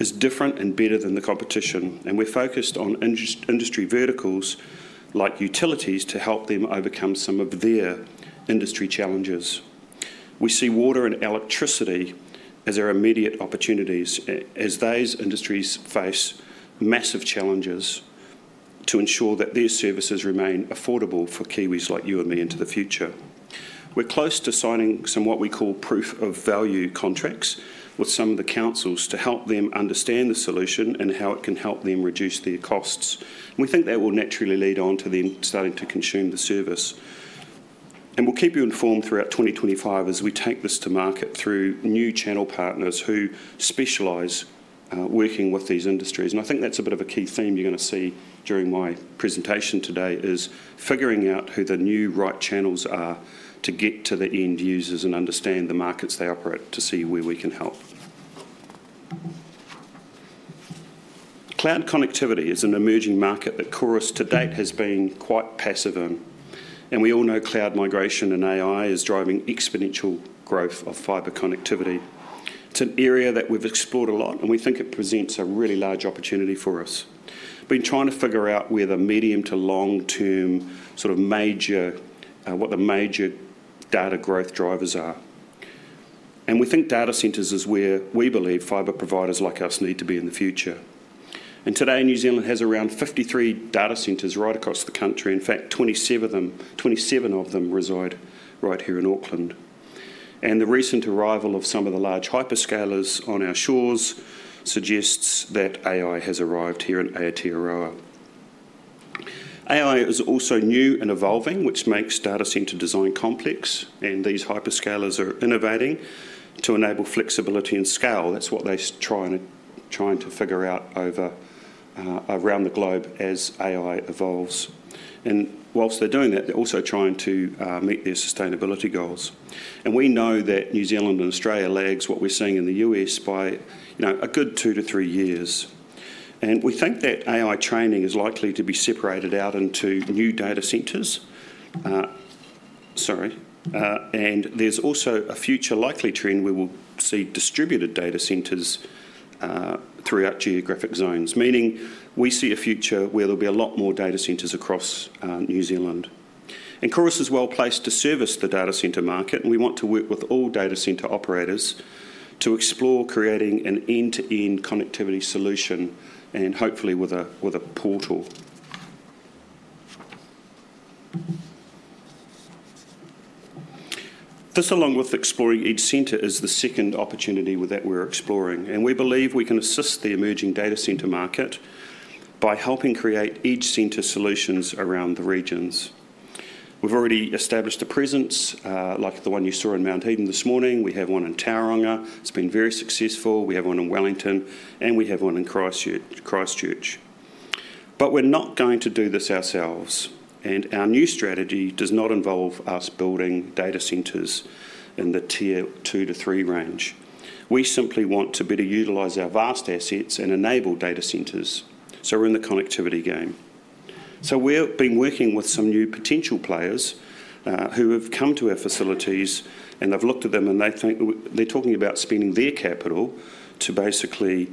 is different and better than the competition. We're focused on industry verticals like utilities to help them overcome some of their industry challenges. We see water and electricity as our immediate opportunities as those industries face massive challenges to ensure that their services remain affordable for Kiwis like you and me into the future. We're close to signing some, what we call, proof of value contracts with some of the councils to help them understand the solution and how it can help them reduce their costs. We think that will naturally lead on to them starting to consume the service. And we'll keep you informed throughout 2025 as we take this to market through new channel partners who specialize working with these industries. And I think that's a bit of a key theme you're going to see during my presentation today is figuring out who the new right channels are to get to the end users and understand the markets they operate to see where we can help. Cloud connectivity is an emerging market that Chorus to date has been quite passive in. And we all know cloud migration and AI is driving exponential growth of fibre connectivity. It's an area that we've explored a lot, and we think it presents a really large opportunity for us. We've been trying to figure out where the medium- to long-term sort of major data growth drivers are. And we data centres is where we believe fibre providers like us need to be in the future. And today, New Zealand has around data centres right across the country. In fact, 27 of them reside right here in Auckland. And the recent arrival of some of the large hyperscalers on our shores suggests that AI has arrived here in Aotearoa. AI is also new and evolving, which makes data centrer design complex. And these hyperscalers are innovating to enable flexibility and scale. That's what they're trying to figure out around the globe as AI evolves. While they're doing that, they're also trying to meet their sustainability goals. We know that New Zealand and Australia lag what we're seeing in the US by a good two to three years. We think that AI training is likely to be separated out into data centres. sorry. There's also a future likely trend where we'll see data centres throughout geographic zones, meaning we see a future where there'll be a lot data centres across New Zealand. Chorus is well placed to service the data centrer market, and we want to work with all data centrer operators to explore creating an end-to-end connectivity solution and hopefully with a portal. This, along with exploring edge centers, is the second opportunity that we're exploring. We believe we can assist the emerging data centrer market by helping create edge center solutions around the regions. We've already established a presence like the one you saw in Mount Eden this morning. We have one in Tauranga. It's been very successful. We have one in Wellington, and we have one in Christchurch. But we're not going to do this ourselves. And our new strategy does not involve us data centres in the tier two to three range. We simply want to better utilize our vast assets and data centres. so we're in the connectivity game. So we've been working with some new potential players who have come to our facilities, and they've looked at them, and they're talking about spending their capital to basically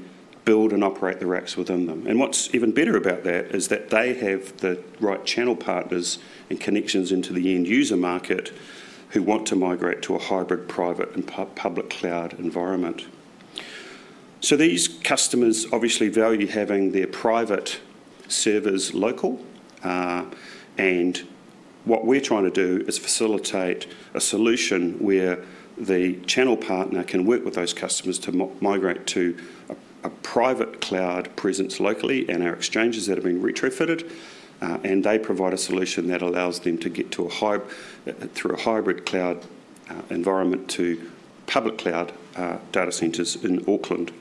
build and operate the racks within them. And what's even better about that is that they have the right channel partners and connections into the end user market who want to migrate to a hybrid private and public cloud environment. So these customers obviously value having their private servers local. And what we're trying to do is facilitate a solution where the channel partner can work with those customers to migrate to a private cloud presence locally and our exchanges that have been retrofitted. And they provide a solution that allows them to get to a hybrid cloud environment to public data centres in Auckland.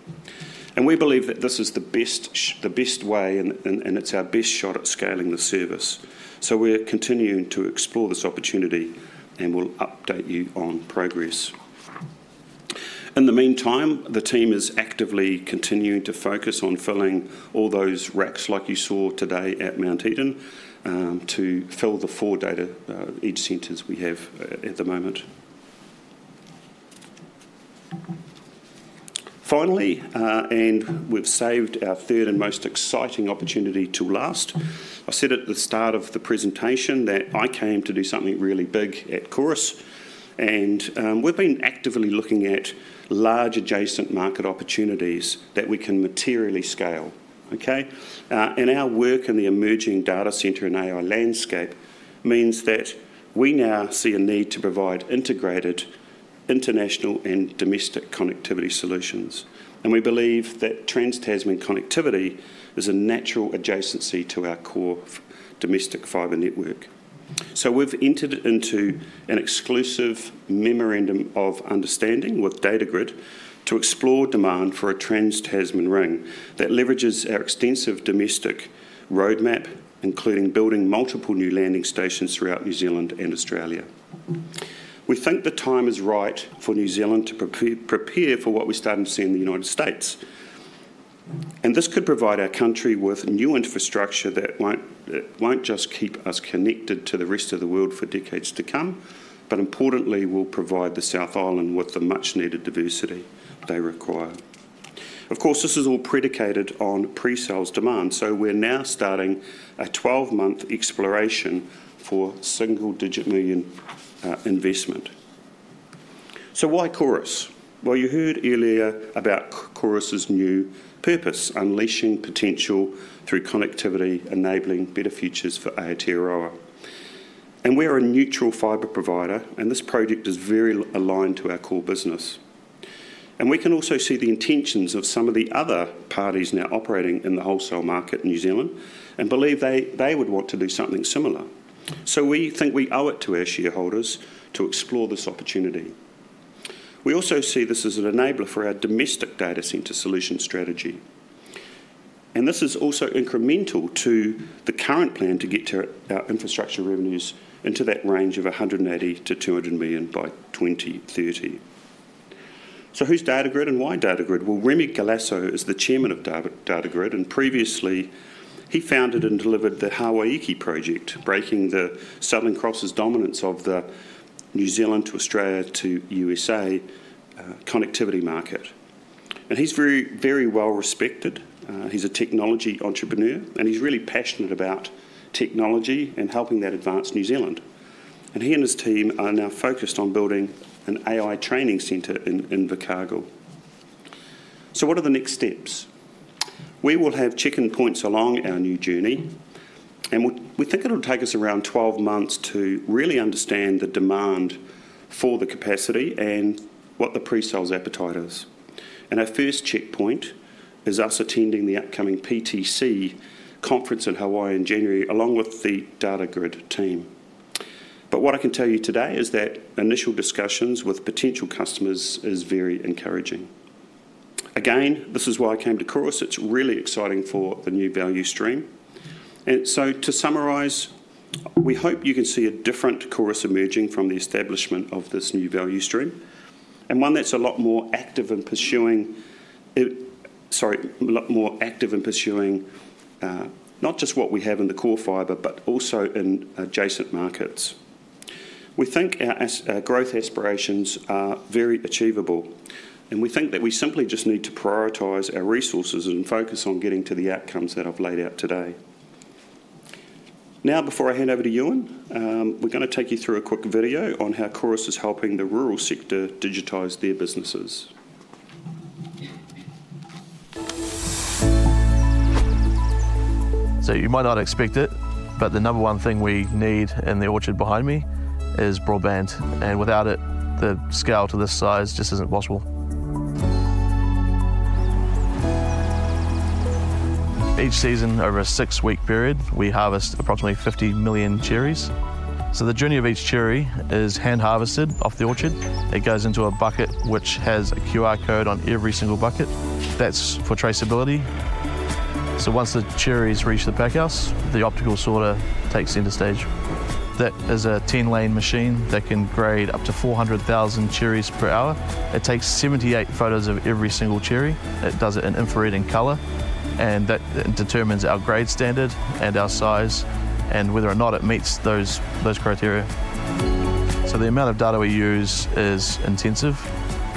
And we believe that this is the best way, and it's our best shot at scaling the service. So we're continuing to explore this opportunity, and we'll update you on progress. In the meantime, the team is actively continuing to focus on filling all those racks like you saw today at Mount Eden to fill the data centres we have at the moment. Finally, and we've saved our third and most exciting opportunity to last. I said at the start of the presentation that I came to do something really big at Chorus. And we've been actively looking at large adjacent market opportunities that we can materially scale. Okay? And our work in the emerging data centrer and AI landscape means that we now see a need to provide integrated international and domestic connectivity solutions. And we believe that trans-tasman connectivity is a natural adjacency to our core domestic fibre network. So we've entered into an exclusive memorandum of understanding with Datagrid to explore demand for a trans-Tasman Ring that leverages our extensive domestic roadmap, including building multiple new landing stations throughout New Zealand and Australia. We think the time is right for New Zealand to prepare for what we're starting to see in the United States. And this could provide our country with new infrastructure that won't just keep us connected to the rest of the world for decades to come, but importantly, will provide the South Island with the much-needed diversity they require. Of course, this is all predicated on pre-sales demand. So we're now starting a 12-month exploration for single-digit million investment. So why Chorus? Well, you heard earlier about Chorus's new purpose, unleashing potential through connectivity, enabling better futures for Aotearoa. And we're a neutral fibre provider, and this project is very aligned to our core business. And we can also see the intentions of some of the other parties now operating in the wholesale market in New Zealand and believe they would want to do something similar. So we think we owe it to our shareholders to explore this opportunity. We also see this as an enabler for our domestic data centrer solution strategy. This is also incremental to the current plan to get our infrastructure revenues into that range of 180 million-200 million by 2030. Who's Datagrid and why Datagrid? Remy Galasso is the chairman of Datagrid. Previously, he founded and delivered the Hawaiki project, breaking the Southern Cross's dominance of the New Zealand to Australia to USA connectivity market. He's very well respected. He's a technology entrepreneur, and he's really passionate about technology and helping that advance New Zealand. He and his team are now focused on building an AI training center in Invercargill. What are the next steps? We will have checkpoints along our new journey. And we think it'll take us around 12 months to really understand the demand for the capacity and what the pre-sales appetite is. Our first checkpoint is us attending the upcoming PTC conference in Hawaii in January along with the Datagrid team. But what I can tell you today is that initial discussions with potential customers is very encouraging. Again, this is why I came to Chorus. It's really exciting for the new value stream. And so to summarize, we hope you can see a different Chorus emerging from the establishment of this new value stream and one that's a lot more active and pursuing not just what we have in the core fibre, but also in adjacent markets. We think our growth aspirations are very achievable, and we think that we simply just need to prioritize our resources and focus on getting to the outcomes that I've laid out today. Now, before I hand over to Ewan, we're going to take you through a quick video on how Chorus is helping the rural sector digitize their businesses.
You might not expect it, but the number one thing we need in the orchard behind me is broadband. Without it, the scale to this size just isn't possible. Each season, over a six-week period, we harvest approximately 50 million cherries. The journey of each cherry is hand-harvested off the orchard. It goes into a bucket which has a QR code on every single bucket. That's for traceability. Once the cherries reach the packhouse, the optical sorter takes into stage. That is a 10-lane machine that can grade up to 400,000 cherries per hour. It takes 78 photos of every single cherry. It does it in infrared and color, and that determines our grade standard and our size and whether or not it meets those criteria. So the amount of data we use is intensive.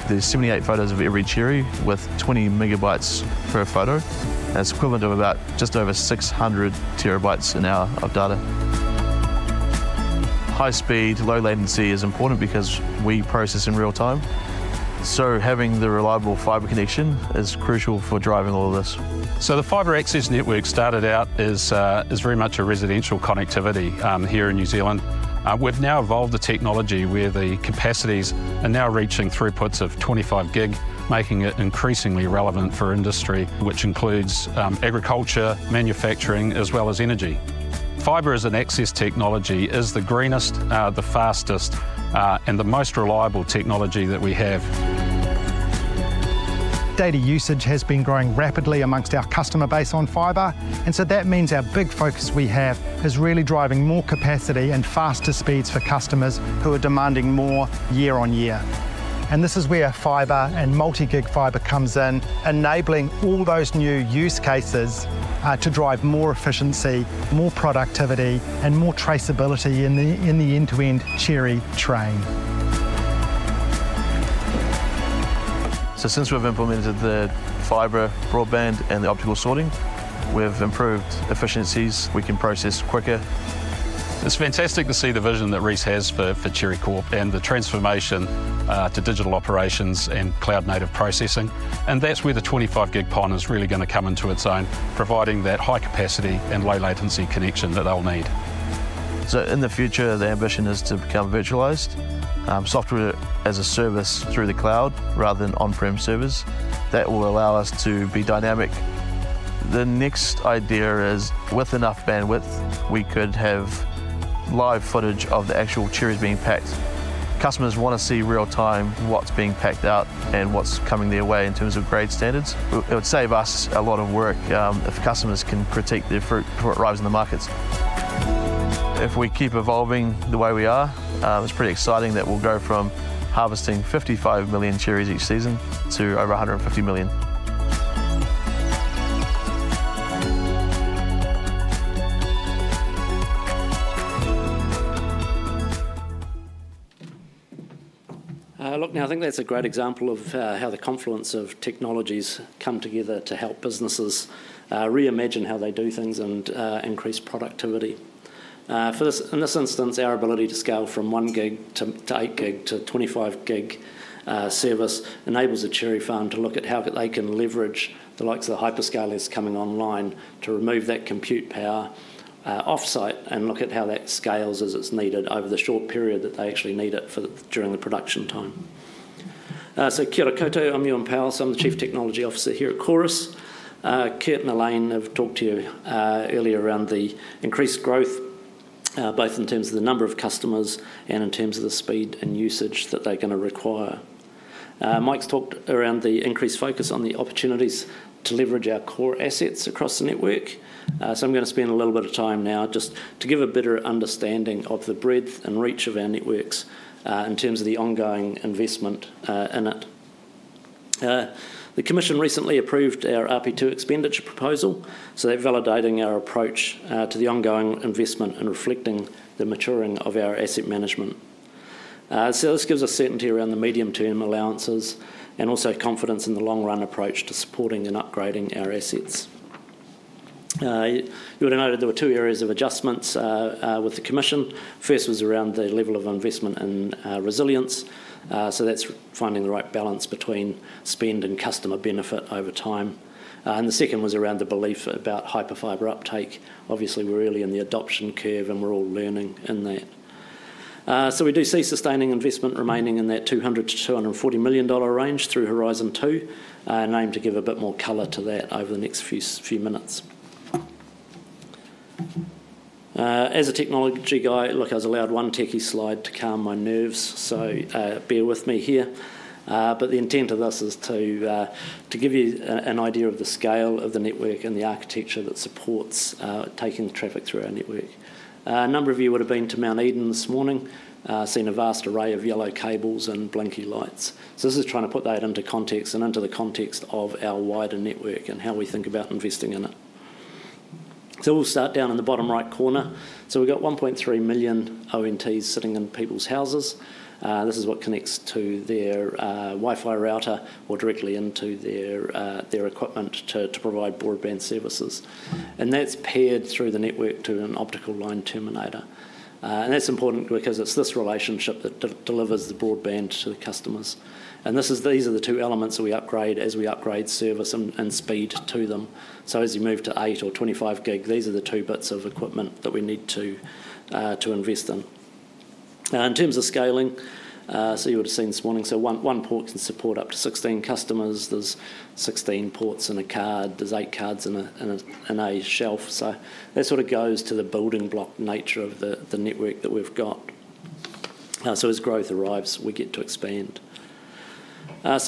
There's 78 photos of every single cherry with 20 megabytes per photo. That's equivalent to about just over 600 terabytes an hour of data. High speed, low latency is important because we process in real time. So having the reliable fibre connection is crucial for driving all of this. So the fibre access network started out as very much a residential connectivity here in New Zealand. We've now evolved the technology where the capacities are now reaching throughputs of 25 gig, making it increasingly relevant for industry, which includes agriculture, manufacturing, as well as energy. fibre as an access technology is the greenest, the fastest, and the most reliable technology that we have. Data usage has been growing rapidly among our customer base on fibre. And so that means our big focus we have is really driving more capacity and faster speeds for customers who are demanding more year on year. And this is where fibre and multi-gig fibre comes in, enabling all those new use cases to drive more efficiency, more productivity, and more traceability in the end-to-end cherry train. So since we've implemented the fibre broadband and the optical sorting, we've improved efficiencies. We can process quicker. It's fantastic to see the vision that Reece has for Cherry Corp and the transformation to digital operations and cloud-native processing. And that's where the 25-gig PON is really going to come into its own, providing that high capacity and low-latency connection that they'll need. So in the future, the ambition is to become virtualized software as a service through the cloud rather than on-prem servers. That will allow us to be dynamic. The next idea is with enough bandwidth, we could have live footage of the actual cherries being packed. Customers want to see real-time what's being packed out and what's coming their way in terms of grade standards. It would save us a lot of work if customers can predict their fruit before it arrives in the markets. If we keep evolving the way we are, it's pretty exciting that we'll go from harvesting 55 million cherries each season to over 150 million.
Look, now I think that's a great example of how the confluence of technologies come together to help businesses reimagine how they do things and increase productivity. In this instance, our ability to scale from 1 gig to 8 gig to 25 gig service enables a cherry farm to look at how they can leverage the likes of the hyperscalers coming online to remove that compute power offsite and look at how that scales as it's needed over the short period that they actually need it during the production time. So Kia ora koutou, I'm Ewen Powell. So I'm the Chief Technology Officer here at Chorus. Kurt and Elaine have talked to you earlier around the increased growth, both in terms of the number of customers and in terms of the speed and usage that they're going to require. Mike's talked around the increased focus on the opportunities to leverage our core assets across the network. I'm going to spend a little bit of time now just to give a better understanding of the breadth and reach of our networks in terms of the ongoing investment in it. The Commission recently approved our PQP2 expenditure proposal. So they're validating our approach to the ongoing investment and reflecting the maturing of our asset management. So this gives us certainty around the medium-term allowances and also confidence in the long-run approach to supporting and upgrading our assets. You would have noted there were two areas of adjustments with the Commission. First was around the level of investment and resilience. So that's finding the right balance between spend and customer benefit over time. And the second was around the belief about Hyperfibre uptake. Obviously, we're early in the adoption curve, and we're all learning in that. So we do see sustaining investment remaining in that 200 million-240 million dollar range through Horizon 2, aim to give a bit more color to that over the next few minutes. As a technology guy, look, I was allowed one techie slide to calm my nerves. So bear with me here. But the intent of this is to give you an idea of the scale of the network and the architecture that supports taking traffic through our network. A number of you would have been to Mount Eden this morning, seen a vast array of yellow cables and blinky lights. So this is trying to put that into context and into the context of our wider network and how we think about investing in it. So we'll start down in the bottom right corner. So we've got 1.3 million ONTs sitting in people's houses. This is what connects to their Wi-Fi router or directly into their equipment to provide broadband services. And that's paired through the network to an optical line terminator. And that's important because it's this relationship that delivers the broadband to the customers. And these are the two elements that we upgrade as we upgrade service and speed to them. So as you move to 8 or 25 gig, these are the two bits of equipment that we need to invest in. In terms of scaling, so you would have seen this morning, so one port can support up to 16 customers. There's 16 ports in a card. There's eight cards in a shelf. So that sort of goes to the building block nature of the network that we've got. So as growth arrives, we get to expand.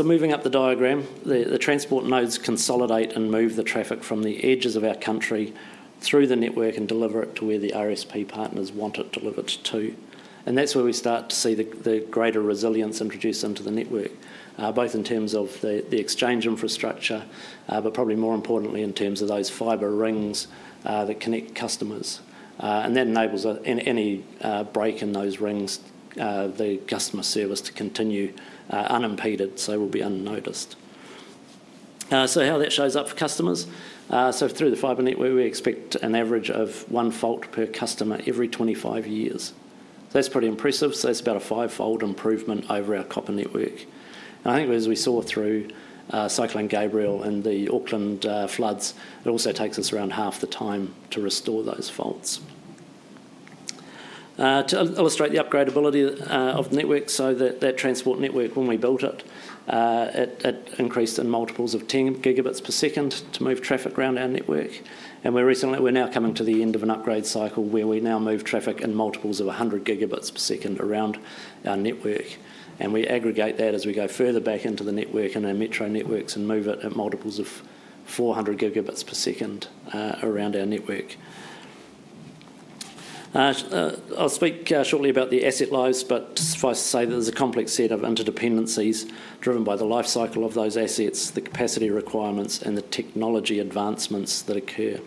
Moving up the diagram, the transport nodes consolidate and move the traffic from the edges of our country through the network and deliver it to where the RSP partners want it delivered to. That's where we start to see the greater resilience introduced into the network, both in terms of the exchange infrastructure, but probably more importantly in terms of those fibre rings that connect customers. That enables any break in those rings, the customer service to continue unimpeded, so it will be unnoticed. How that shows up for customers? Through the fibre network, we expect an average of one fault per customer every 25 years. That's pretty impressive. That's about a five-fold improvement over our copper network. I think as we saw through Cyclone Gabrielle and the Auckland floods, it also takes us around half the time to restore those faults. To illustrate the upgradability of the network, so that transport network, when we built it, it increased in multiples of 10 gigabits per second to move traffic around our network. And we're now coming to the end of an upgrade cycle where we now move traffic in multiples of 100 gigabits per second around our network. And we aggregate that as we go further back into the network and our metro networks and move it at multiples of 400 gigabits per second around our network. I'll speak shortly about the asset lives, but suffice to say that there's a complex set of interdependencies driven by the life cycle of those assets, the capacity requirements, and the technology advancements that occur.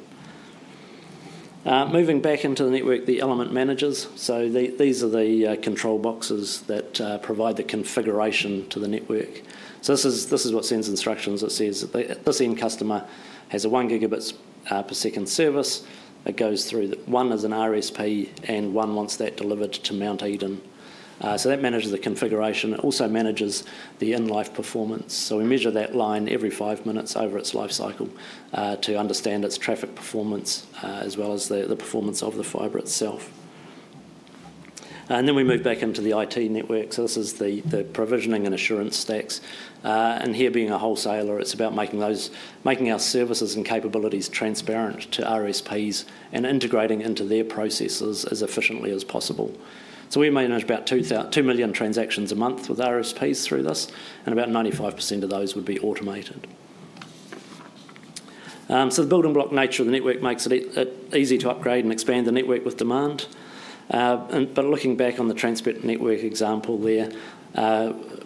Moving back into the network, the element managers. So these are the control boxes that provide the configuration to the network. So this is what sends instructions. It says this end customer has a one gigabit per second service. It goes through one as an RSP and one wants that delivered to Mount Eden. So that manages the configuration. It also manages the end-life performance. So we measure that line every five minutes over its life cycle to understand its traffic performance as well as the performance of the fibre itself. And then we move back into the IT network. So this is the provisioning and assurance stacks. And here being a wholesaler, it's about making our services and capabilities transparent to RSPs and integrating into their processes as efficiently as possible. So we manage about two million transactions a month with RSPs through this, and about 95% of those would be automated. So the building block nature of the network makes it easy to upgrade and expand the network with demand. Looking back on the transport network example there,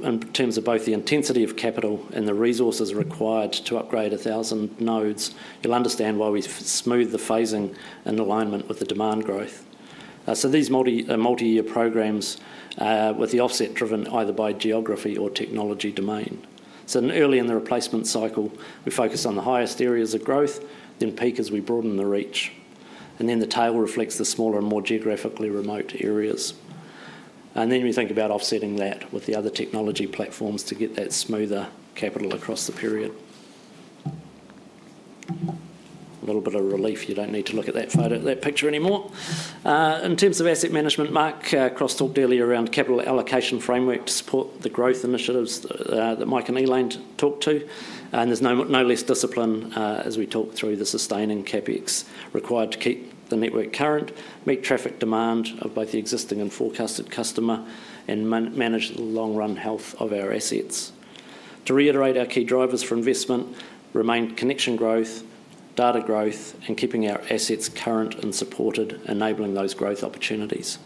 in terms of both the intensity of capital and the resources required to upgrade 1,000 nodes, you'll understand why we smooth the phasing and alignment with the demand growth. These multi-year programmes with the offset driven either by geography or technology domain. Early in the replacement cycle, we focus on the highest areas of growth, then peak as we broaden the reach. The tail reflects the smaller and more geographically remote areas. We think about offsetting that with the other technology platforms to get that smoother capital across the period. A little bit of relief. You don't need to look at that picture anymore. In terms of asset management, Mark Cross talked earlier around capital allocation framework to support the growth initiatives that Mike and Elaine talked to. And there's no less discipline as we talk through the sustaining CapEx required to keep the network current, meet traffic demand of both the existing and forecasted customer, and manage the long-run health of our assets. To reiterate, our key drivers for investment remain connection growth, data growth, and keeping our assets current and supported, enabling those growth opportunities.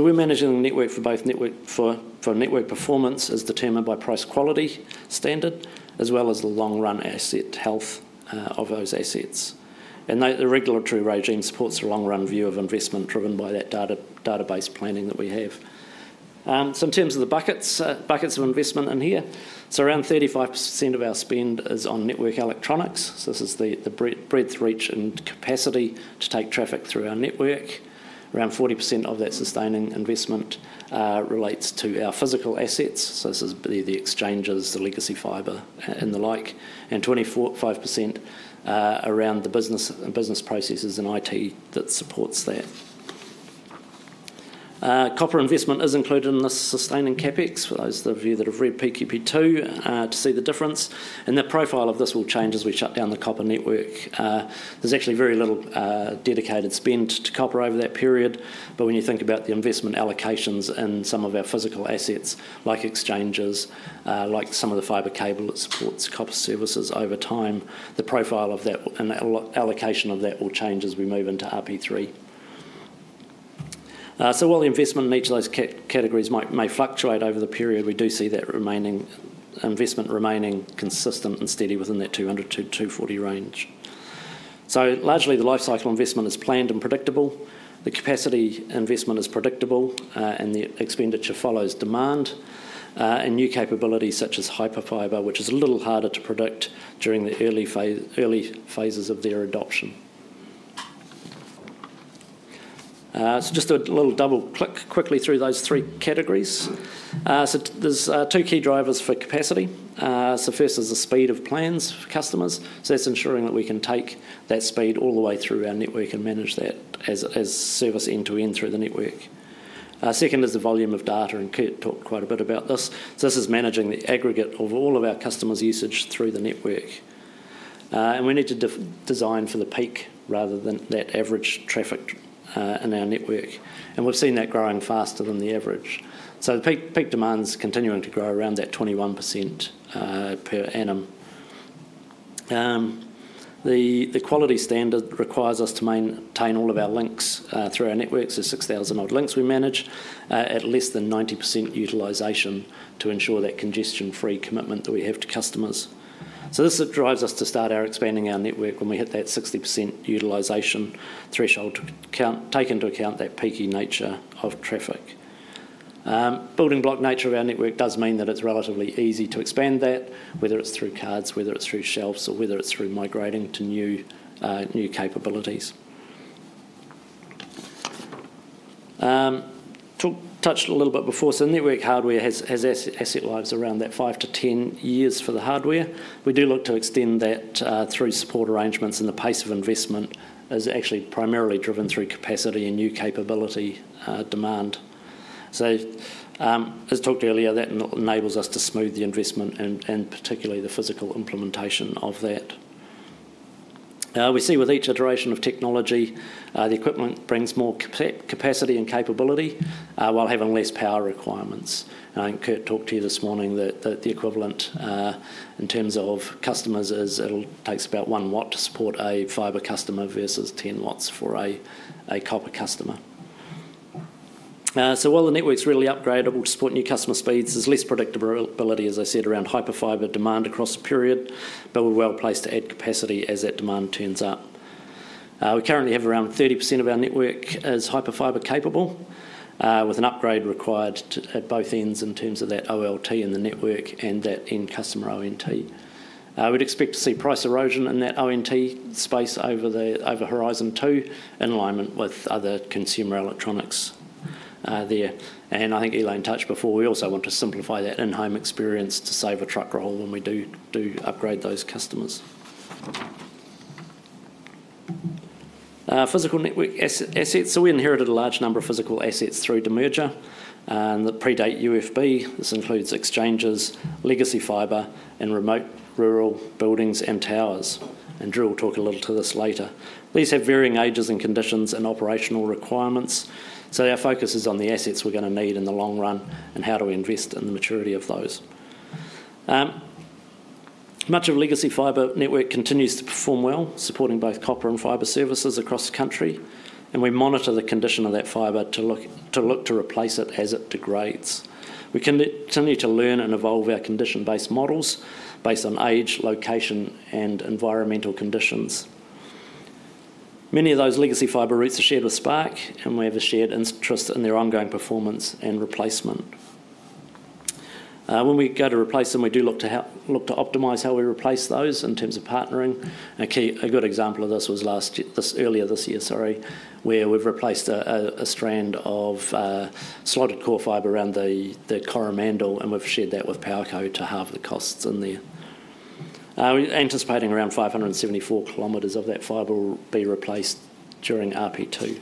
We're managing the network for both network performance as determined by price quality standard, as well as the long-run asset health of those assets. The regulatory regime supports a long-run view of investment driven by that data-based planning that we have. In terms of the buckets of investment in here, around 35% of our spend is on network electronics. This is the breadth, reach, and capacity to take traffic through our network. Around 40% of that sustaining investment relates to our physical assets. This is the exchanges, the legacy fibre, and the like. And 25% around the business processes and IT that supports that. Copper investment is included in this sustaining CapEx. For those of you that have read PQP2 to see the difference. And the profile of this will change as we shut down the copper network. There's actually very little dedicated spend to copper over that period. But when you think about the investment allocations in some of our physical assets, like exchanges, like some of the fibre cable that supports copper services over time, the profile of that and allocation of that will change as we move into RP3. So while the investment in each of those categories may fluctuate over the period, we do see that investment remaining consistent and steady within that 200-240 range. So largely, the life cycle investment is planned and predictable. The capacity investment is predictable, and the expenditure follows demand. And new capabilities such as Hyperfibre, which is a little harder to predict during the early phases of their adoption. So just a little double-click quickly through those three categories. So there's two key drivers for capacity. So first is the speed of plans for customers. So that's ensuring that we can take that speed all the way through our network and manage that as service end-to-end through the network. Second is the volume of data, and Kurt talked quite a bit about this. So this is managing the aggregate of all of our customers' usage through the network. And we need to design for the peak rather than that average traffic in our network. And we've seen that growing faster than the average. So peak demand's continuing to grow around that 21% per annum. The quality standard requires us to maintain all of our links through our networks. There's 6,000-odd links we manage at less than 90% utilization to ensure that congestion-free commitment that we have to customers. So this drives us to start expanding our network when we hit that 60% utilization threshold, taking into account that peaky nature of traffic. Building block nature of our network does mean that it's relatively easy to expand that, whether it's through cards, whether it's through shelves, or whether it's through migrating to new capabilities. Touched a little bit before. So network hardware has asset lives around that five to 10 years for the hardware. We do look to extend that through support arrangements, and the pace of investment is actually primarily driven through capacity and new capability demand. So as talked earlier, that enables us to smooth the investment and particularly the physical implementation of that. We see with each iteration of technology, the equipment brings more capacity and capability while having less power requirements. And Kurt talked to you this morning that the equivalent in terms of customers is it takes about one watt to support a fibre customer versus 10 watts for a copper customer. So while the network's really upgradable to support new customer speeds, there's less predictability, as I said, around Hyperfibre demand across a period, but we're well placed to add capacity as that demand turns up. We currently have around 30% of our network as Hyperfibre capable, with an upgrade required at both ends in terms of that OLT in the network and that in-customer ONT. We'd expect to see price erosion in that ONT space over Horizon 2 in alignment with other consumer electronics there, and I think Elaine touched before. We also want to simplify that in-home experience to save a truck roll when we do upgrade those customers. Physical network assets. So we inherited a large number of physical assets through Demerger that predate UFB. This includes exchanges, legacy fibre, and remote rural buildings and towers. And Drew will talk a little about this later. These have varying ages and conditions and operational requirements. So our focus is on the assets we're going to need in the long run and how do we invest in the maturity of those. Much of legacy fibre network continues to perform well, supporting both copper and fibre services across the country, and we monitor the condition of that fibre to look to replace it as it degrades. We continue to learn and evolve our condition-based models based on age, location, and environmental conditions. Many of those legacy fibre routes are shared with Spark, and we have a shared interest in their ongoing performance and replacement. When we go to replace them, we do look to optimize how we replace those in terms of partnering. A good example of this was earlier this year, sorry, where we've replaced a strand of slotted core fibre around the Coromandel, and we've shared that with Powerco to halve the costs in there. We're anticipating around 574 km of that fibre will be replaced during RP2.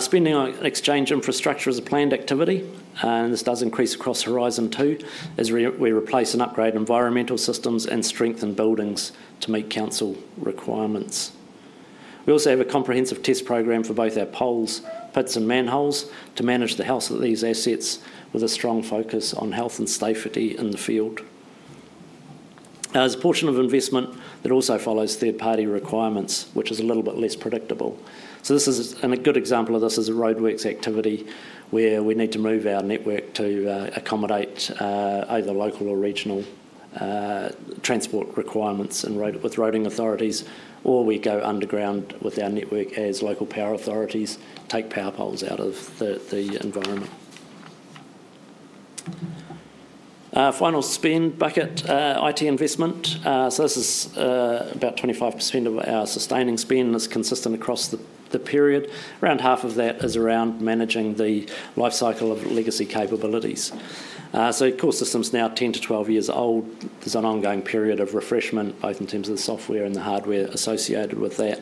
Spending on exchange infrastructure is a planned activity, and this does increase across Horizon 2 as we replace and upgrade environmental systems and strengthen buildings to meet council requirements. We also have a comprehensive test programme for both our poles, pits, and manholes to manage the health of these assets with a strong focus on health and safety in the field. There's a portion of investment that also follows third-party requirements, which is a little bit less predictable. So this is a good example of this as a roadworks activity where we need to move our network to accommodate either local or regional transport requirements with roading authorities, or we go underground with our network as local power authorities take power poles out of the environment. Final spend bucket, IT investment. So this is about 25% of our sustaining spend. It's consistent across the period. Around half of that is around managing the life cycle of legacy capabilities. So core systems now 10-12 years old. There's an ongoing period of refreshment, both in terms of the software and the hardware associated with that.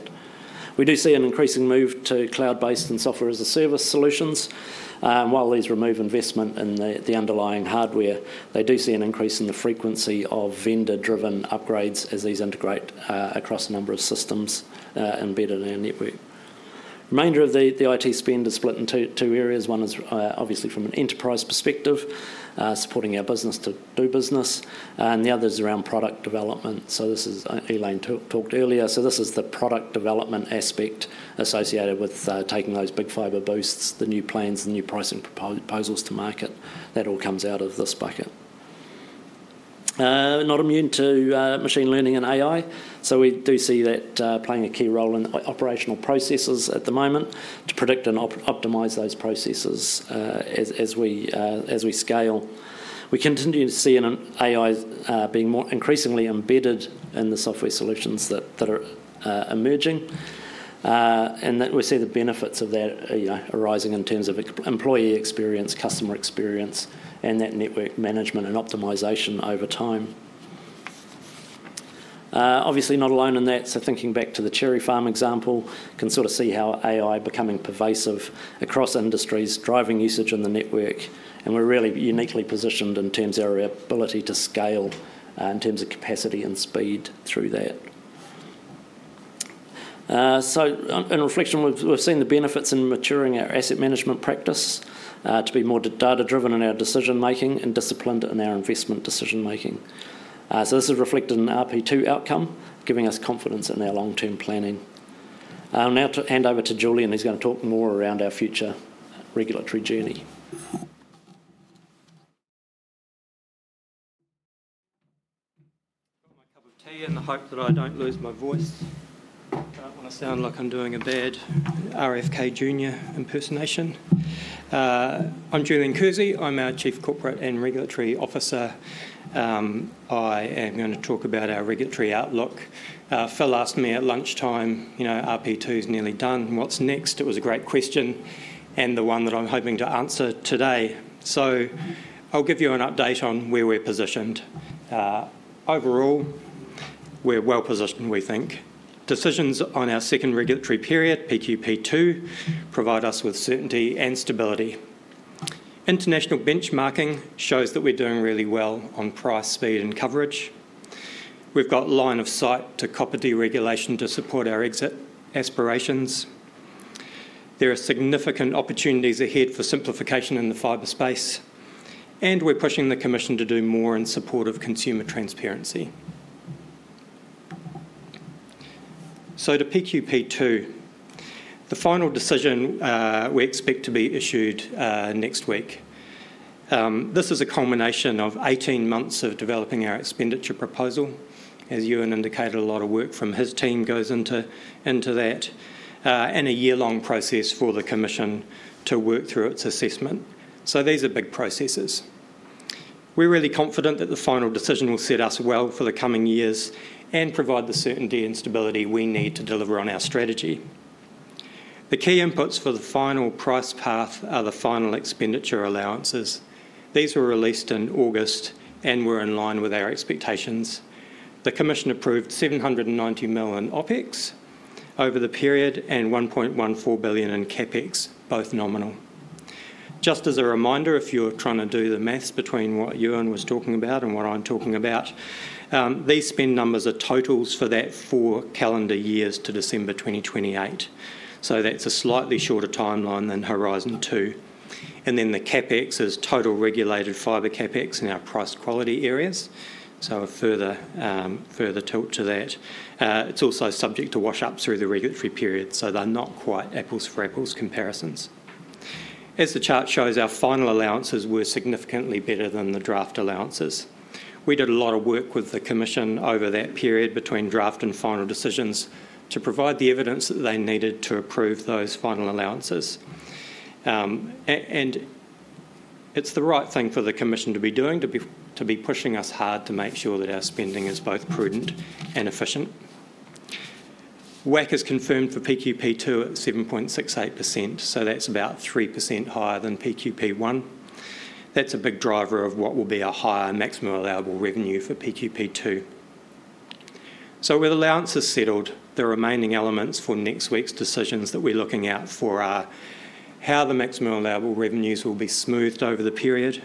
We do see an increasing move to cloud-based and software-as-a-service solutions. While these remove investment in the underlying hardware, they do see an increase in the frequency of vendor-driven upgrades as these integrate across a number of systems embedded in our network. The remainder of the IT spend is split into two areas. One is obviously from an enterprise perspective, supporting our business to do business. And the other is around product development. So this is Elaine talked earlier. So this is the product development aspect associated with taking those big Fibre Boosts, the new plans, and the new pricing proposals to market. That all comes out of this bucket. Not immune to machine learning and AI. So we do see that playing a key role in operational processes at the moment to predict and optimize those processes as we scale. We continue to see AI being more increasingly embedded in the software solutions that are emerging. And we see the benefits of that arising in terms of employee experience, customer experience, and that network management and optimization over time. Obviously, not alone in that. So thinking back to the cherry farm example, you can sort of see how AI is becoming pervasive across industries, driving usage in the network. And we're really uniquely positioned in terms of our ability to scale in terms of capacity and speed through that. So in reflection, we've seen the benefits in maturing our asset management practice to be more data-driven in our decision-making and disciplined in our investment decision-making. So this is reflected in RP2 outcome, giving us confidence in our long-term planning. I'll now hand over to Julian, and he's going to talk more around our future regulatory journey.
Got my cup of tea in the hope that I don't lose my voice. I don't want to sound like I'm doing a bad RFK Jr. impersonation. I'm Julian Kersey. I'm our Chief Corporate and Regulatory Officer. I am going to talk about our regulatory outlook. Phil asked me at lunchtime, "RP2 is nearly done. What's next?" It was a great question and the one that I'm hoping to answer today. So I'll give you an update on where we're positioned. Overall, we're well positioned, we think. Decisions on our second regulatory period, PQP2, provide us with certainty and stability. International benchmarking shows that we're doing really well on price, speed, and coverage. We've got line of sight to copper deregulation to support our exit aspirations. There are significant opportunities ahead for simplification in the fibre space, and we're pushing the commission to do more in support of consumer transparency, so to PQP2, the final decision we expect to be issued next week. This is a culmination of 18 months of developing our expenditure proposal. As Ewan indicated, a lot of work from his team goes into that and a year-long process for the commission to work through its assessment, so these are big processes. We're really confident that the final decision will set us well for the coming years and provide the certainty and stability we need to deliver on our strategy. The key inputs for the final price path are the final expenditure allowances. These were released in August and were in line with our expectations. The commission approved 790 million OpEx over the period and 1.14 billion in CapEx, both nominal. Just as a reminder, if you're trying to do the math between what Ewan was talking about and what I'm talking about, these spend numbers are totals for that four calendar years to December 2028. So that's a slightly shorter timeline than Horizon 2. And then the CapEx is total regulated fibre CapEx in our price quality areas. So a further tilt to that. It's also subject to wash-ups through the regulatory period, so they're not quite apples-for-apples comparisons. As the chart shows, our final allowances were significantly better than the draft allowances. We did a lot of work with the commission over that period between draft and final decisions to provide the evidence that they needed to approve those final allowances. It's the right thing for the commission to be doing, to be pushing us hard to make sure that our spending is both prudent and efficient. WACC is confirmed for PQP2 at 7.68%, so that's about 3% higher than PQP1. That's a big driver of what will be our higher maximum allowable revenue for PQP2. With allowances settled, the remaining elements for next week's decisions that we're looking out for are how the maximum allowable revenues will be smoothed over the period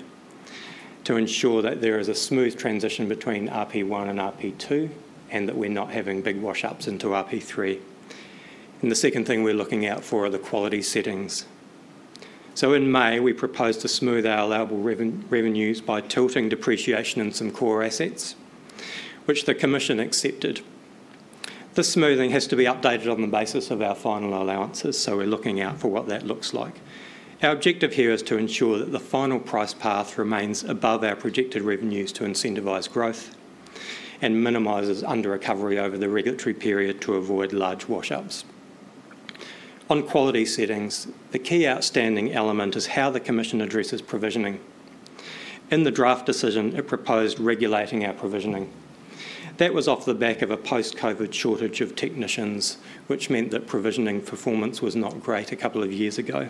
to ensure that there is a smooth transition between PQP1 and PQP2 and that we're not having big wash-ups into PQP3. The second thing we're looking out for are the quality settings. In May, we proposed to smooth our allowable revenues by tilting depreciation in some core assets, which the commission accepted. This smoothing has to be updated on the basis of our final allowances, so we're looking out for what that looks like. Our objective here is to ensure that the final price path remains above our projected revenues to incentivize growth and minimizes under-recovery over the regulatory period to avoid large wash-ups. On quality settings, the key outstanding element is how the commission addresses provisioning. In the draft decision, it proposed regulating our provisioning. That was off the back of a post-COVID shortage of technicians, which meant that provisioning performance was not great a couple of years ago.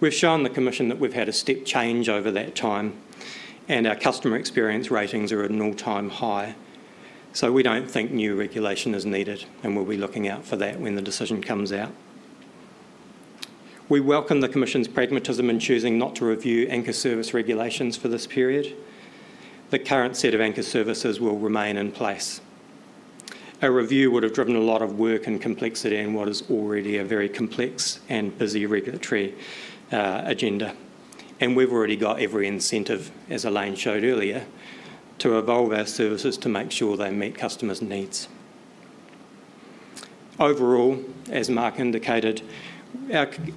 We've shown the commission that we've had a step change over that time, and our customer experience ratings are at an all-time high. So we don't think new regulation is needed, and we'll be looking out for that when the decision comes out. We welcome the commission's pragmatism in choosing not to review anchor service regulations for this period. The current set of anchor services will remain in place. A review would have driven a lot of work and complexity in what is already a very complex and busy regulatory agenda, and we've already got every incentive, as Elaine showed earlier, to evolve our services to make sure they meet customers' needs. Overall, as Mark indicated,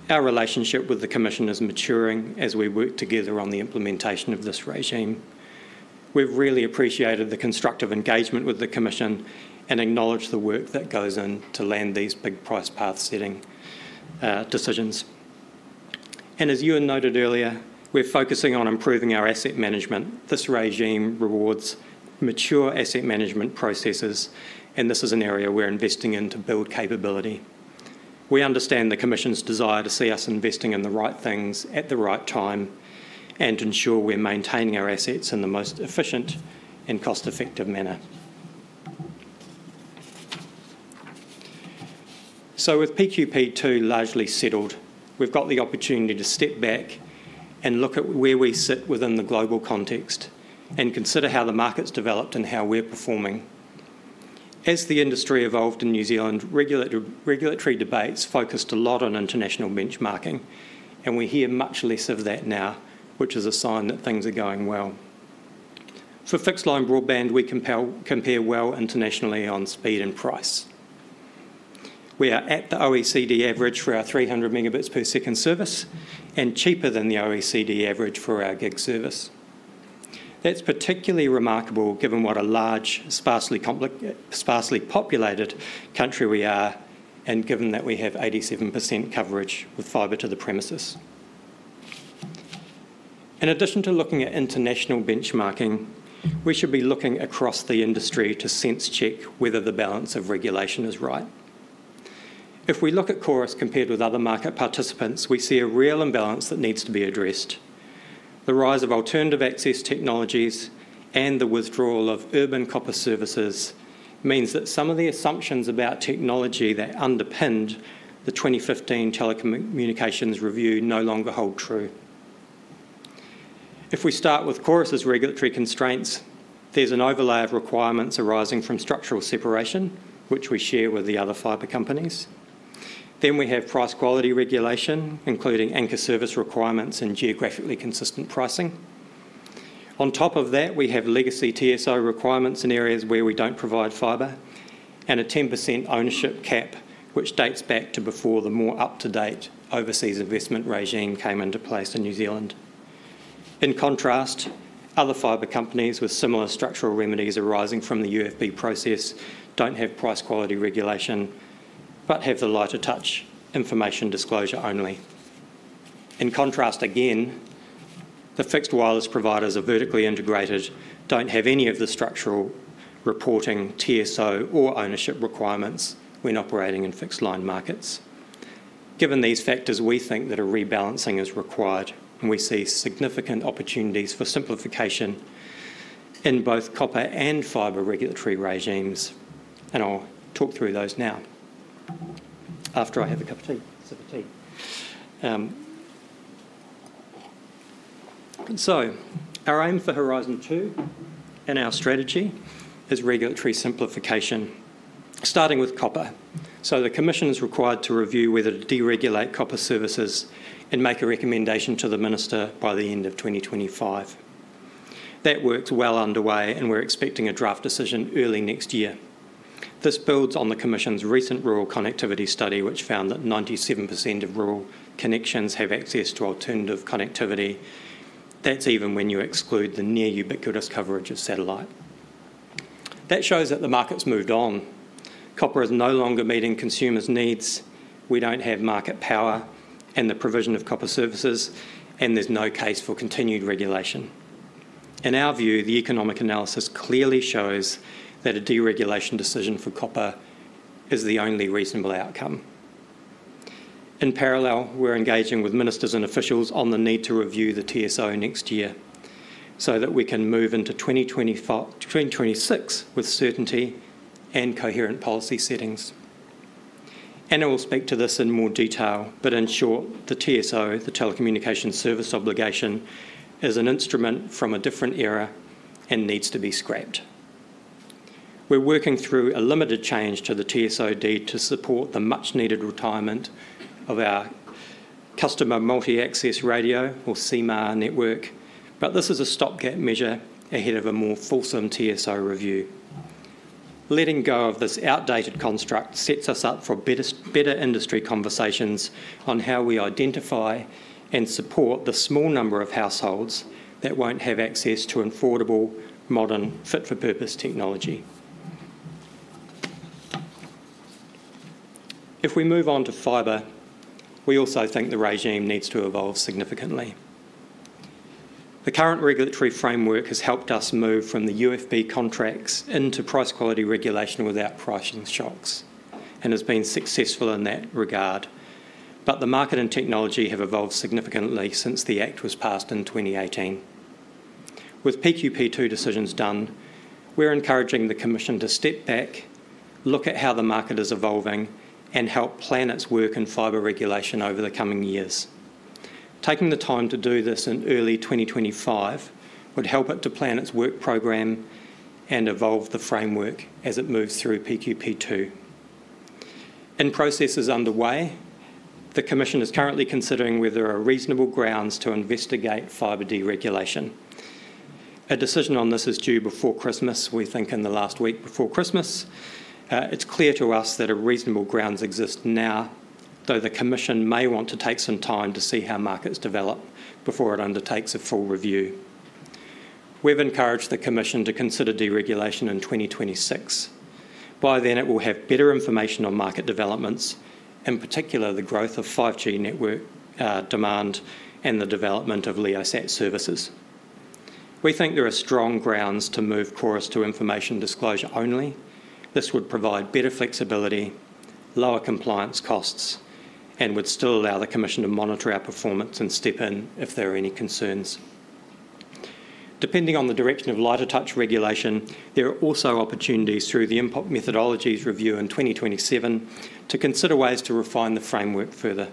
our relationship with the commission is maturing as we work together on the implementation of this regime. We've really appreciated the constructive engagement with the commission and acknowledge the work that goes in to land these big price path setting decisions, and as Ewen noted earlier, we're focusing on improving our asset management. This regime rewards mature asset management processes, and this is an area we're investing in to build capability. We understand the Commission's desire to see us investing in the right things at the right time and ensure we're maintaining our assets in the most efficient and cost-effective manner. So with PQP2 largely settled, we've got the opportunity to step back and look at where we sit within the global context and consider how the market's developed and how we're performing. As the industry evolved in New Zealand, regulatory debates focused a lot on international benchmarking, and we hear much less of that now, which is a sign that things are going well. For fixed-line broadband, we compare well internationally on speed and price. We are at the OECD average for our 300 megabits per second service and cheaper than the OECD average for our gig service. That's particularly remarkable given what a large, sparsely populated country we are and given that we have 87% coverage with fibre to the premises. In addition to looking at international benchmarking, we should be looking across the industry to sense-check whether the balance of regulation is right. If we look at Chorus compared with other market participants, we see a real imbalance that needs to be addressed. The rise of alternative access technologies and the withdrawal of urban copper services means that some of the assumptions about technology that underpinned the 2015 telecommunications review no longer hold true. If we start with Chorus's regulatory constraints, there's an overlay of requirements arising from structural separation, which we share with the other fibre companies. Then we have price quality regulation, including anchor service requirements and geographically consistent pricing. On top of that, we have legacy TSO requirements in areas where we don't provide fibre and a 10% ownership cap, which dates back to before the more up-to-date overseas investment regime came into place in New Zealand. In contrast, other fibre companies with similar structural remedies arising from the UFB process don't have price quality regulation but have the lighter touch information disclosure only. In contrast, again, the fixed wireless providers are vertically integrated, don't have any of the structural reporting TSO or ownership requirements when operating in fixed-line markets. Given these factors, we think that a rebalancing is required, and we see significant opportunities for simplification in both copper and fibre regulatory regimes. And I'll talk through those now after I have a cup of tea. So our aim for Horizon 2 and our strategy is regulatory simplification, starting with copper. The commission is required to review whether to deregulate copper services and make a recommendation to the Minister by the end of 2025. That work's well underway, and we're expecting a draft decision early next year. This builds on the commission's recent rural connectivity study, which found that 97% of rural connections have access to alternative connectivity. That's even when you exclude the near-ubiquitous coverage of satellite. That shows that the market's moved on. Copper is no longer meeting consumers' needs. We don't have market power and the provision of copper services, and there's no case for continued regulation. In our view, the economic analysis clearly shows that a deregulation decision for copper is the only reasonable outcome. In parallel, we're engaging with ministers and officials on the need to review the TSO next year so that we can move into 2026 with certainty and coherent policy settings. I will speak to this in more detail, but in short, the TSO, the Telecommunications Service Obligation, is an instrument from a different era and needs to be scrapped. We're working through a limited change to the TSO Deed to support the much-needed retirement of our Customer Multi-Access Radio or copper network, but this is a stopgap measure ahead of a more fulsome TSO review. Letting go of this outdated construct sets us up for better industry conversations on how we identify and support the small number of households that won't have access to affordable, modern, fit-for-purpose technology. If we move on to fibre, we also think the regime needs to evolve significantly. The current regulatory framework has helped us move from the UFB contracts into price quality regulation without pricing shocks and has been successful in that regard. But the market and technology have evolved significantly since the Act was passed in 2018. With PQP2 decisions done, we're encouraging the commission to step back, look at how the market is evolving, and help plan its work in fibre regulation over the coming years. Taking the time to do this in early 2025 would help it to plan its work programme and evolve the framework as it moves through PQP2. In processes underway, the commission is currently considering whether there are reasonable grounds to investigate fibre deregulation. A decision on this is due before Christmas, we think in the last week before Christmas. It's clear to us that reasonable grounds exist now, though the commission may want to take some time to see how markets develop before it undertakes a full review. We've encouraged the commission to consider deregulation in 2026. By then, it will have better information on market developments, in particular the growth of 5G network demand and the development of LEO satellite services. We think there are strong grounds to move Chorus to information disclosure only. This would provide better flexibility, lower compliance costs, and would still allow the commission to monitor our performance and step in if there are any concerns. Depending on the direction of lighter touch regulation, there are also opportunities through the IM/PQP methodologies review in 2027 to consider ways to refine the framework further.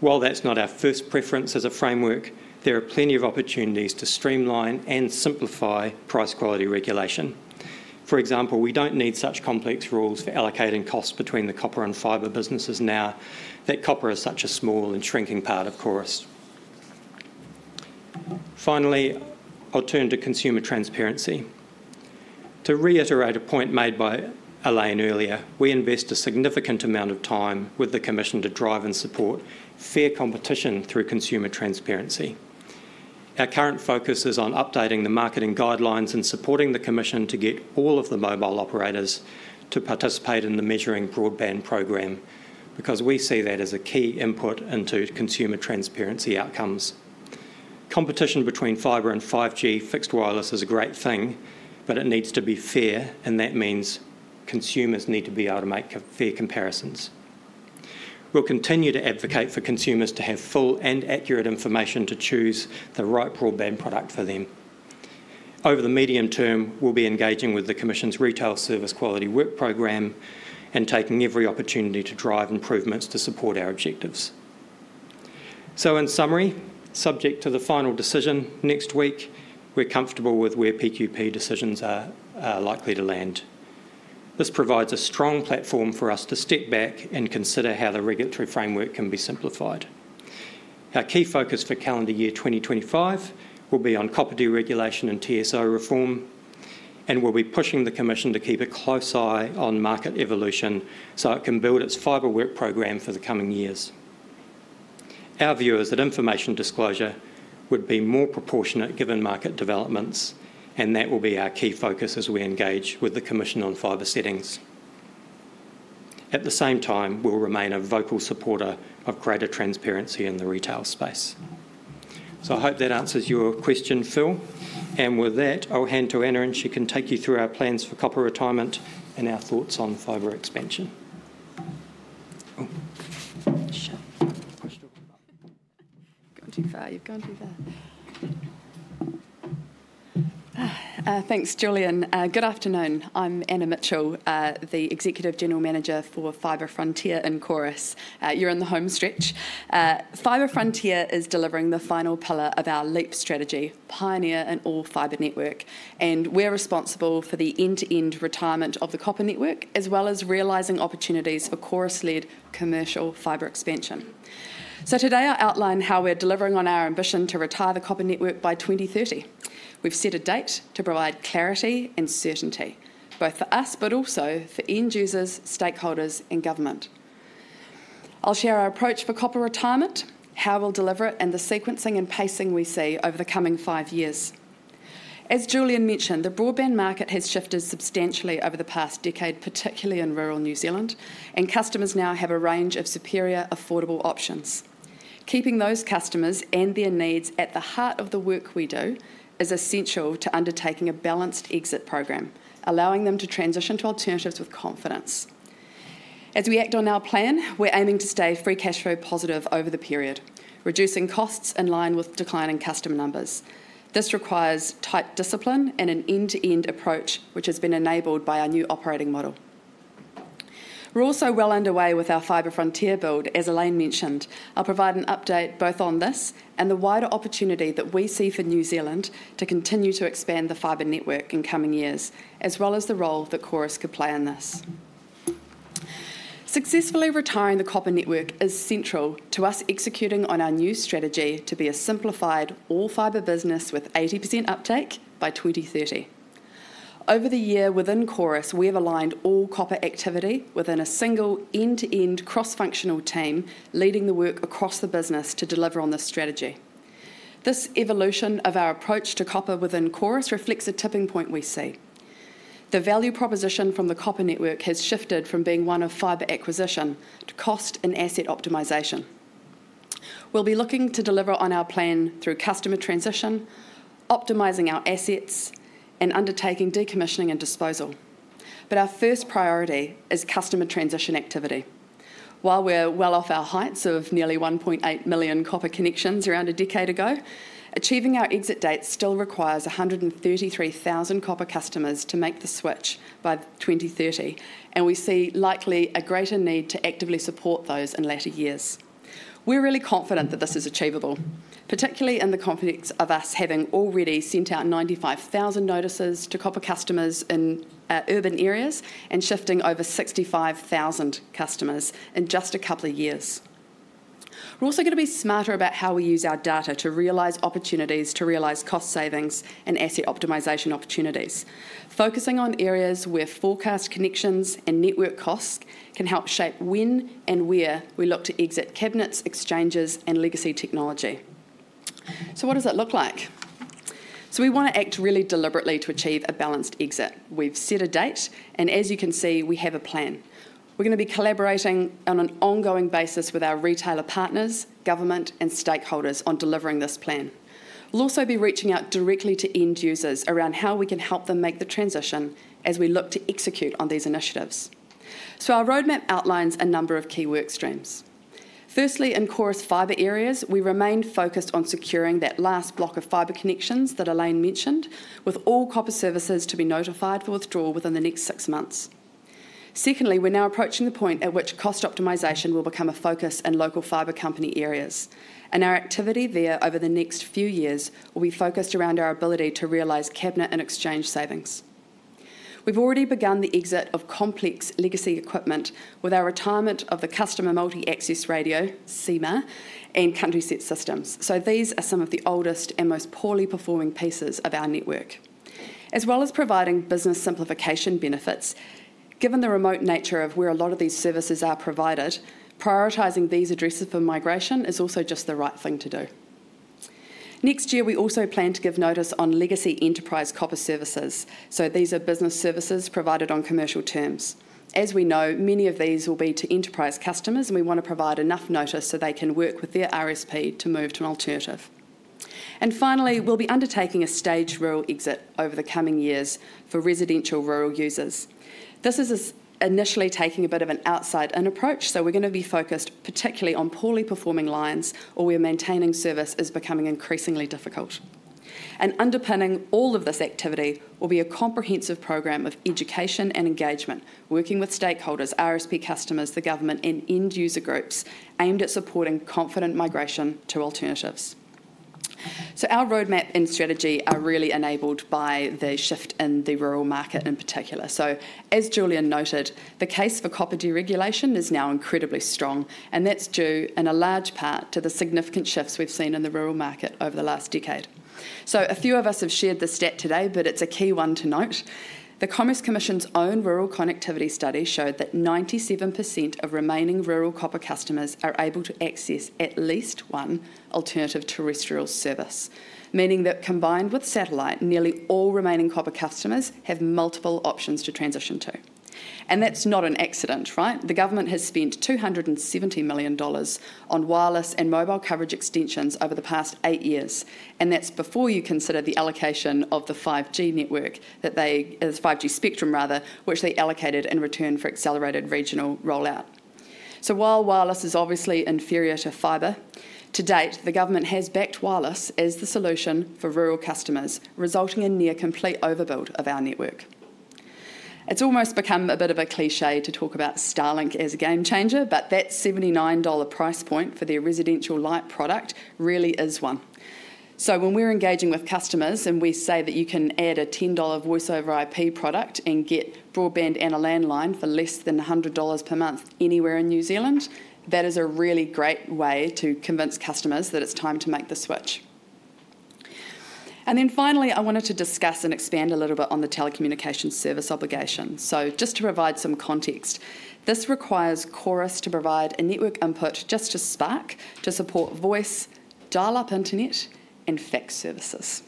While that's not our first preference as a framework, there are plenty of opportunities to streamline and simplify price quality regulation. For example, we don't need such complex rules for allocating costs between the copper and fibre businesses now that copper is such a small and shrinking part of Chorus. Finally, I'll turn to consumer transparency. To reiterate a point made by Elaine earlier, we invest a significant amount of time with the commission to drive and support fair competition through consumer transparency. Our current focus is on updating the marketing guidelines and supporting the commission to get all of the mobile operators to participate in the measuring broadband programme because we see that as a key input into consumer transparency outcomes. Competition between fibre and 5G fixed wireless is a great thing, but it needs to be fair, and that means consumers need to be able to make fair comparisons. We'll continue to advocate for consumers to have full and accurate information to choose the right broadband product for them. Over the medium term, we'll be engaging with the commission's retail service quality work programme and taking every opportunity to drive improvements to support our objectives. So in summary, subject to the final decision next week, we're comfortable with where PQP decisions are likely to land. This provides a strong platform for us to step back and consider how the regulatory framework can be simplified. Our key focus for calendar year 2025 will be on copper deregulation and TSO reform, and we'll be pushing the commission to keep a close eye on market evolution so it can build its fibre work programme for the coming years. Our view is that information disclosure would be more proportionate given market developments, and that will be our key focus as we engage with the commission on fibre settings. At the same time, we'll remain a vocal supporter of greater transparency in the retail space. So I hope that answers your question, Phil. With that, I'll hand to Anna, and she can take you through our plans for copper retirement and our thoughts on fibre expansion.
Thanks, Julian. Good afternoon. I'm Anna Mitchell, the Executive General Manager for Fibre Frontier and Chorus. Fibre Frontier is delivering the final pillar of our LEAP strategy, Pioneer and All fibre Network, and we're responsible for the end-to-end retirement of the copper network as well as realizing opportunities for Chorus-led commercial fibre expansion. Today, I'll outline how we're delivering on our ambition to retire the copper network by 2030. We've set a date to provide clarity and certainty, both for us but also for end users, stakeholders, and government. I'll share our approach for copper retirement, how we'll deliver it, and the sequencing and pacing we see over the coming five years. As Julian mentioned, the broadband market has shifted substantially over the past decade, particularly in rural New Zealand, and customers now have a range of superior affordable options. Keeping those customers and their needs at the heart of the work we do is essential to undertaking a balanced exit programme, allowing them to transition to alternatives with confidence. As we Act on our plan, we're aiming to stay free cash flow positive over the period, reducing costs in line with declining customer numbers. This requires tight discipline and an end-to-end approach, which has been enabled by our new operating model. We're also well underway with our Fibre Frontier build, as Elaine mentioned. I'll provide an update both on this and the wider opportunity that we see for New Zealand to continue to expand the fibre network in coming years, as well as the role that Chorus could play in this. Successfully retiring the copper network is central to us executing on our new strategy to be a simplified all-fibre business with 80% uptake by 2030. Over the year within Chorus, we have aligned all copper activity within a single end-to-end cross-functional team leading the work across the business to deliver on this strategy. This evolution of our approach to copper within Chorus reflects a tipping point we see. The value proposition from the copper network has shifted from being one of fibre acquisition to cost and asset optimization. We'll be looking to deliver on our plan through customer transition, optimizing our assets, and undertaking decommissioning and disposal. But our first priority is customer transition activity. While we're well off our heights of nearly 1.8 million copper connections around a decade ago, achieving our exit date still requires 133,000 copper customers to make the switch by 2030, and we see likely a greater need to actively support those in later years. We're really confident that this is achievable, particularly in the context of us having already sent out 95,000 notices to copper customers in urban areas and shifting over 65,000 customers in just a couple of years. We're also going to be smarter about how we use our data to realize opportunities to realize cost savings and asset optimization opportunities, focusing on areas where forecast connections and network costs can help shape when and where we look to exit cabinets, exchanges, and legacy technology. So what does that look like? So we want to Act really deliberately to achieve a balanced exit. We've set a date, and as you can see, we have a plan. We're going to be collaborating on an ongoing basis with our retailer partners, government, and stakeholders on delivering this plan. We'll also be reaching out directly to end users around how we can help them make the transition as we look to execute on these initiatives. So our roadmap outlines a number of key work streams. Firstly, in Chorus fibre areas, we remain focused on securing that last block of fibre connections that Elaine mentioned, with all copper services to be notified for withdrawal within the next six months. Secondly, we're now approaching the point at which cost optimization will become a focus in Local Fibre Company areas, and our activity there over the next few years will be focused around our ability to realize cabinet and exchange savings. We've already begun the exit of complex legacy equipment with our retirement of the Customer Multi-Access Radio, copper, and Country Set Systems. So these are some of the oldest and most poorly performing pieces of our network. As well as providing business simplification benefits, given the remote nature of where a lot of these services are provided, prioritizing these addresses for migration is also just the right thing to do. Next year, we also plan to give notice on legacy enterprise copper services. So these are business services provided on commercial terms. As we know, many of these will be to enterprise customers, and we want to provide enough notice so they can work with their RSP to move to an alternative. And finally, we'll be undertaking a staged rural exit over the coming years for residential rural users. This is initially taking a bit of an outside-in approach, so we're going to be focused particularly on poorly performing lines or where maintaining service is becoming increasingly difficult. Underpinning all of this activity will be a comprehensive programme of education and engagement, working with stakeholders, RSP customers, the government, and end user groups aimed at supporting confident migration to alternatives. Our roadmap and strategy are really enabled by the shift in the rural market in particular. As Julian noted, the case for copper deregulation is now incredibly strong, and that's due in a large part to the significant shifts we've seen in the rural market over the last decade. A few of us have shared the stat today, but it's a key one to note. The Commerce Commission's own rural connectivity study showed that 97% of remaining rural copper customers are able to access at least one alternative terrestrial service, meaning that combined with satellite, nearly all remaining copper customers have multiple options to transition to. That's not an accident, right? The government has spent 270 million dollars on wireless and mobile coverage extensions over the past eight years, and that's before you consider the allocation of the 5G network that they 5G spectrum, rather, which they allocated in return for accelerated regional rollout. While wireless is obviously inferior to fibre, to date, the government has backed wireless as the solution for rural customers, resulting in near complete overbuild of our network. It's almost become a bit of a cliché to talk about Starlink as a game changer, but that $79 price point for their Residential Lite product really is one. When we're engaging with customers and we say that you can add a 10 dollar Voice over IP product and get broadband and a landline for less than 100 dollars per month anywhere in New Zealand, that is a really great way to convince customers that it's time to make the switch. Then finally, I wanted to discuss and expand a little bit on the Telecommunications Service Obligation. Just to provide some context, this requires Chorus to provide a network input service to Spark to support voice, dial-up internet, and fax services.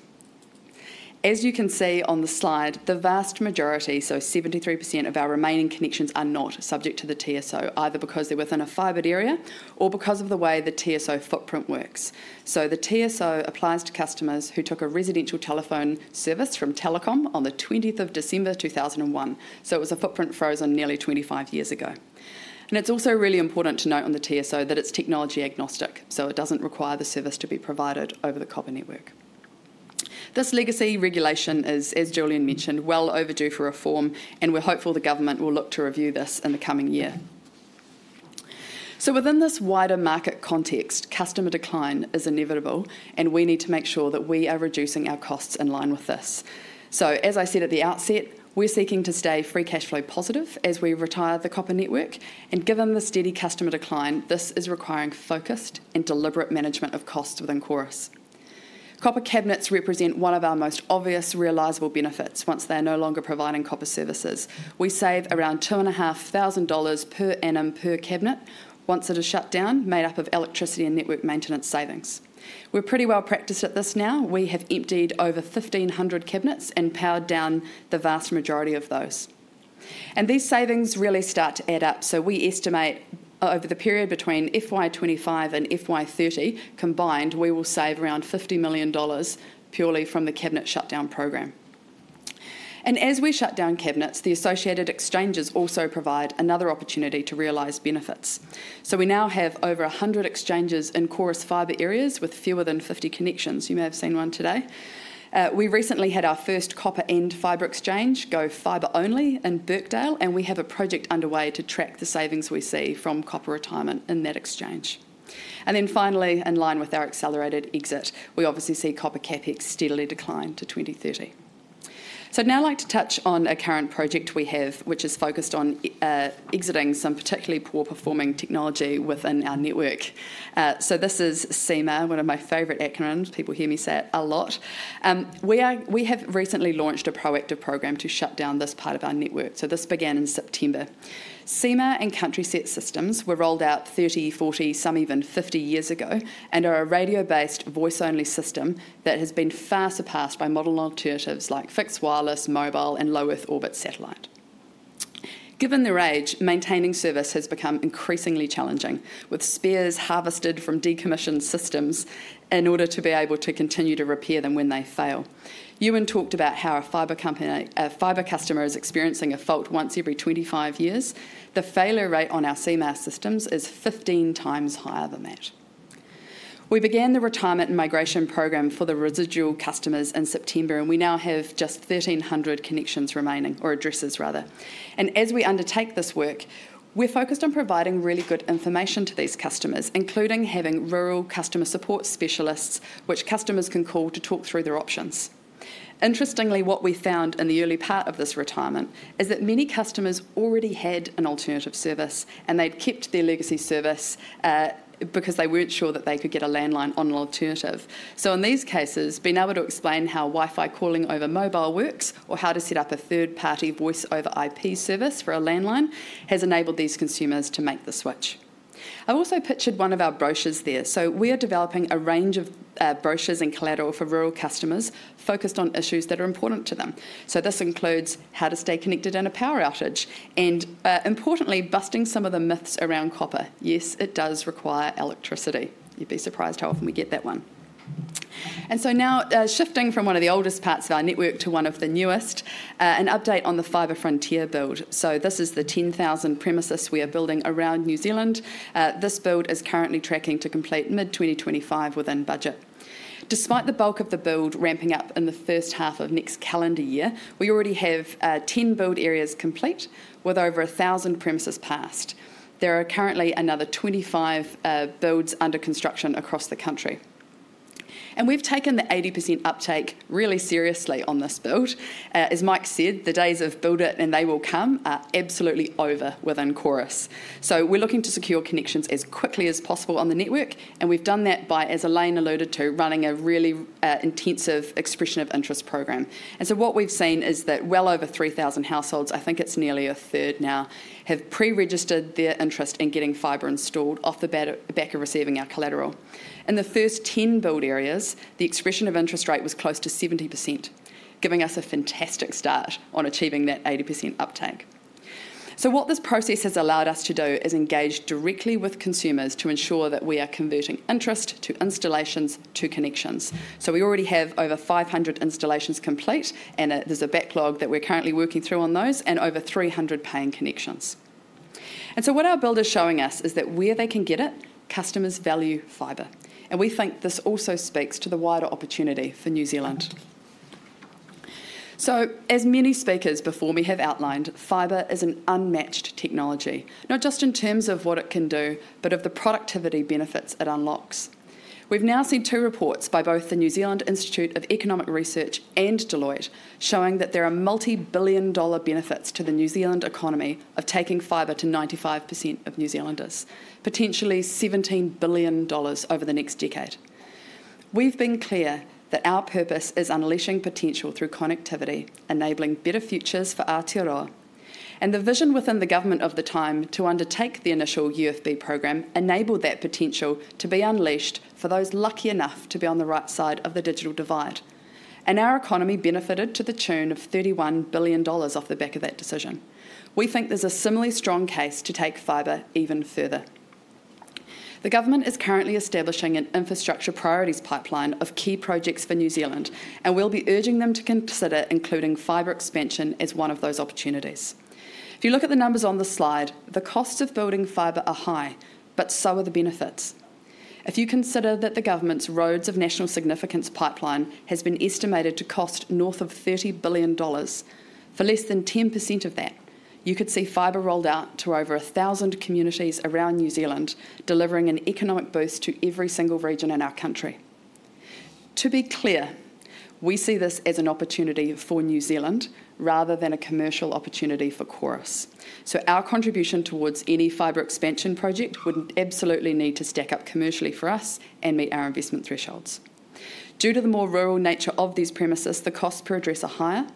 As you can see on the slide, the vast majority, so 73% of our remaining connections are not subject to the TSO, either because they're within a fibreed area or because of the way the TSO footprint works. The TSO applies to customers who took a residential telephone service from Telecom on the 20th of December 2001. It was a footprint frozen nearly 25 years ago. It's also really important to note on the TSO that it's technology agnostic, so it doesn't require the service to be provided over the copper network. This legacy regulation is, as Julian mentioned, well overdue for reform, and we're hopeful the government will look to review this in the coming year. Within this wider market context, customer decline is inevitable, and we need to make sure that we are reducing our costs in line with this. As I said at the outset, we're seeking to stay free cash flow positive as we retire the copper network, and given the steady customer decline, this is requiring focused and deliberate management of costs within Chorus. Copper cabinets represent one of our most obvious realizable benefits once they are no longer providing copper services. We save around 2,500 dollars per annum per cabinet once it is shut down, made up of electricity and network maintenance savings. We're pretty well practiced at this now. We have emptied over 1,500 cabinets and powered down the vast majority of those. These savings really start to add up. We estimate over the period between FY25 and FY30 combined, we will save around 50 million dollars purely from the cabinet shutdown programme. As we shut down cabinets, the associated exchanges also provide another opportunity to realize benefits. We now have over 100 exchanges in Chorus fibre areas with fewer than 50 connections. You may have seen one today. We recently had our first copper-and-fibre exchange go fibre-only in Birkdale, and we have a project underway to track the savings we see from copper retirement in that exchange. Then finally, in line with our accelerated exit, we obviously see copper CapEx steadily decline to 2030. Now I'd like to touch on a current project we have, which is focused on exiting some particularly poor-performing technology within our network. This is copper, one of my favorite acronyms. People hear me say it a lot. We have recently launched a proactive programme to shut down this part of our network. This began in September. copper and Country Set Systems were rolled out 30, 40, some even 50 years ago and are a radio-based voice-only system that has been far surpassed by modern alternatives like fixed wireless, mobile, and low-earth orbit satellite. Given their age, maintaining service has become increasingly challenging, with spares harvested from decommissioned systems in order to be able to continue to repair them when they fail. Ewan talked about how a fibre customer is experiencing a fault once every 25 years. The failure rate on our copper systems is 15 times higher than that. We began the retirement and migration programme for the residual customers in September, and we now have just 1,300 connections remaining or addresses, rather, and as we undertake this work, we're focused on providing really good information to these customers, including having rural customer support specialists, which customers can call to talk through their options. Interestingly, what we found in the early part of this retirement is that many customers already had an alternative service, and they'd kept their legacy service because they weren't sure that they could get a landline on an alternative. So in these cases, being able to explain how Wi-Fi calling over mobile works or how to set up a third-party voice-over IP service for a landline has enabled these consumers to make the switch. I also pictured one of our brochures there. So we are developing a range of brochures and collateral for rural customers focused on issues that are important to them. So this includes how to stay connected in a power outage and, importantly, busting some of the myths around copper. Yes, it does require electricity. You'd be surprised how often we get that one. And so now shifting from one of the oldest parts of our network to one of the newest, an update on the Fibre Frontier build. So this is the 10,000 premises we are building around New Zealand. This build is currently tracking to complete mid-2025 within budget. Despite the bulk of the build ramping up in the first half of next calendar year, we already have 10 build areas complete with over 1,000 premises passed. There are currently another 25 builds under construction across the country. And we've taken the 80% uptake really seriously on this build. As Mike said, the days of build it and they will come are absolutely over within Chorus. So we're looking to secure connections as quickly as possible on the network, and we've done that by, as Elaine alluded to, running a really intensive expression of interest programme. And so what we've seen is that well over 3,000 households, I think it's nearly a third now, have pre-registered their interest in getting fibre installed off the back of receiving our collateral. In the first 10 build areas, the expression of interest rate was close to 70%, giving us a fantastic start on achieving that 80% uptake, so what this process has allowed us to do is engage directly with consumers to ensure that we are converting interest to installations to connections, so we already have over 500 installations complete, and there's a backlog that we're currently working through on those, and over 300 paying connections, and so what our build is showing us is that where they can get it, customers value fibre, and we think this also speaks to the wider opportunity for New Zealand, so as many speakers before me have outlined, fibre is an unmatched technology, not just in terms of what it can do, but of the productivity benefits it unlocks. We've now seen two reports by both the New Zealand Institute of Economic Research and Deloitte showing that there are multi-billion dollar benefits to the New Zealand economy of taking fibre to 95% of New Zealanders, potentially 17 billion dollars over the next decade. We've been clear that our purpose is unleashing potential through connectivity, enabling better futures for Aotearoa. And the vision within the government of the time to undertake the initial UFB programme enabled that potential to be unleashed for those lucky enough to be on the right side of the digital divide. And our economy benefited to the tune of 31 billion dollars off the back of that decision. We think there's a similarly strong case to take fibre even further. The government is currently establishing an infrastructure priorities pipeline of key projects for New Zealand and will be urging them to consider including fibre expansion as one of those opportunities. If you look at the numbers on the slide, the costs of building fibre are high, but so are the benefits. If you consider that the government's Roads of National Significance pipeline has been estimated to cost north of 30 billion dollars, for less than 10% of that, you could see fibre rolled out to over 1,000 communities around New Zealand, delivering an economic boost to every single region in our country. To be clear, we see this as an opportunity for New Zealand rather than a commercial opportunity for Chorus. So our contribution towards any fibre expansion project would absolutely need to stack up commercially for us and meet our investment thresholds. Due to the more rural nature of these premises, the costs per address are higher,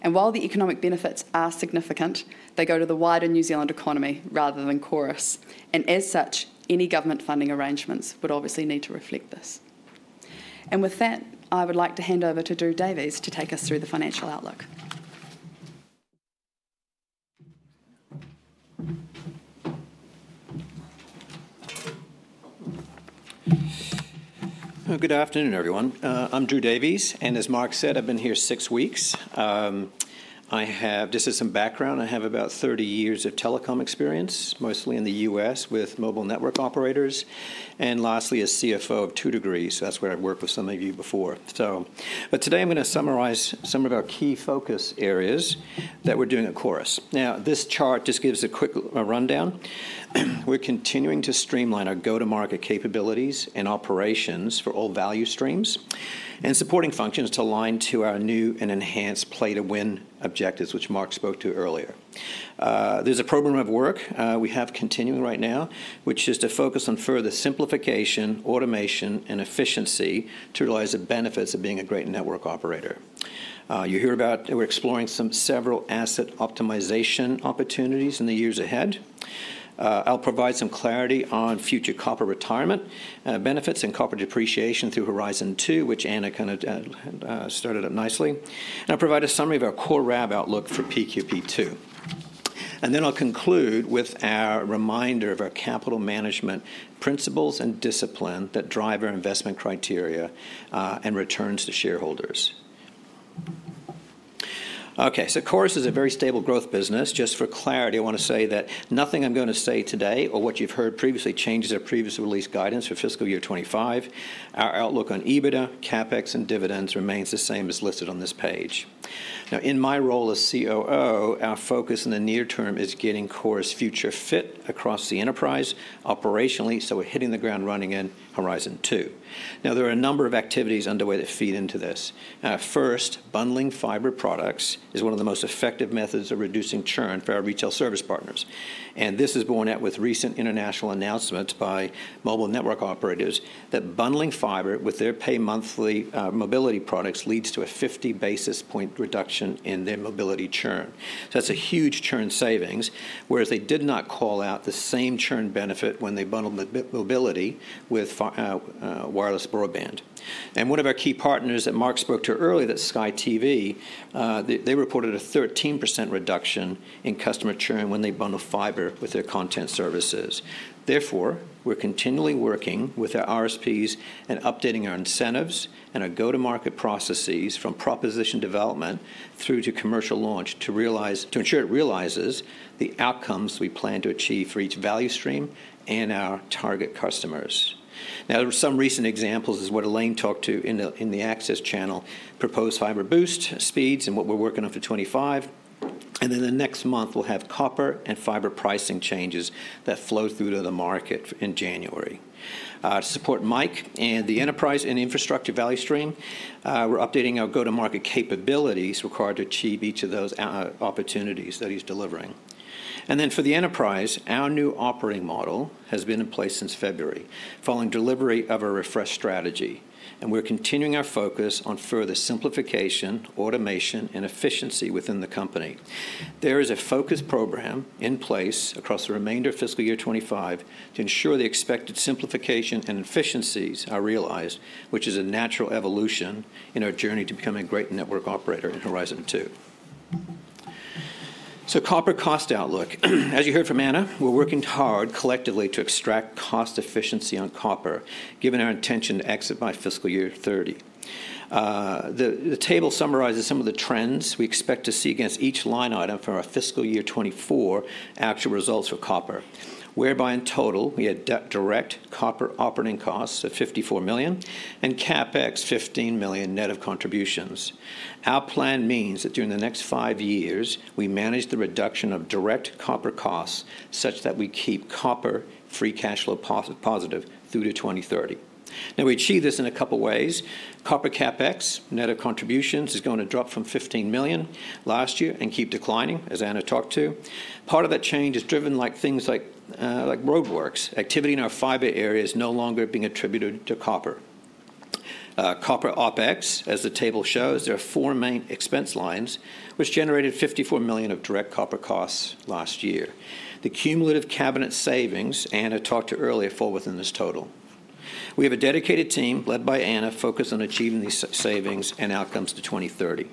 and while the economic benefits are significant, they go to the wider New Zealand economy rather than Chorus. And as such, any government funding arrangements would obviously need to reflect this. And with that, I would like to hand over to Drew Davies to take us through the financial outlook.
Good afternoon, everyone. I'm Drew Davies, and as Mark said, I've been here six weeks. Just as some background, I have about 30 years of telecom experience, mostly in the U.S. with mobile network operators, and lastly, a CFO of 2degrees. That's where I've worked with some of you before. But today, I'm going to summarize some of our key focus areas that we're doing at Chorus. Now, this chart just gives a quick rundown. We're continuing to streamline our go-to-market capabilities and operations for all value streams and supporting functions to align to our new and enhanced play-to-win objectives, which Mark spoke to earlier. There's a programme of work we have continuing right now, which is to focus on further simplification, automation, and efficiency to realize the benefits of being a great network operator. You hear about we're exploring several asset optimization opportunities in the years ahead. I'll provide some clarity on future copper retirement benefits and copper depreciation through Horizon 2, which Anna kind of started up nicely. And I'll provide a summary of our core RAB outlook for PQP2. And then I'll conclude with our reminder of our capital management principles and discipline that drive our investment criteria and returns to shareholders. Okay, so Chorus is a very stable growth business. Just for clarity, I want to say that nothing I'm going to say today or what you've heard previously changes our previously released guidance for fiscal year 2025. Our outlook on EBITDA, CapEx, and dividends remains the same as listed on this page. Now, in my role as COO, our focus in the near term is getting Chorus future fit across the enterprise operationally, so we're hitting the ground running in Horizon 2. Now, there are a number of activities underway that feed into this. First, bundling fibre products is one of the most effective methods of reducing churn for our retail service partners. And this is born out with recent international announcements by mobile network operators that bundling fibre with their pay-monthly mobility products leads to a 50 basis point reduction in their mobility churn. So that's a huge churn savings, whereas they did not call out the same churn benefit when they bundled mobility with wireless broadband. And one of our key partners that Mark spoke to earlier, that's Sky TV, they reported a 13% reduction in customer churn when they bundle fibre with their content services. Therefore, we're continually working with our RSPs and updating our incentives and our go-to-market processes from proposition development through to commercial launch to ensure it realizes the outcomes we plan to achieve for each value stream and our target customers. Now, some recent examples is what Elaine talked to in the Access Channel, proposed Fibre Boost speeds and what we're working on for 25, and then the next month, we'll have copper and fibre pricing changes that flow through to the market in January. To support Mike and the enterprise and infrastructure value stream, we're updating our go-to-market capabilities required to achieve each of those opportunities that he's delivering, and then for the enterprise, our new operating model has been in place since February, following delivery of our refresh strategy. We're continuing our focus on further simplification, automation, and efficiency within the company. There is a focus programme in place across the remainder of fiscal year 25 to ensure the expected simplification and efficiencies are realized, which is a natural evolution in our journey to becoming a great network operator in Horizon 2. So copper cost outlook. As you heard from Anna, we're working hard collectively to extract cost efficiency on copper, given our intention to exit by fiscal year 30. The table summarizes some of the trends we expect to see against each line item for our fiscal year 24 actual results for copper, whereby in total, we had direct copper operating costs of 54 million and CapEx 15 million net of contributions. Our plan means that during the next five years, we manage the reduction of direct copper costs such that we keep copper free cash flow positive through to 2030. Now, we achieve this in a couple of ways. Copper CapEx, net of contributions, is going to drop from 15 million last year and keep declining, as Anna talked to. Part of that change is driven like things like roadworks, activity in our fibre areas no longer being attributed to copper. Copper OpEx, as the table shows, there are four main expense lines, which generated 54 million of direct copper costs last year. The cumulative cabinet savings Anna talked to earlier fall within this total. We have a dedicated team led by Anna focused on achieving these savings and outcomes to 2030.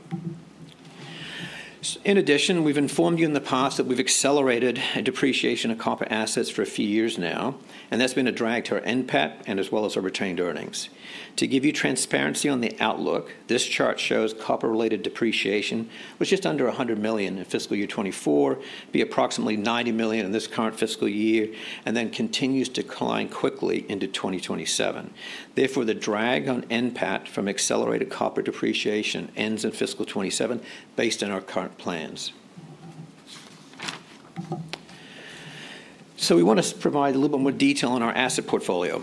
In addition, we've informed you in the past that we've accelerated depreciation of copper assets for a few years now, and that's been a drag to our NPAT and as well as our retained earnings. To give you transparency on the outlook, this chart shows copper-related depreciation, which is under 100 million in fiscal year 2024, be approximately 90 million in this current fiscal year, and then continues to decline quickly into 2027. Therefore, the drag on NPAT from accelerated copper depreciation ends in fiscal 2027 based on our current plans. So we want to provide a little bit more detail on our asset portfolio,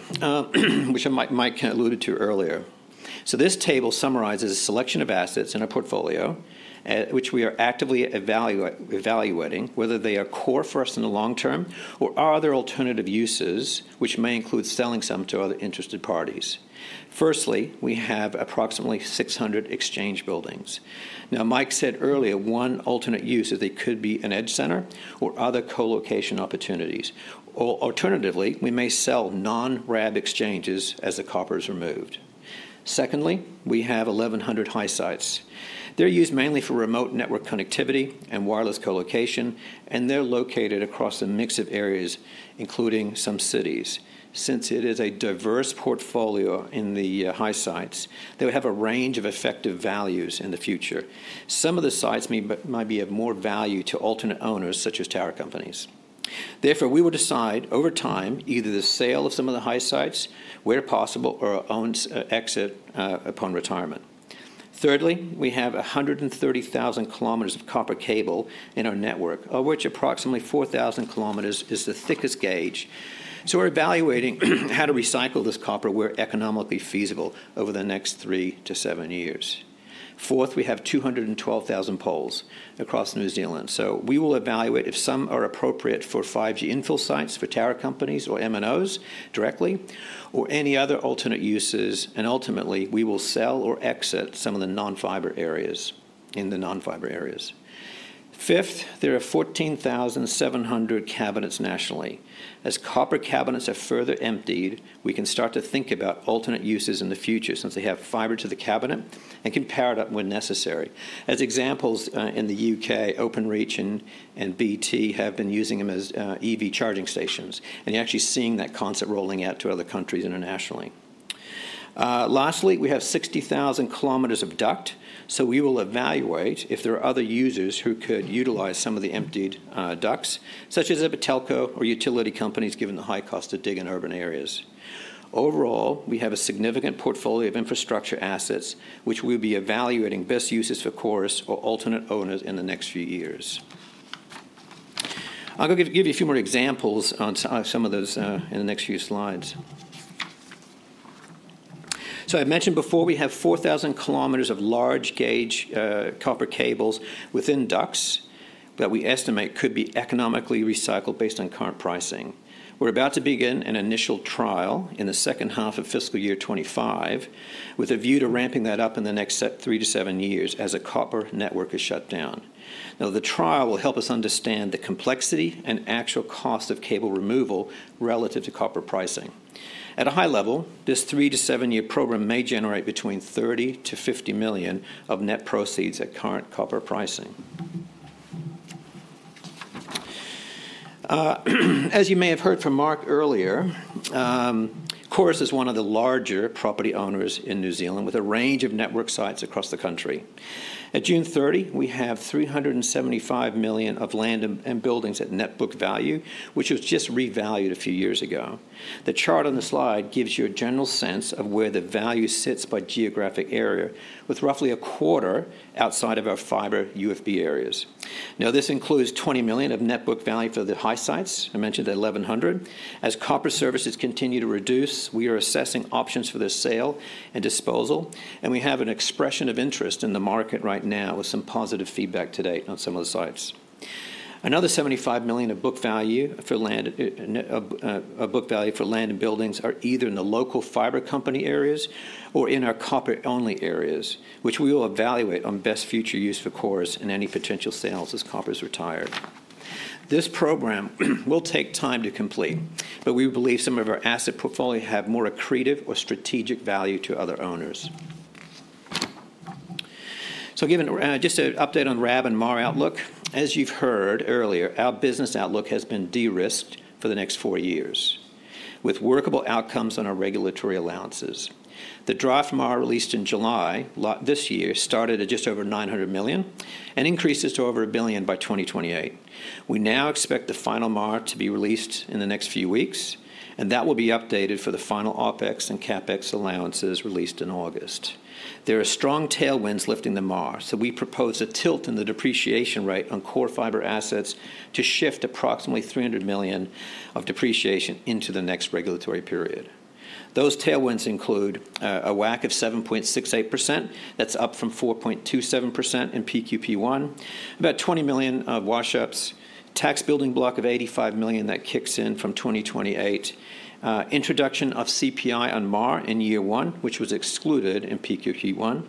which Mike alluded to earlier. So this table summarizes a selection of assets in our portfolio, which we are actively evaluating whether they are core for us in the long term or other alternative uses, which may include selling some to other interested parties. Firstly, we have approximately 600 exchange buildings. Now, Mike said earlier, one alternate use is they could be an edge center or other co-location opportunities. Alternatively, we may sell non-RAB exchanges as the copper is removed. Secondly, we have 1,100 high sites. They're used mainly for remote network connectivity and wireless co-location, and they're located across a mix of areas, including some cities. Since it is a diverse portfolio in the high sites, they will have a range of effective values in the future. Some of the sites might be of more value to alternate owners such as tower companies. Therefore, we will decide over time either the sale of some of the high sites where possible or our own exit upon retirement. Thirdly, we have 130,000 kilometers of copper cable in our network, of which approximately 4,000 kilometers is the thickest gauge. So we're evaluating how to recycle this copper where economically feasible over the next three to seven years. Fourth, we have 212,000 poles across New Zealand. We will evaluate if some are appropriate for 5G infill sites for tower companies or MNOs directly or any other alternate uses. Ultimately, we will sell or exit some of the non-fibre areas in the non-fibre areas. Fifth, there are 14,700 cabinets nationally. As copper cabinets are further emptied, we can start to think about alternate uses in the future since they have fibre to the cabinet and can pair it up when necessary. As examples in the UK, Openreach and BT have been using them as EV charging stations, and you're actually seeing that concept rolling out to other countries internationally. Lastly, we have 60,000 km of duct. We will evaluate if there are other users who could utilize some of the emptied ducts, such as a telco or utility companies given the high cost of digging urban areas. Overall, we have a significant portfolio of infrastructure assets, which we'll be evaluating best uses for Chorus or alternate owners in the next few years. I'll give you a few more examples on some of those in the next few slides. So I mentioned before we have 4,000 kilometers of large gauge copper cables within ducts that we estimate could be economically recycled based on current pricing. We're about to begin an initial trial in the second half of fiscal year 2025 with a view to ramping that up in the next three to seven years as a copper network is shut down. Now, the trial will help us understand the complexity and actual cost of cable removal relative to copper pricing. At a high level, this three to seven-year programme may generate between 30 million and 50 million of net proceeds at current copper pricing. As you may have heard from Mark earlier, Chorus is one of the larger property owners in New Zealand with a range of network sites across the country. At June 30, we have 375 million of land and buildings at net book value, which was just revalued a few years ago. The chart on the slide gives you a general sense of where the value sits by geographic area, with roughly a quarter outside of our fibre UFB areas. Now, this includes 20 million of net book value for the high sites. I mentioned the 1,100. As copper services continue to reduce, we are assessing options for the sale and disposal, and we have an expression of interest in the market right now with some positive feedback to date on some of the sites. Another 75 million of book value for land and buildings are either in the Local Fibre Company areas or in our copper-only areas, which we will evaluate on best future use for Chorus and any potential sales as copper is retired. This programme will take time to complete, but we believe some of our asset portfolio have more accretive or strategic value to other owners. Just an update on RAB and MAR outlook. As you've heard earlier, our business outlook has been de-risked for the next four years with workable outcomes on our regulatory allowances. The draft MAR released in July this year started at just over 900 million and increases to over 1 billion by 2028. We now expect the final MAR to be released in the next few weeks, and that will be updated for the final OpEx and CapEx allowances released in August. There are strong tailwinds lifting the MAR, so we propose a tilt in the depreciation rate on core fibre assets to shift approximately 300 million of depreciation into the next regulatory period. Those tailwinds include a WACC of 7.68%. That's up from 4.27% in PQP1. About 20 million of wash-ups. Tax building block of 85 million that kicks in from 2028. Introduction of CPI on MAR in year one, which was excluded in PQP1,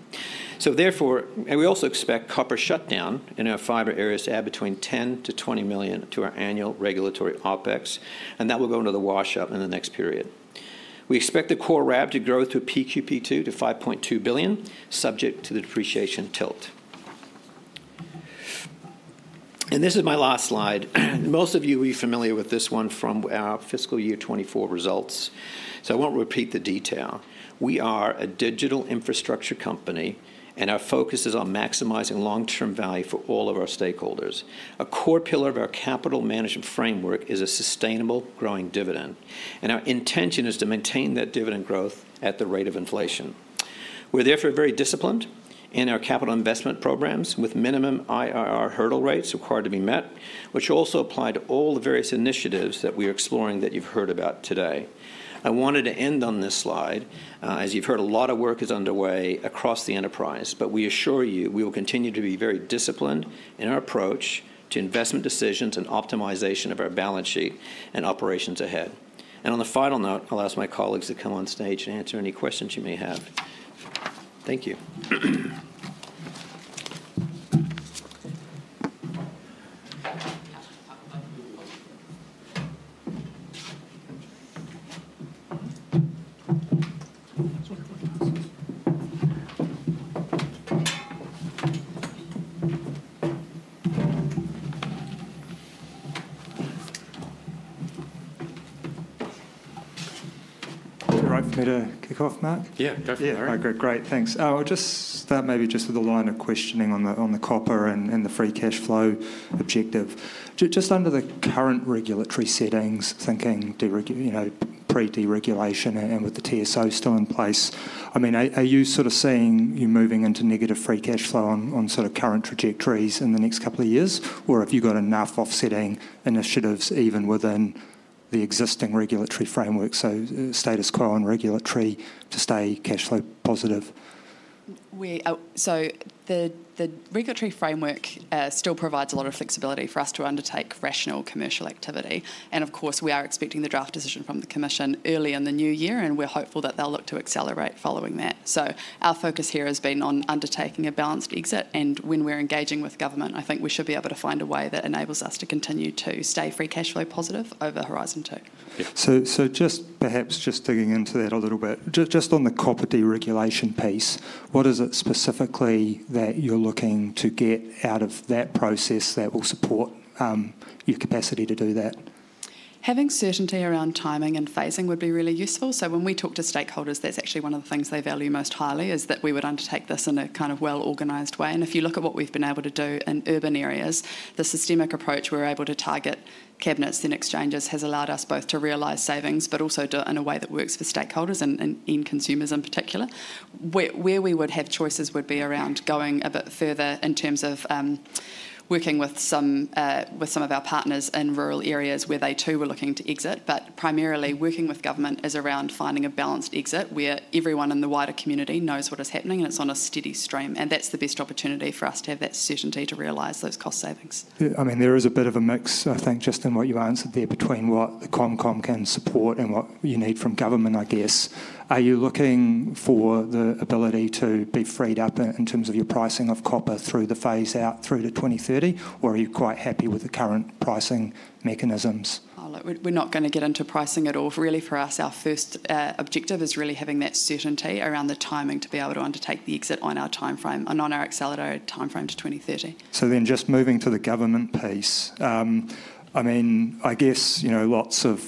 so therefore, we also expect copper shutdown in our fibre areas to add between 10 million to 20 million to our annual regulatory OpEx, and that will go into the wash-up in the next period. We expect the core RAB to grow through PQP2 to 5.2 billion, subject to the depreciation tilt, and this is my last slide. Most of you will be familiar with this one from our fiscal year 2024 results. So I won't repeat the detail. We are a digital infrastructure company, and our focus is on maximizing long-term value for all of our stakeholders. A core pillar of our capital management framework is a sustainable growing dividend, and our intention is to maintain that dividend growth at the rate of inflation. We're therefore very disciplined in our capital investment programmes with minimum IRR hurdle rates required to be met, which also apply to all the various initiatives that we are exploring that you've heard about today. I wanted to end on this slide. As you've heard, a lot of work is underway across the enterprise, but we assure you we will continue to be very disciplined in our approach to investment decisions and optimization of our balance sheet and operations ahead. On the final note, I'll ask my colleagues to come on stage and answer any questions you may have. Thank you.
Is it all right for me to kick off, Mark? Yeah, go for it. All right. Great. Thanks. I'll just start maybe just with a line of questioning on the copper and the free cash flow objective. Just under the current regulatory settings, thinking pre-deregulation and with the TSO still in place, I mean, are you sort of seeing you moving into negative free cash flow on sort of current trajectories in the next couple of years, or have you got enough offsetting initiatives even within the existing regulatory framework, so status quo and regulatory to stay cash flow positive?
So the regulatory framework still provides a lot of flexibility for us to undertake rational commercial activity. Of course, we are expecting the draft decision from the Commission early in the new year, and we're hopeful that they'll look to accelerate following that. Our focus here has been on undertaking a balanced exit. When we're engaging with government, I think we should be able to find a way that enables us to continue to stay free cash flow positive over Horizon 2.
Just perhaps just digging into that a little bit, just on the copper deregulation piece, what is it specifically that you're looking to get out of that process that will support your capacity to do that?
Having certainty around timing and phasing would be really useful. When we talk to stakeholders, that's actually one of the things they value most highly is that we would undertake this in a kind of well-organized way. If you look at what we've been able to do in urban areas, the systemic approach we're able to target cabinets and exchanges has allowed us both to realize savings, but also in a way that works for stakeholders and consumers in particular. Where we would have choices would be around going a bit further in terms of working with some of our partners in rural areas where they too were looking to exit. But primarily, working with government is around finding a balanced exit where everyone in the wider community knows what is happening and it's on a steady stream. That's the best opportunity for us to have that certainty to realize those cost savings.
I mean, there is a bit of a mix, I think, just in what you answered there between what the ComCom can support and what you need from government, I guess. Are you looking for the ability to be freed up in terms of your pricing of copper through the phase-out through to 2030, or are you quite happy with the current pricing mechanisms?
We're not going to get into pricing at all. Really, for us, our first objective is really having that certainty around the timing to be able to undertake the exit on our timeframe and on our accelerated timeframe to 2030.
So then just moving to the government piece, I mean, I guess lots of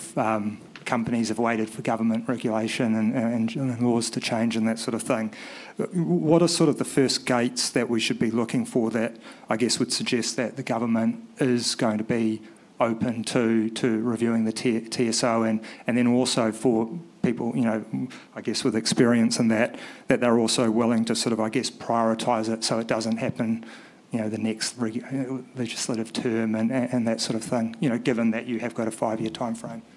companies have waited for government regulation and laws to change and that sort of thing. What are sort of the first gates that we should be looking for that I guess would suggest that the government is going to be open to reviewing the TSO and then also for people, I guess, with experience in that, that they're also willing to sort of, I guess, prioritize it so it doesn't happen the next legislative term and that sort of thing, given that you have got a five-year timeframe.
Do you want to?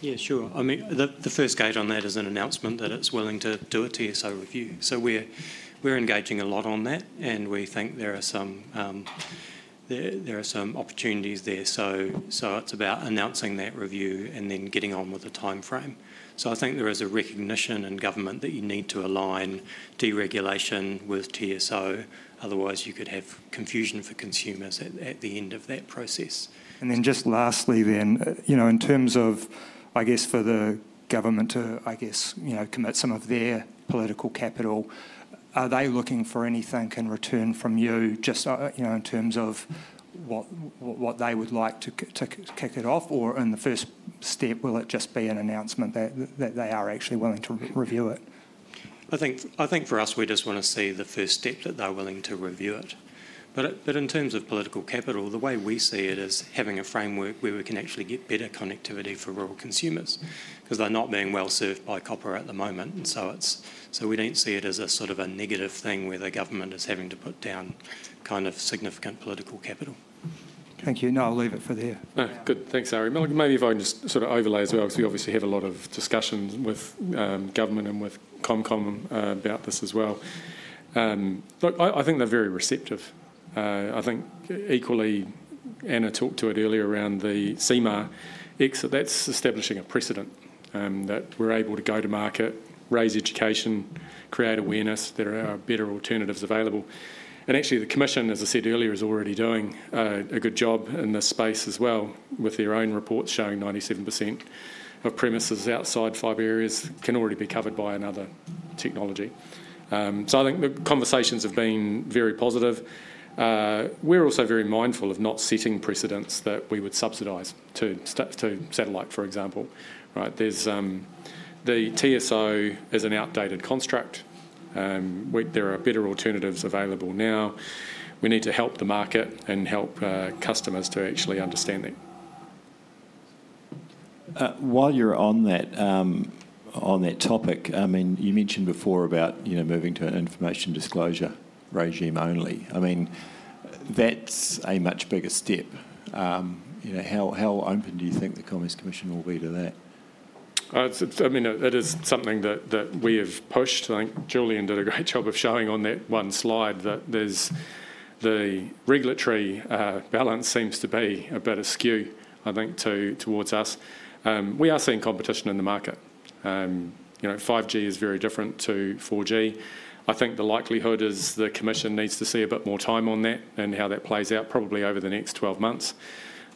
Yeah, sure. I mean, the first gate on that is an announcement that it's willing to do a TSO review. So we're engaging a lot on that, and we think there are some opportunities there. So it's about announcing that review and then getting on with the timeframe. So I think there is a recognition in government that you need to align deregulation with TSO. Otherwise, you could have confusion for consumers at the end of that process.
And then just lastly then, in terms of, I guess, for the government to, I guess, commit some of their political capital, are they looking for anything in return from you just in terms of what they would like to kick it off? Or in the first step, will it just be an announcement that they are actually willing to review it?
I think for us, we just want to see the first step that they're willing to review it. But in terms of political capital, the way we see it is having a framework where we can actually get better connectivity for rural consumers because they're not being well served by copper at the moment. So we don't see it as a sort of a negative thing where the government is having to put down kind of significant political capital.
Thank you. No, I'll leave it for there.
Good. Thanks, Harry. Maybe if I can just sort of overlay as well, because we obviously have a lot of discussions with government and with ComCom about this as well. Look, I think they're very receptive. I think equally, Anna talked to it earlier around the copper exit. That's establishing a precedent that we're able to go to market, raise education, create awareness that there are better alternatives available. And actually, the Commission, as I said earlier, is already doing a good job in this space as well with their own reports showing 97% of premises outside fibre areas can already be covered by another technology. So I think the conversations have been very positive. We're also very mindful of not setting precedents that we would subsidize to satellite, for example. The TSO is an outdated construct. There are better alternatives available now. We need to help the market and help customers to actually understand that.
While you're on that topic, I mean, you mentioned before about moving to an information disclosure regime only. I mean, that's a much bigger step. How open do you think the Commerce Commission will be to that?
I mean, that is something that we have pushed. I think Julian did a great job of showing on that one slide that the regulatory balance seems to be a better skew, I think, towards us. We are seeing competition in the market. 5G is very different to 4G. I think the likelihood is the Commission needs to see a bit more time on that and how that plays out probably over the next 12 months.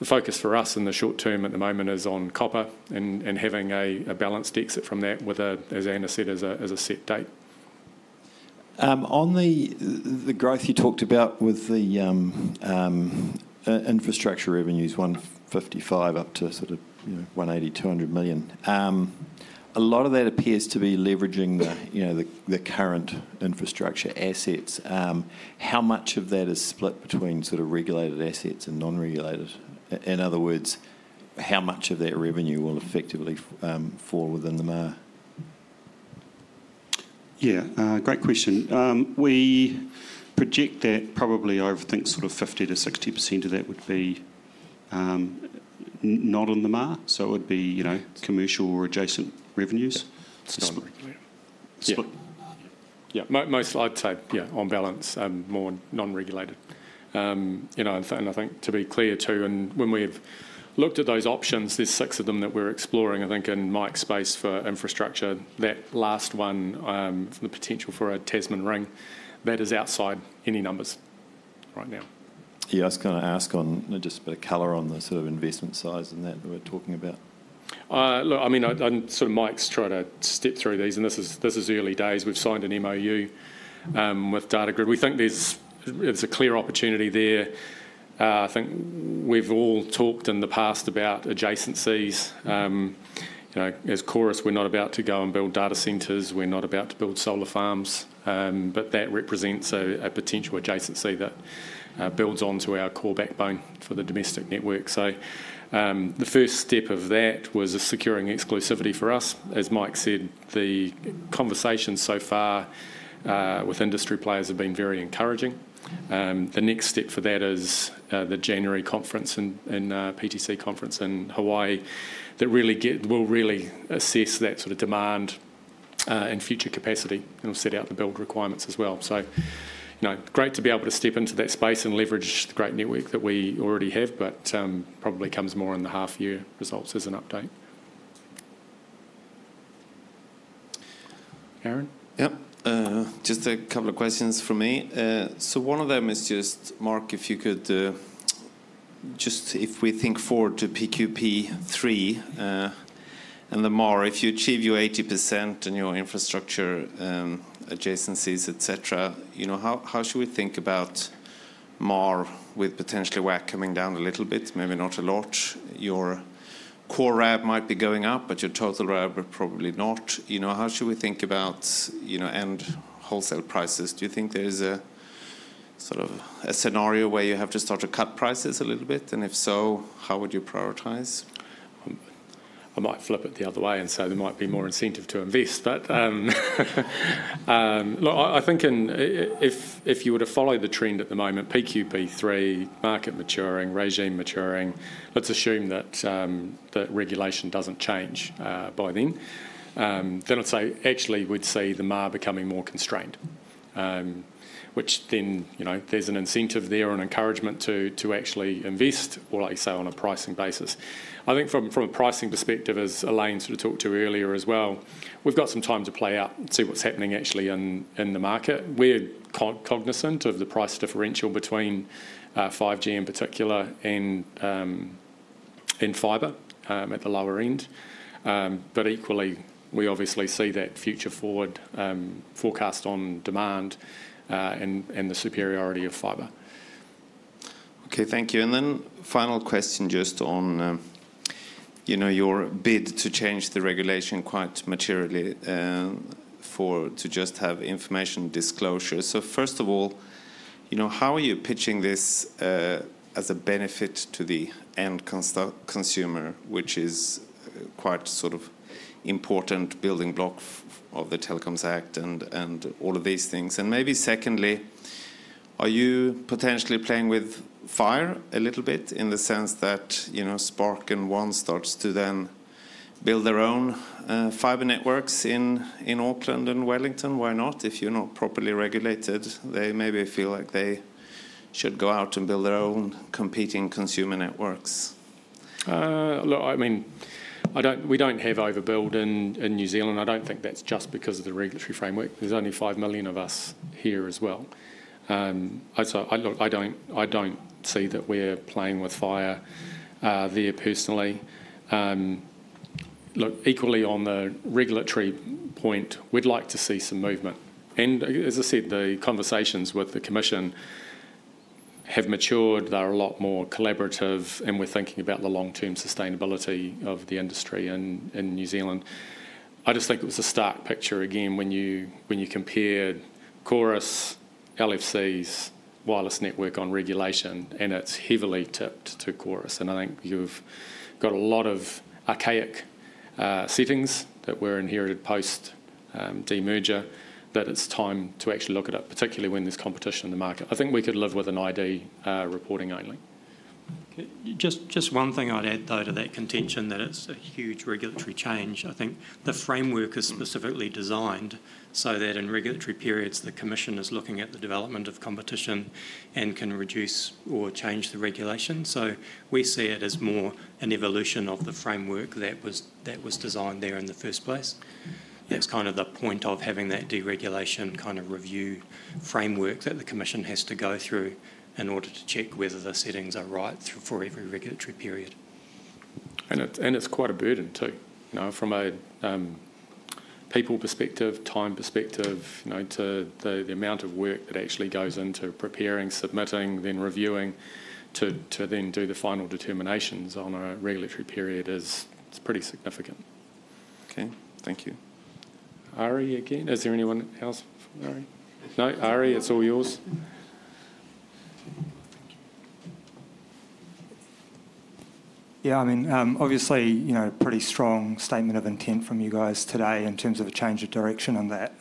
The focus for us in the short term at the moment is on copper and having a balanced exit from that, as Anna said, as a set date.
On the growth you talked about with the infrastructure revenues, 155 million up to sort of 180-200 million, a lot of that appears to be leveraging the current infrastructure assets. How much of that is split between sort of regulated assets and non-regulated? In other words, how much of that revenue will effectively fall within the MAR?
Yeah, great question. We project that probably over, I think, sort of 50%-60% of that would be not in the MAR. So it would be commercial or adjacent revenues. Split.
Yeah, mostly, I'd say, yeah, on balance, more non-regulated. And I think to be clear too, when we've looked at those options, there's six of them that we're exploring, I think, in Mike's space for infrastructure. That last one, the potential for a Tasman Ring, that is outside any numbers right now.
Yeah, I was going to ask on just a bit of color on the sort of investment size and that we're talking about.
Look, I mean, sort of Mike's tried to step through these, and this is early days. We've signed an MOU with Datagrid. We think there's a clear opportunity there. I think we've all talked in the past about adjacencies. As Chorus, we're not about to go and data centres. we're not about to build solar farms. But that represents a potential adjacency that builds onto our core backbone for the domestic network. So the first step of that was securing exclusivity for us. As Mike said, the conversations so far with industry players have been very encouraging. The next step for that is the January conference and PTC conference in Hawaii that will really assess that sort of demand and future capacity and will set out the build requirements as well. So great to be able to step into that space and leverage the great network that we already have, but probably comes more in the half-year results as an update.
Aaron?
Yep. Just a couple of questions for me. So one of them is just, Mark, if you could just, if we think forward to PQP3 and the MAR, if you achieve your 80% and your infrastructure adjacencies, etc., how should we think about MAR with potentially WAC coming down a little bit, maybe not a lot? Your core RAB might be going up, but your total RAB would probably not. How should we think about end wholesale prices? Do you think there is a sort of a scenario where you have to start to cut prices a little bit? And if so, how would you prioritize?
I might flip it the other way and say there might be more incentive to invest. But look, I think if you were to follow the trend at the moment, PQP3, market maturing, regime maturing, let's assume that regulation doesn't change by then, then I'd say actually we'd see the MAR becoming more constrained, which then there's an incentive there and encouragement to actually invest, or like you say, on a pricing basis. I think from a pricing perspective, as Elaine sort of talked to earlier as well, we've got some time to play out and see what's happening actually in the market. We're cognizant of the price differential between 5G in particular and fibre at the lower end. But equally, we obviously see that future forward forecast on demand and the superiority of fibre.
Okay, thank you. And then final question just on your bid to change the regulation quite materially to just have information disclosure. So first of all, how are you pitching this as a benefit to the end consumer, which is quite sort of an important building block of the Telecoms Act and all of these things? And maybe secondly, are you potentially playing with fire a little bit in the sense that Spark and One starts to then build their own fibre networks in Auckland and Wellington? Why not? If you're not properly regulated, they maybe feel like they should go out and build their own competing consumer networks.
Look, I mean, we don't have overbuild in New Zealand. I don't think that's just because of the regulatory framework. There's only five million of us here as well. So I don't see that we're playing with fire there personally. Look, equally on the regulatory point, we'd like to see some movement, and as I said, the conversations with the Commission have matured. They're a lot more collaborative, and we're thinking about the long-term sustainability of the industry in New Zealand. I just think it was a stark picture again when you compared Chorus, HFC, wireless network on regulation, and it's heavily tipped to Chorus. And I think you've got a lot of archaic settings that were inherited post-demerger, that it's time to actually look at it, particularly when there's competition in the market. I think we could live with an ID reporting only.
Just one thing I'd add, though, to that contention that it's a huge regulatory change. I think the framework is specifically designed so that in regulatory periods, the Commission is looking at the development of competition and can reduce or change the regulation. So we see it as more an evolution of the framework that was designed there in the first place. That's kind of the point of having that deregulation kind of review framework that the Commission has to go through in order to check whether the settings are right for every regulatory period.
And it's quite a burden too. From a people perspective, time perspective, to the amount of work that actually goes into preparing, submitting, then reviewing, to then do the final determinations on a regulatory period is pretty significant.
Okay, thank you.
Ari again, is there anyone else? No? Ari, it's all yours.
Yeah, I mean, obviously, pretty strong statement of intent from you guys today in terms of a change of direction on that.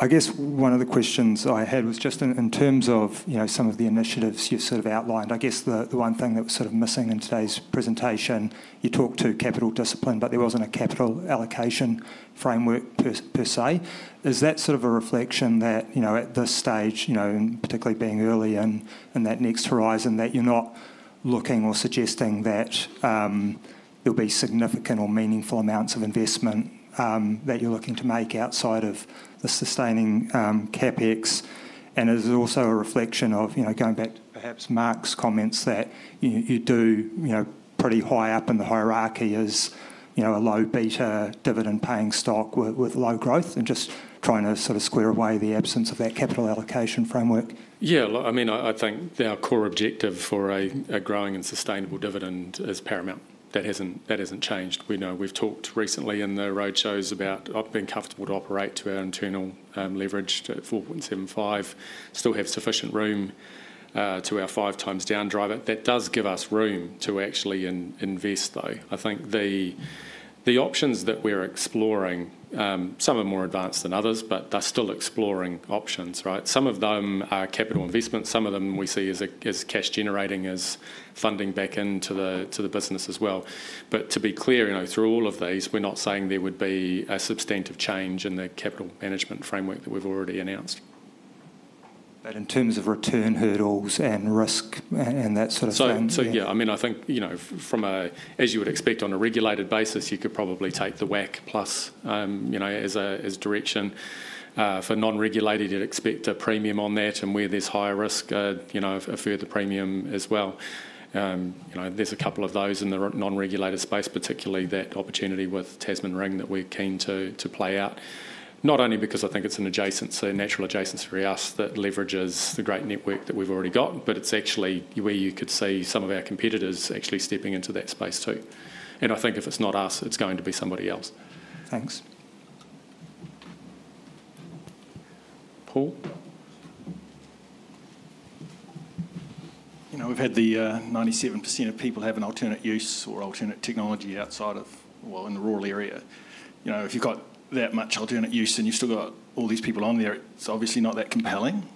I guess one of the questions I had was just in terms of some of the initiatives you've sort of outlined. I guess the one thing that was sort of missing in today's presentation, you talked to capital discipline, but there wasn't a capital allocation framework per se. Is that sort of a reflection that at this stage, particularly being early in that next horizon, that you're not looking or suggesting that there'll be significant or meaningful amounts of investment that you're looking to make outside of the sustaining CapEx? And is it also a reflection of going back to perhaps Mark's comments that you do pretty high up in the hierarchy as a low beta dividend-paying stock with low growth and just trying to sort of square away the absence of that capital allocation framework?
Yeah, look, I mean, I think our core objective for a growing and sustainable dividend is paramount. That hasn't changed. We know we've talked recently in the roadshows about being comfortable to operate to our internal leverage at 4.75, still have sufficient room to our five times debt driver. That does give us room to actually invest, though. I think the options that we're exploring, some are more advanced than others, but they're still exploring options, right? Some of them are capital investment. Some of them we see as cash-generating as funding back into the business as well. But to be clear, through all of these, we're not saying there would be a substantive change in the capital management framework that we've already announced.
But in terms of return hurdles and risk and that sort of thing?
So yeah, I mean, I think from a, as you would expect on a regulated basis, you could probably take the WACC plus as direction. For non-regulated, you'd expect a premium on that. And where there's higher risk, a further premium as well. There's a couple of those in the non-regulated space, particularly that opportunity with Tasman Ring that we're keen to play out. Not only because I think it's a natural adjacency for us that leverages the great network that we've already got, but it's actually where you could see some of our competitors actually stepping into that space too. And I think if it's not us, it's going to be somebody else.
Thanks.
Paul? We've had the 97% of people have an alternate use or alternate technology outside of, well, in the rural area. If you've got that much alternate use and you've still got all these people on there, it's obviously not that compelling,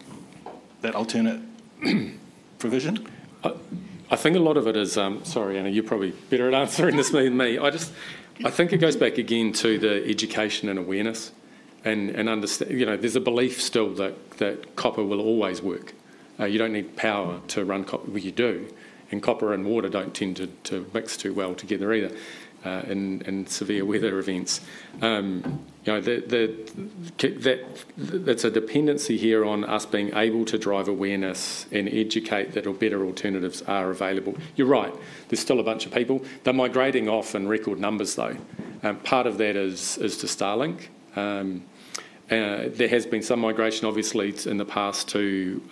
that alternate provision.
I think a lot of it is, sorry, Anna, you're probably better at answering this than me. I think it goes back again to the education and awareness. And there's a belief still that copper will always work. You don't need power to run copper. Well, you do. Copper and water don't tend to mix too well together either in severe weather events. There's a dependency here on us being able to drive awareness and educate that better alternatives are available. You're right. There's still a bunch of people. They're migrating off in record numbers, though. Part of that is to Starlink. There has been some migration, obviously, in the past to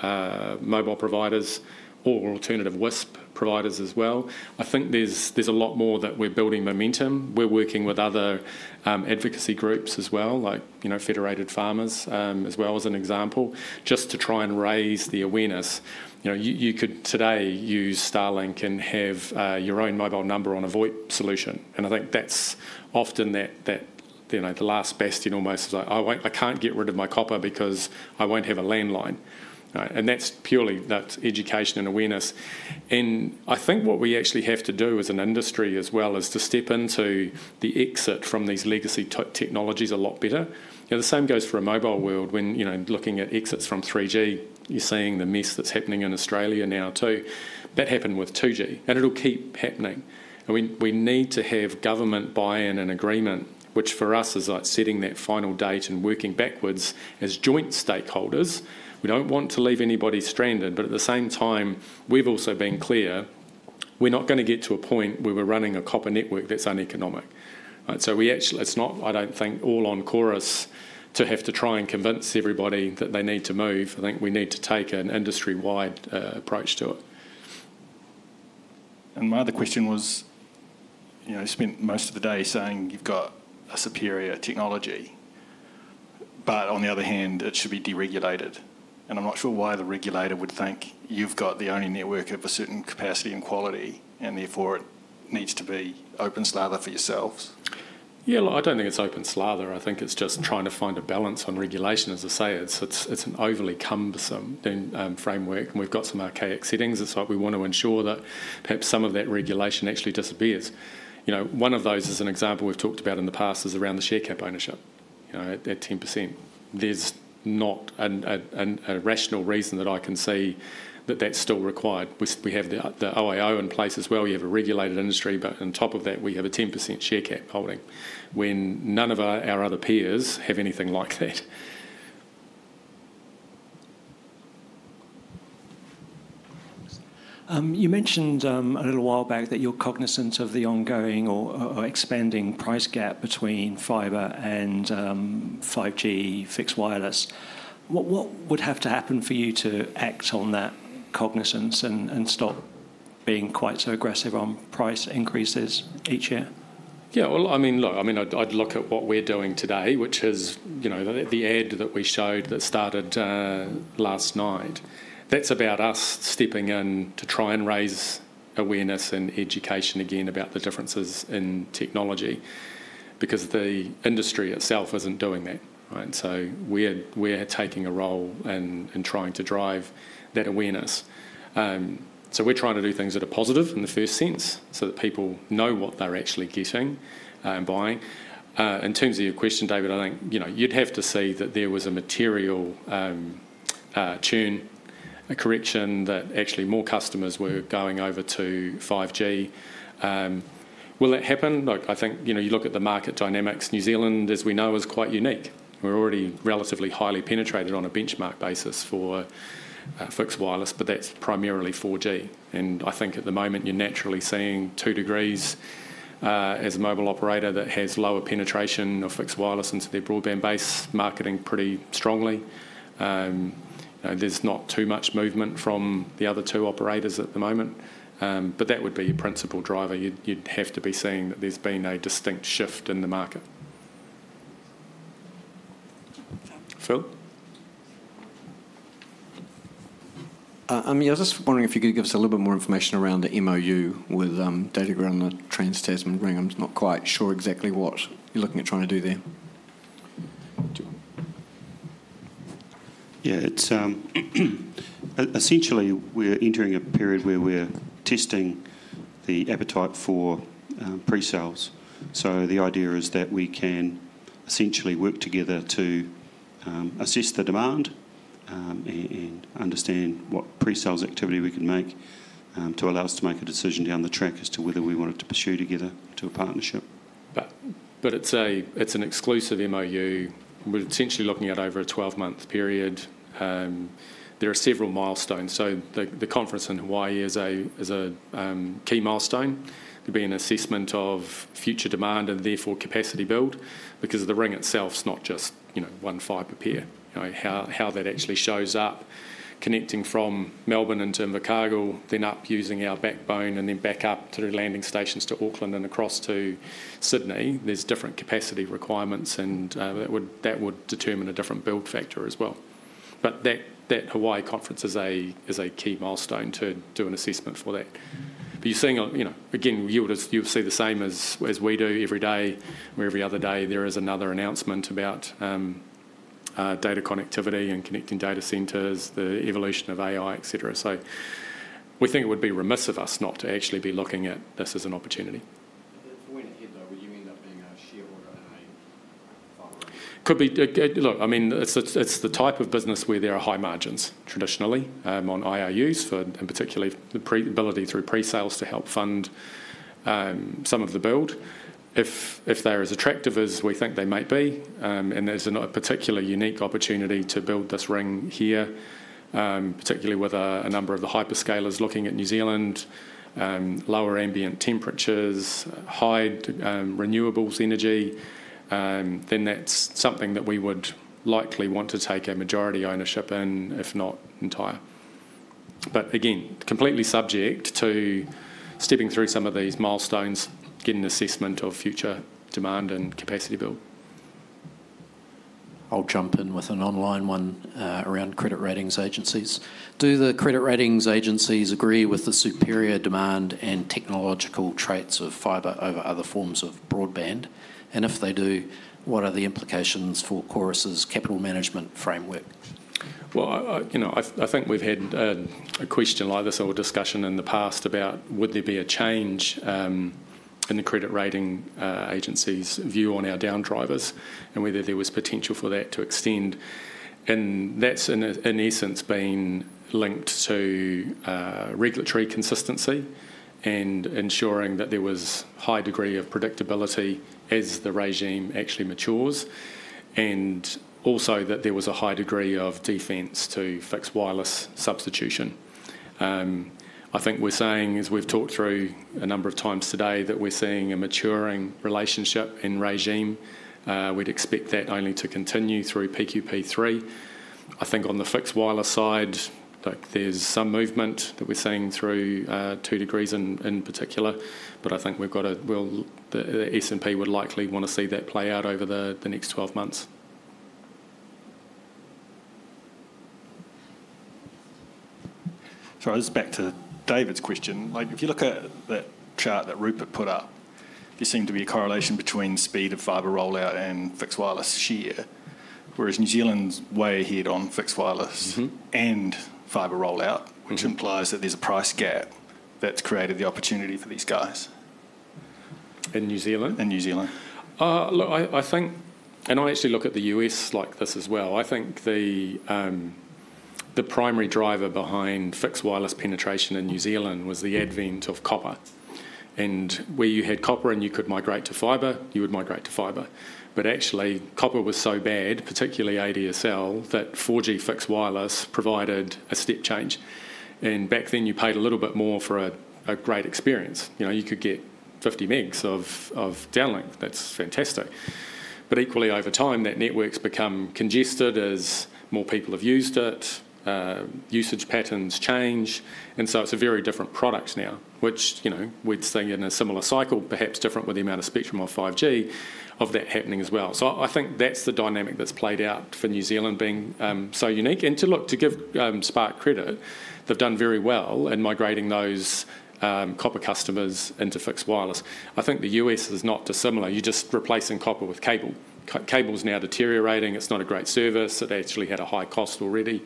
mobile providers or alternative WISP providers as well. I think there's a lot more that we're building momentum. We're working with other advocacy groups as well, like Federated Farmers as well as an example, just to try and raise the awareness. You could today use Starlink and have your own mobile number on a VoIP solution. I think that's often the last bastion almost, "I can't get rid of my copper because I won't have a landline." That's purely that education and awareness. I think what we actually have to do as an industry as well is to step into the exit from these legacy technologies a lot better. The same goes for a mobile world. When looking at exits from 3G, you're seeing the mess that's happening in Australia now too. That happened with 2G, and it'll keep happening. We need to have government buy-in and agreement, which for us is like setting that final date and working backwards as joint stakeholders. We don't want to leave anybody stranded. But at the same time, we've also been clear we're not going to get to a point where we're running a copper network that's uneconomic. So it's not, I don't think, all on Chorus to have to try and convince everybody that they need to move. I think we need to take an industry-wide approach to it.
And my other question was, you spent most of the day saying you've got a superior technology, but on the other hand, it should be deregulated. And I'm not sure why the regulator would think you've got the only network of a certain capacity and quality, and therefore it needs to be open slather for yourselves.
Yeah, look, I don't think it's open slather. I think it's just trying to find a balance on regulation. As I say, it's an overly cumbersome framework, and we've got some archaic settings. It's like we want to ensure that perhaps some of that regulation actually disappears. One of those, as an example we've talked about in the past, is around the share cap ownership at 10%. There's not a rational reason that I can see that that's still required. We have the OIO in place as well. You have a regulated industry, but on top of that, we have a 10% share cap holding when none of our other peers have anything like that.
You mentioned a little while back that you're cognizant of the ongoing or expanding price gap between fibre and 5G fixed wireless. What would have to happen for you to Act on that cognizance and stop being quite so aggressive on price increases each year?
Yeah, well, I mean, look, I mean, I'd look at what we're doing today, which is the ad that we showed that started last night. That's about us stepping in to try and raise awareness and education again about the differences in technology because the industry itself isn't doing that, right? So we're taking a role in trying to drive that awareness. So we're trying to do things that are positive in the first sense so that people know what they're actually getting and buying. In terms of your question, David, I think you'd have to see that there was a material churn, a correction that actually more customers were going over to 5G. Will that happen? Look, I think you look at the market dynamics. New Zealand, as we know, is quite unique. We're already relatively highly penetrated on a benchmark basis for fixed wireless, but that's primarily 4G. And I think at the moment, you're naturally seeing 2degrees as a mobile operator that has lower penetration of fixed wireless into their broadband base, marketing pretty strongly. There's not too much movement from the other two operators at the moment. But that would be your principal driver. You'd have to be seeing that there's been a distinct shift in the market. Phil?
I mean, I was just wondering if you could give us a little bit more information around the MOU with Datagrid and Trans Tasman Ring. I'm not quite sure exactly what you're looking at trying to do there.
Yeah, essentially, we're entering a period where we're testing the appetite for pre-sales. So the idea is that we can essentially work together to assess the demand and understand what pre-sales activity we can make to allow us to make a decision down the track as to whether we wanted to pursue together to a partnership.
But it's an exclusive MOU. We're essentially looking at over a 12-month period. There are several milestones. So the conference in Hawaii is a key milestone. There'll be an assessment of future demand and therefore capacity build because the ring itself is not just one fibre pair. How that actually shows up connecting from Melbourne into Chicago then up using our backbone and then back up through landing stations to Auckland and across to Sydney, there's different capacity requirements, and that would determine a different build factor as well. But that Hawaii conference is a key milestone to do an assessment for that. But you're seeing, again, you'll see the same as we do every day where every other day there is another announcement about data connectivity and data centres, the evolution of AI, etc. So we think it would be remiss of us not to actually be looking at this as an opportunity. At what point in the year will you end up being a shareholder and a farmer? Look, I mean, it's the type of business where there are high margins traditionally on IRUs and particularly the ability through pre-sales to help fund some of the build. If they're as attractive as we think they might be and there's a particular unique opportunity to build this ring here, particularly with a number of the hyperscalers looking at New Zealand, lower ambient temperatures, high renewables energy, then that's something that we would likely want to take a majority ownership in, if not entire. But again, completely subject to stepping through some of these milestones, getting an assessment of future demand and capacity build.
I'll jump in with an online one around credit ratings agencies. Do the credit ratings agencies agree with the superior demand and technological traits of fibre over other forms of broadband? And if they do, what are the implications for Chorus's capital management framework?
I think we've had a question like this or a discussion in the past about would there be a change in the credit rating agencies' view on our down drivers and whether there was potential for that to extend. That's in essence been linked to regulatory consistency and ensuring that there was a high degree of predictability as the regime actually matures and also that there was a high degree of defense to fixed wireless substitution. I think we're saying, as we've talked through a number of times today, that we're seeing a maturing relationship in regime. We'd expect that only to continue through PQP3. I think on the fixed wireless side, there's some movement that we're seeing through 2degrees in particular, but I think S&P would likely want to see that play out over the next 12 months.
Sorry, I was back to David's question. If you look at that chart that Rupert put up, there seemed to be a correlation between speed of fibre rollout and fixed wireless share, whereas New Zealand's way ahead on fixed wireless and fibre rollout, which implies that there's a price gap that's created the opportunity for these guys. In New Zealand? In New Zealand.
Look, I think, and I actually look at the U.S. like this as well. I think the primary driver behind fixed wireless penetration in New Zealand was the advent of copper. And where you had copper and you could migrate to fibre, you would migrate to fibre. But actually, copper was so bad, particularly ADSL, that 4G fixed wireless provided a step change. And back then, you paid a little bit more for a great experience. You could get 50 megs of downlink. That's fantastic. But equally, over time, that network's become congested as more people have used it. Usage patterns change. And so it's a very different product now, which we'd see in a similar cycle, perhaps different with the amount of spectrum on 5G, of that happening as well. So I think that's the dynamic that's played out for New Zealand being so unique. And to give Spark credit, they've done very well in migrating those copper customers into fixed wireless. I think the U.S. is not dissimilar. You're just replacing copper with cable. Cable's now deteriorating. It's not a great service. It actually had a high cost already.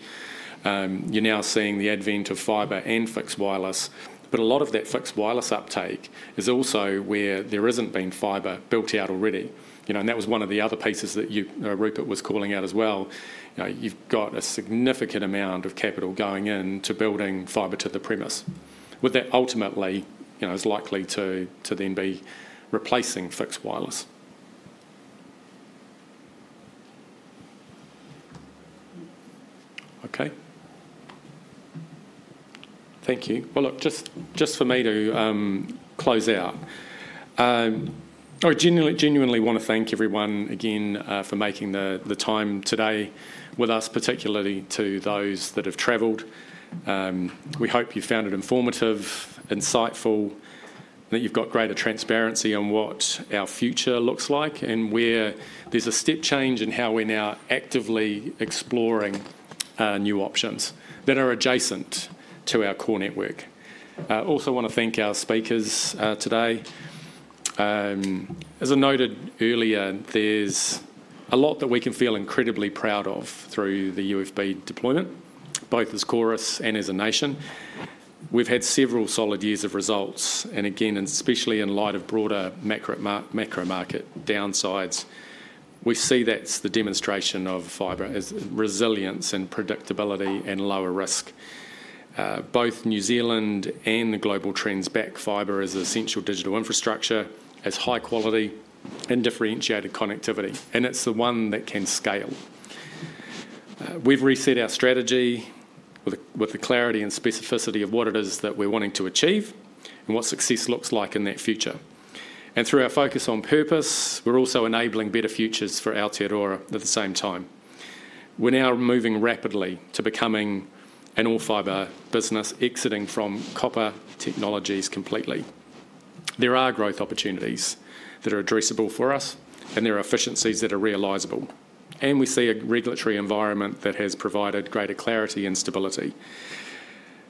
You're now seeing the advent of fibre and fixed wireless. But a lot of that fixed wireless uptake is also where there hasn't been fibre built out already. And that was one of the other pieces that Rupert was calling out as well. You've got a significant amount of capital going into building fibre to the premises, which ultimately is likely to then be replacing fixed wireless.
Okay. Thank you. Well, look, just for me to close out, I genuinely want to thank everyone again for making the time today with us, particularly to those that have traveled. We hope you've found it informative, insightful, that you've got greater transparency on what our future looks like and where there's a step change in how we're now actively exploring new options that are adjacent to our core network. I also want to thank our speakers today. As I noted earlier, there's a lot that we can feel incredibly proud of through the UFB deployment, both as Chorus and as a nation. We've had several solid years of results. Again, especially in light of broader macro market downsides, we see that's the demonstration of fibre as resilience and predictability and lower risk. Both New Zealand and the global trends back fibre as essential digital infrastructure as high-quality and differentiated connectivity. It's the one that can scale. We've reset our strategy with the clarity and specificity of what it is that we're wanting to achieve and what success looks like in that future. Through our focus on purpose, we're also enabling better futures for Aotearoa at the same time. We're now moving rapidly to becoming an all-fibre business exiting from copper technologies completely. There are growth opportunities that are addressable for us, and there are efficiencies that are realizable. We see a regulatory environment that has provided greater clarity and stability.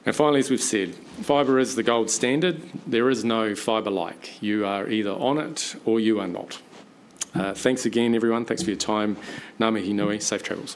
Finally, as we've said, fibre is the gold standard. There is no fibre-like. You are either on it or you are not. Thanks again, everyone. Thanks for your time. Ngā mihi nui. Safe travels.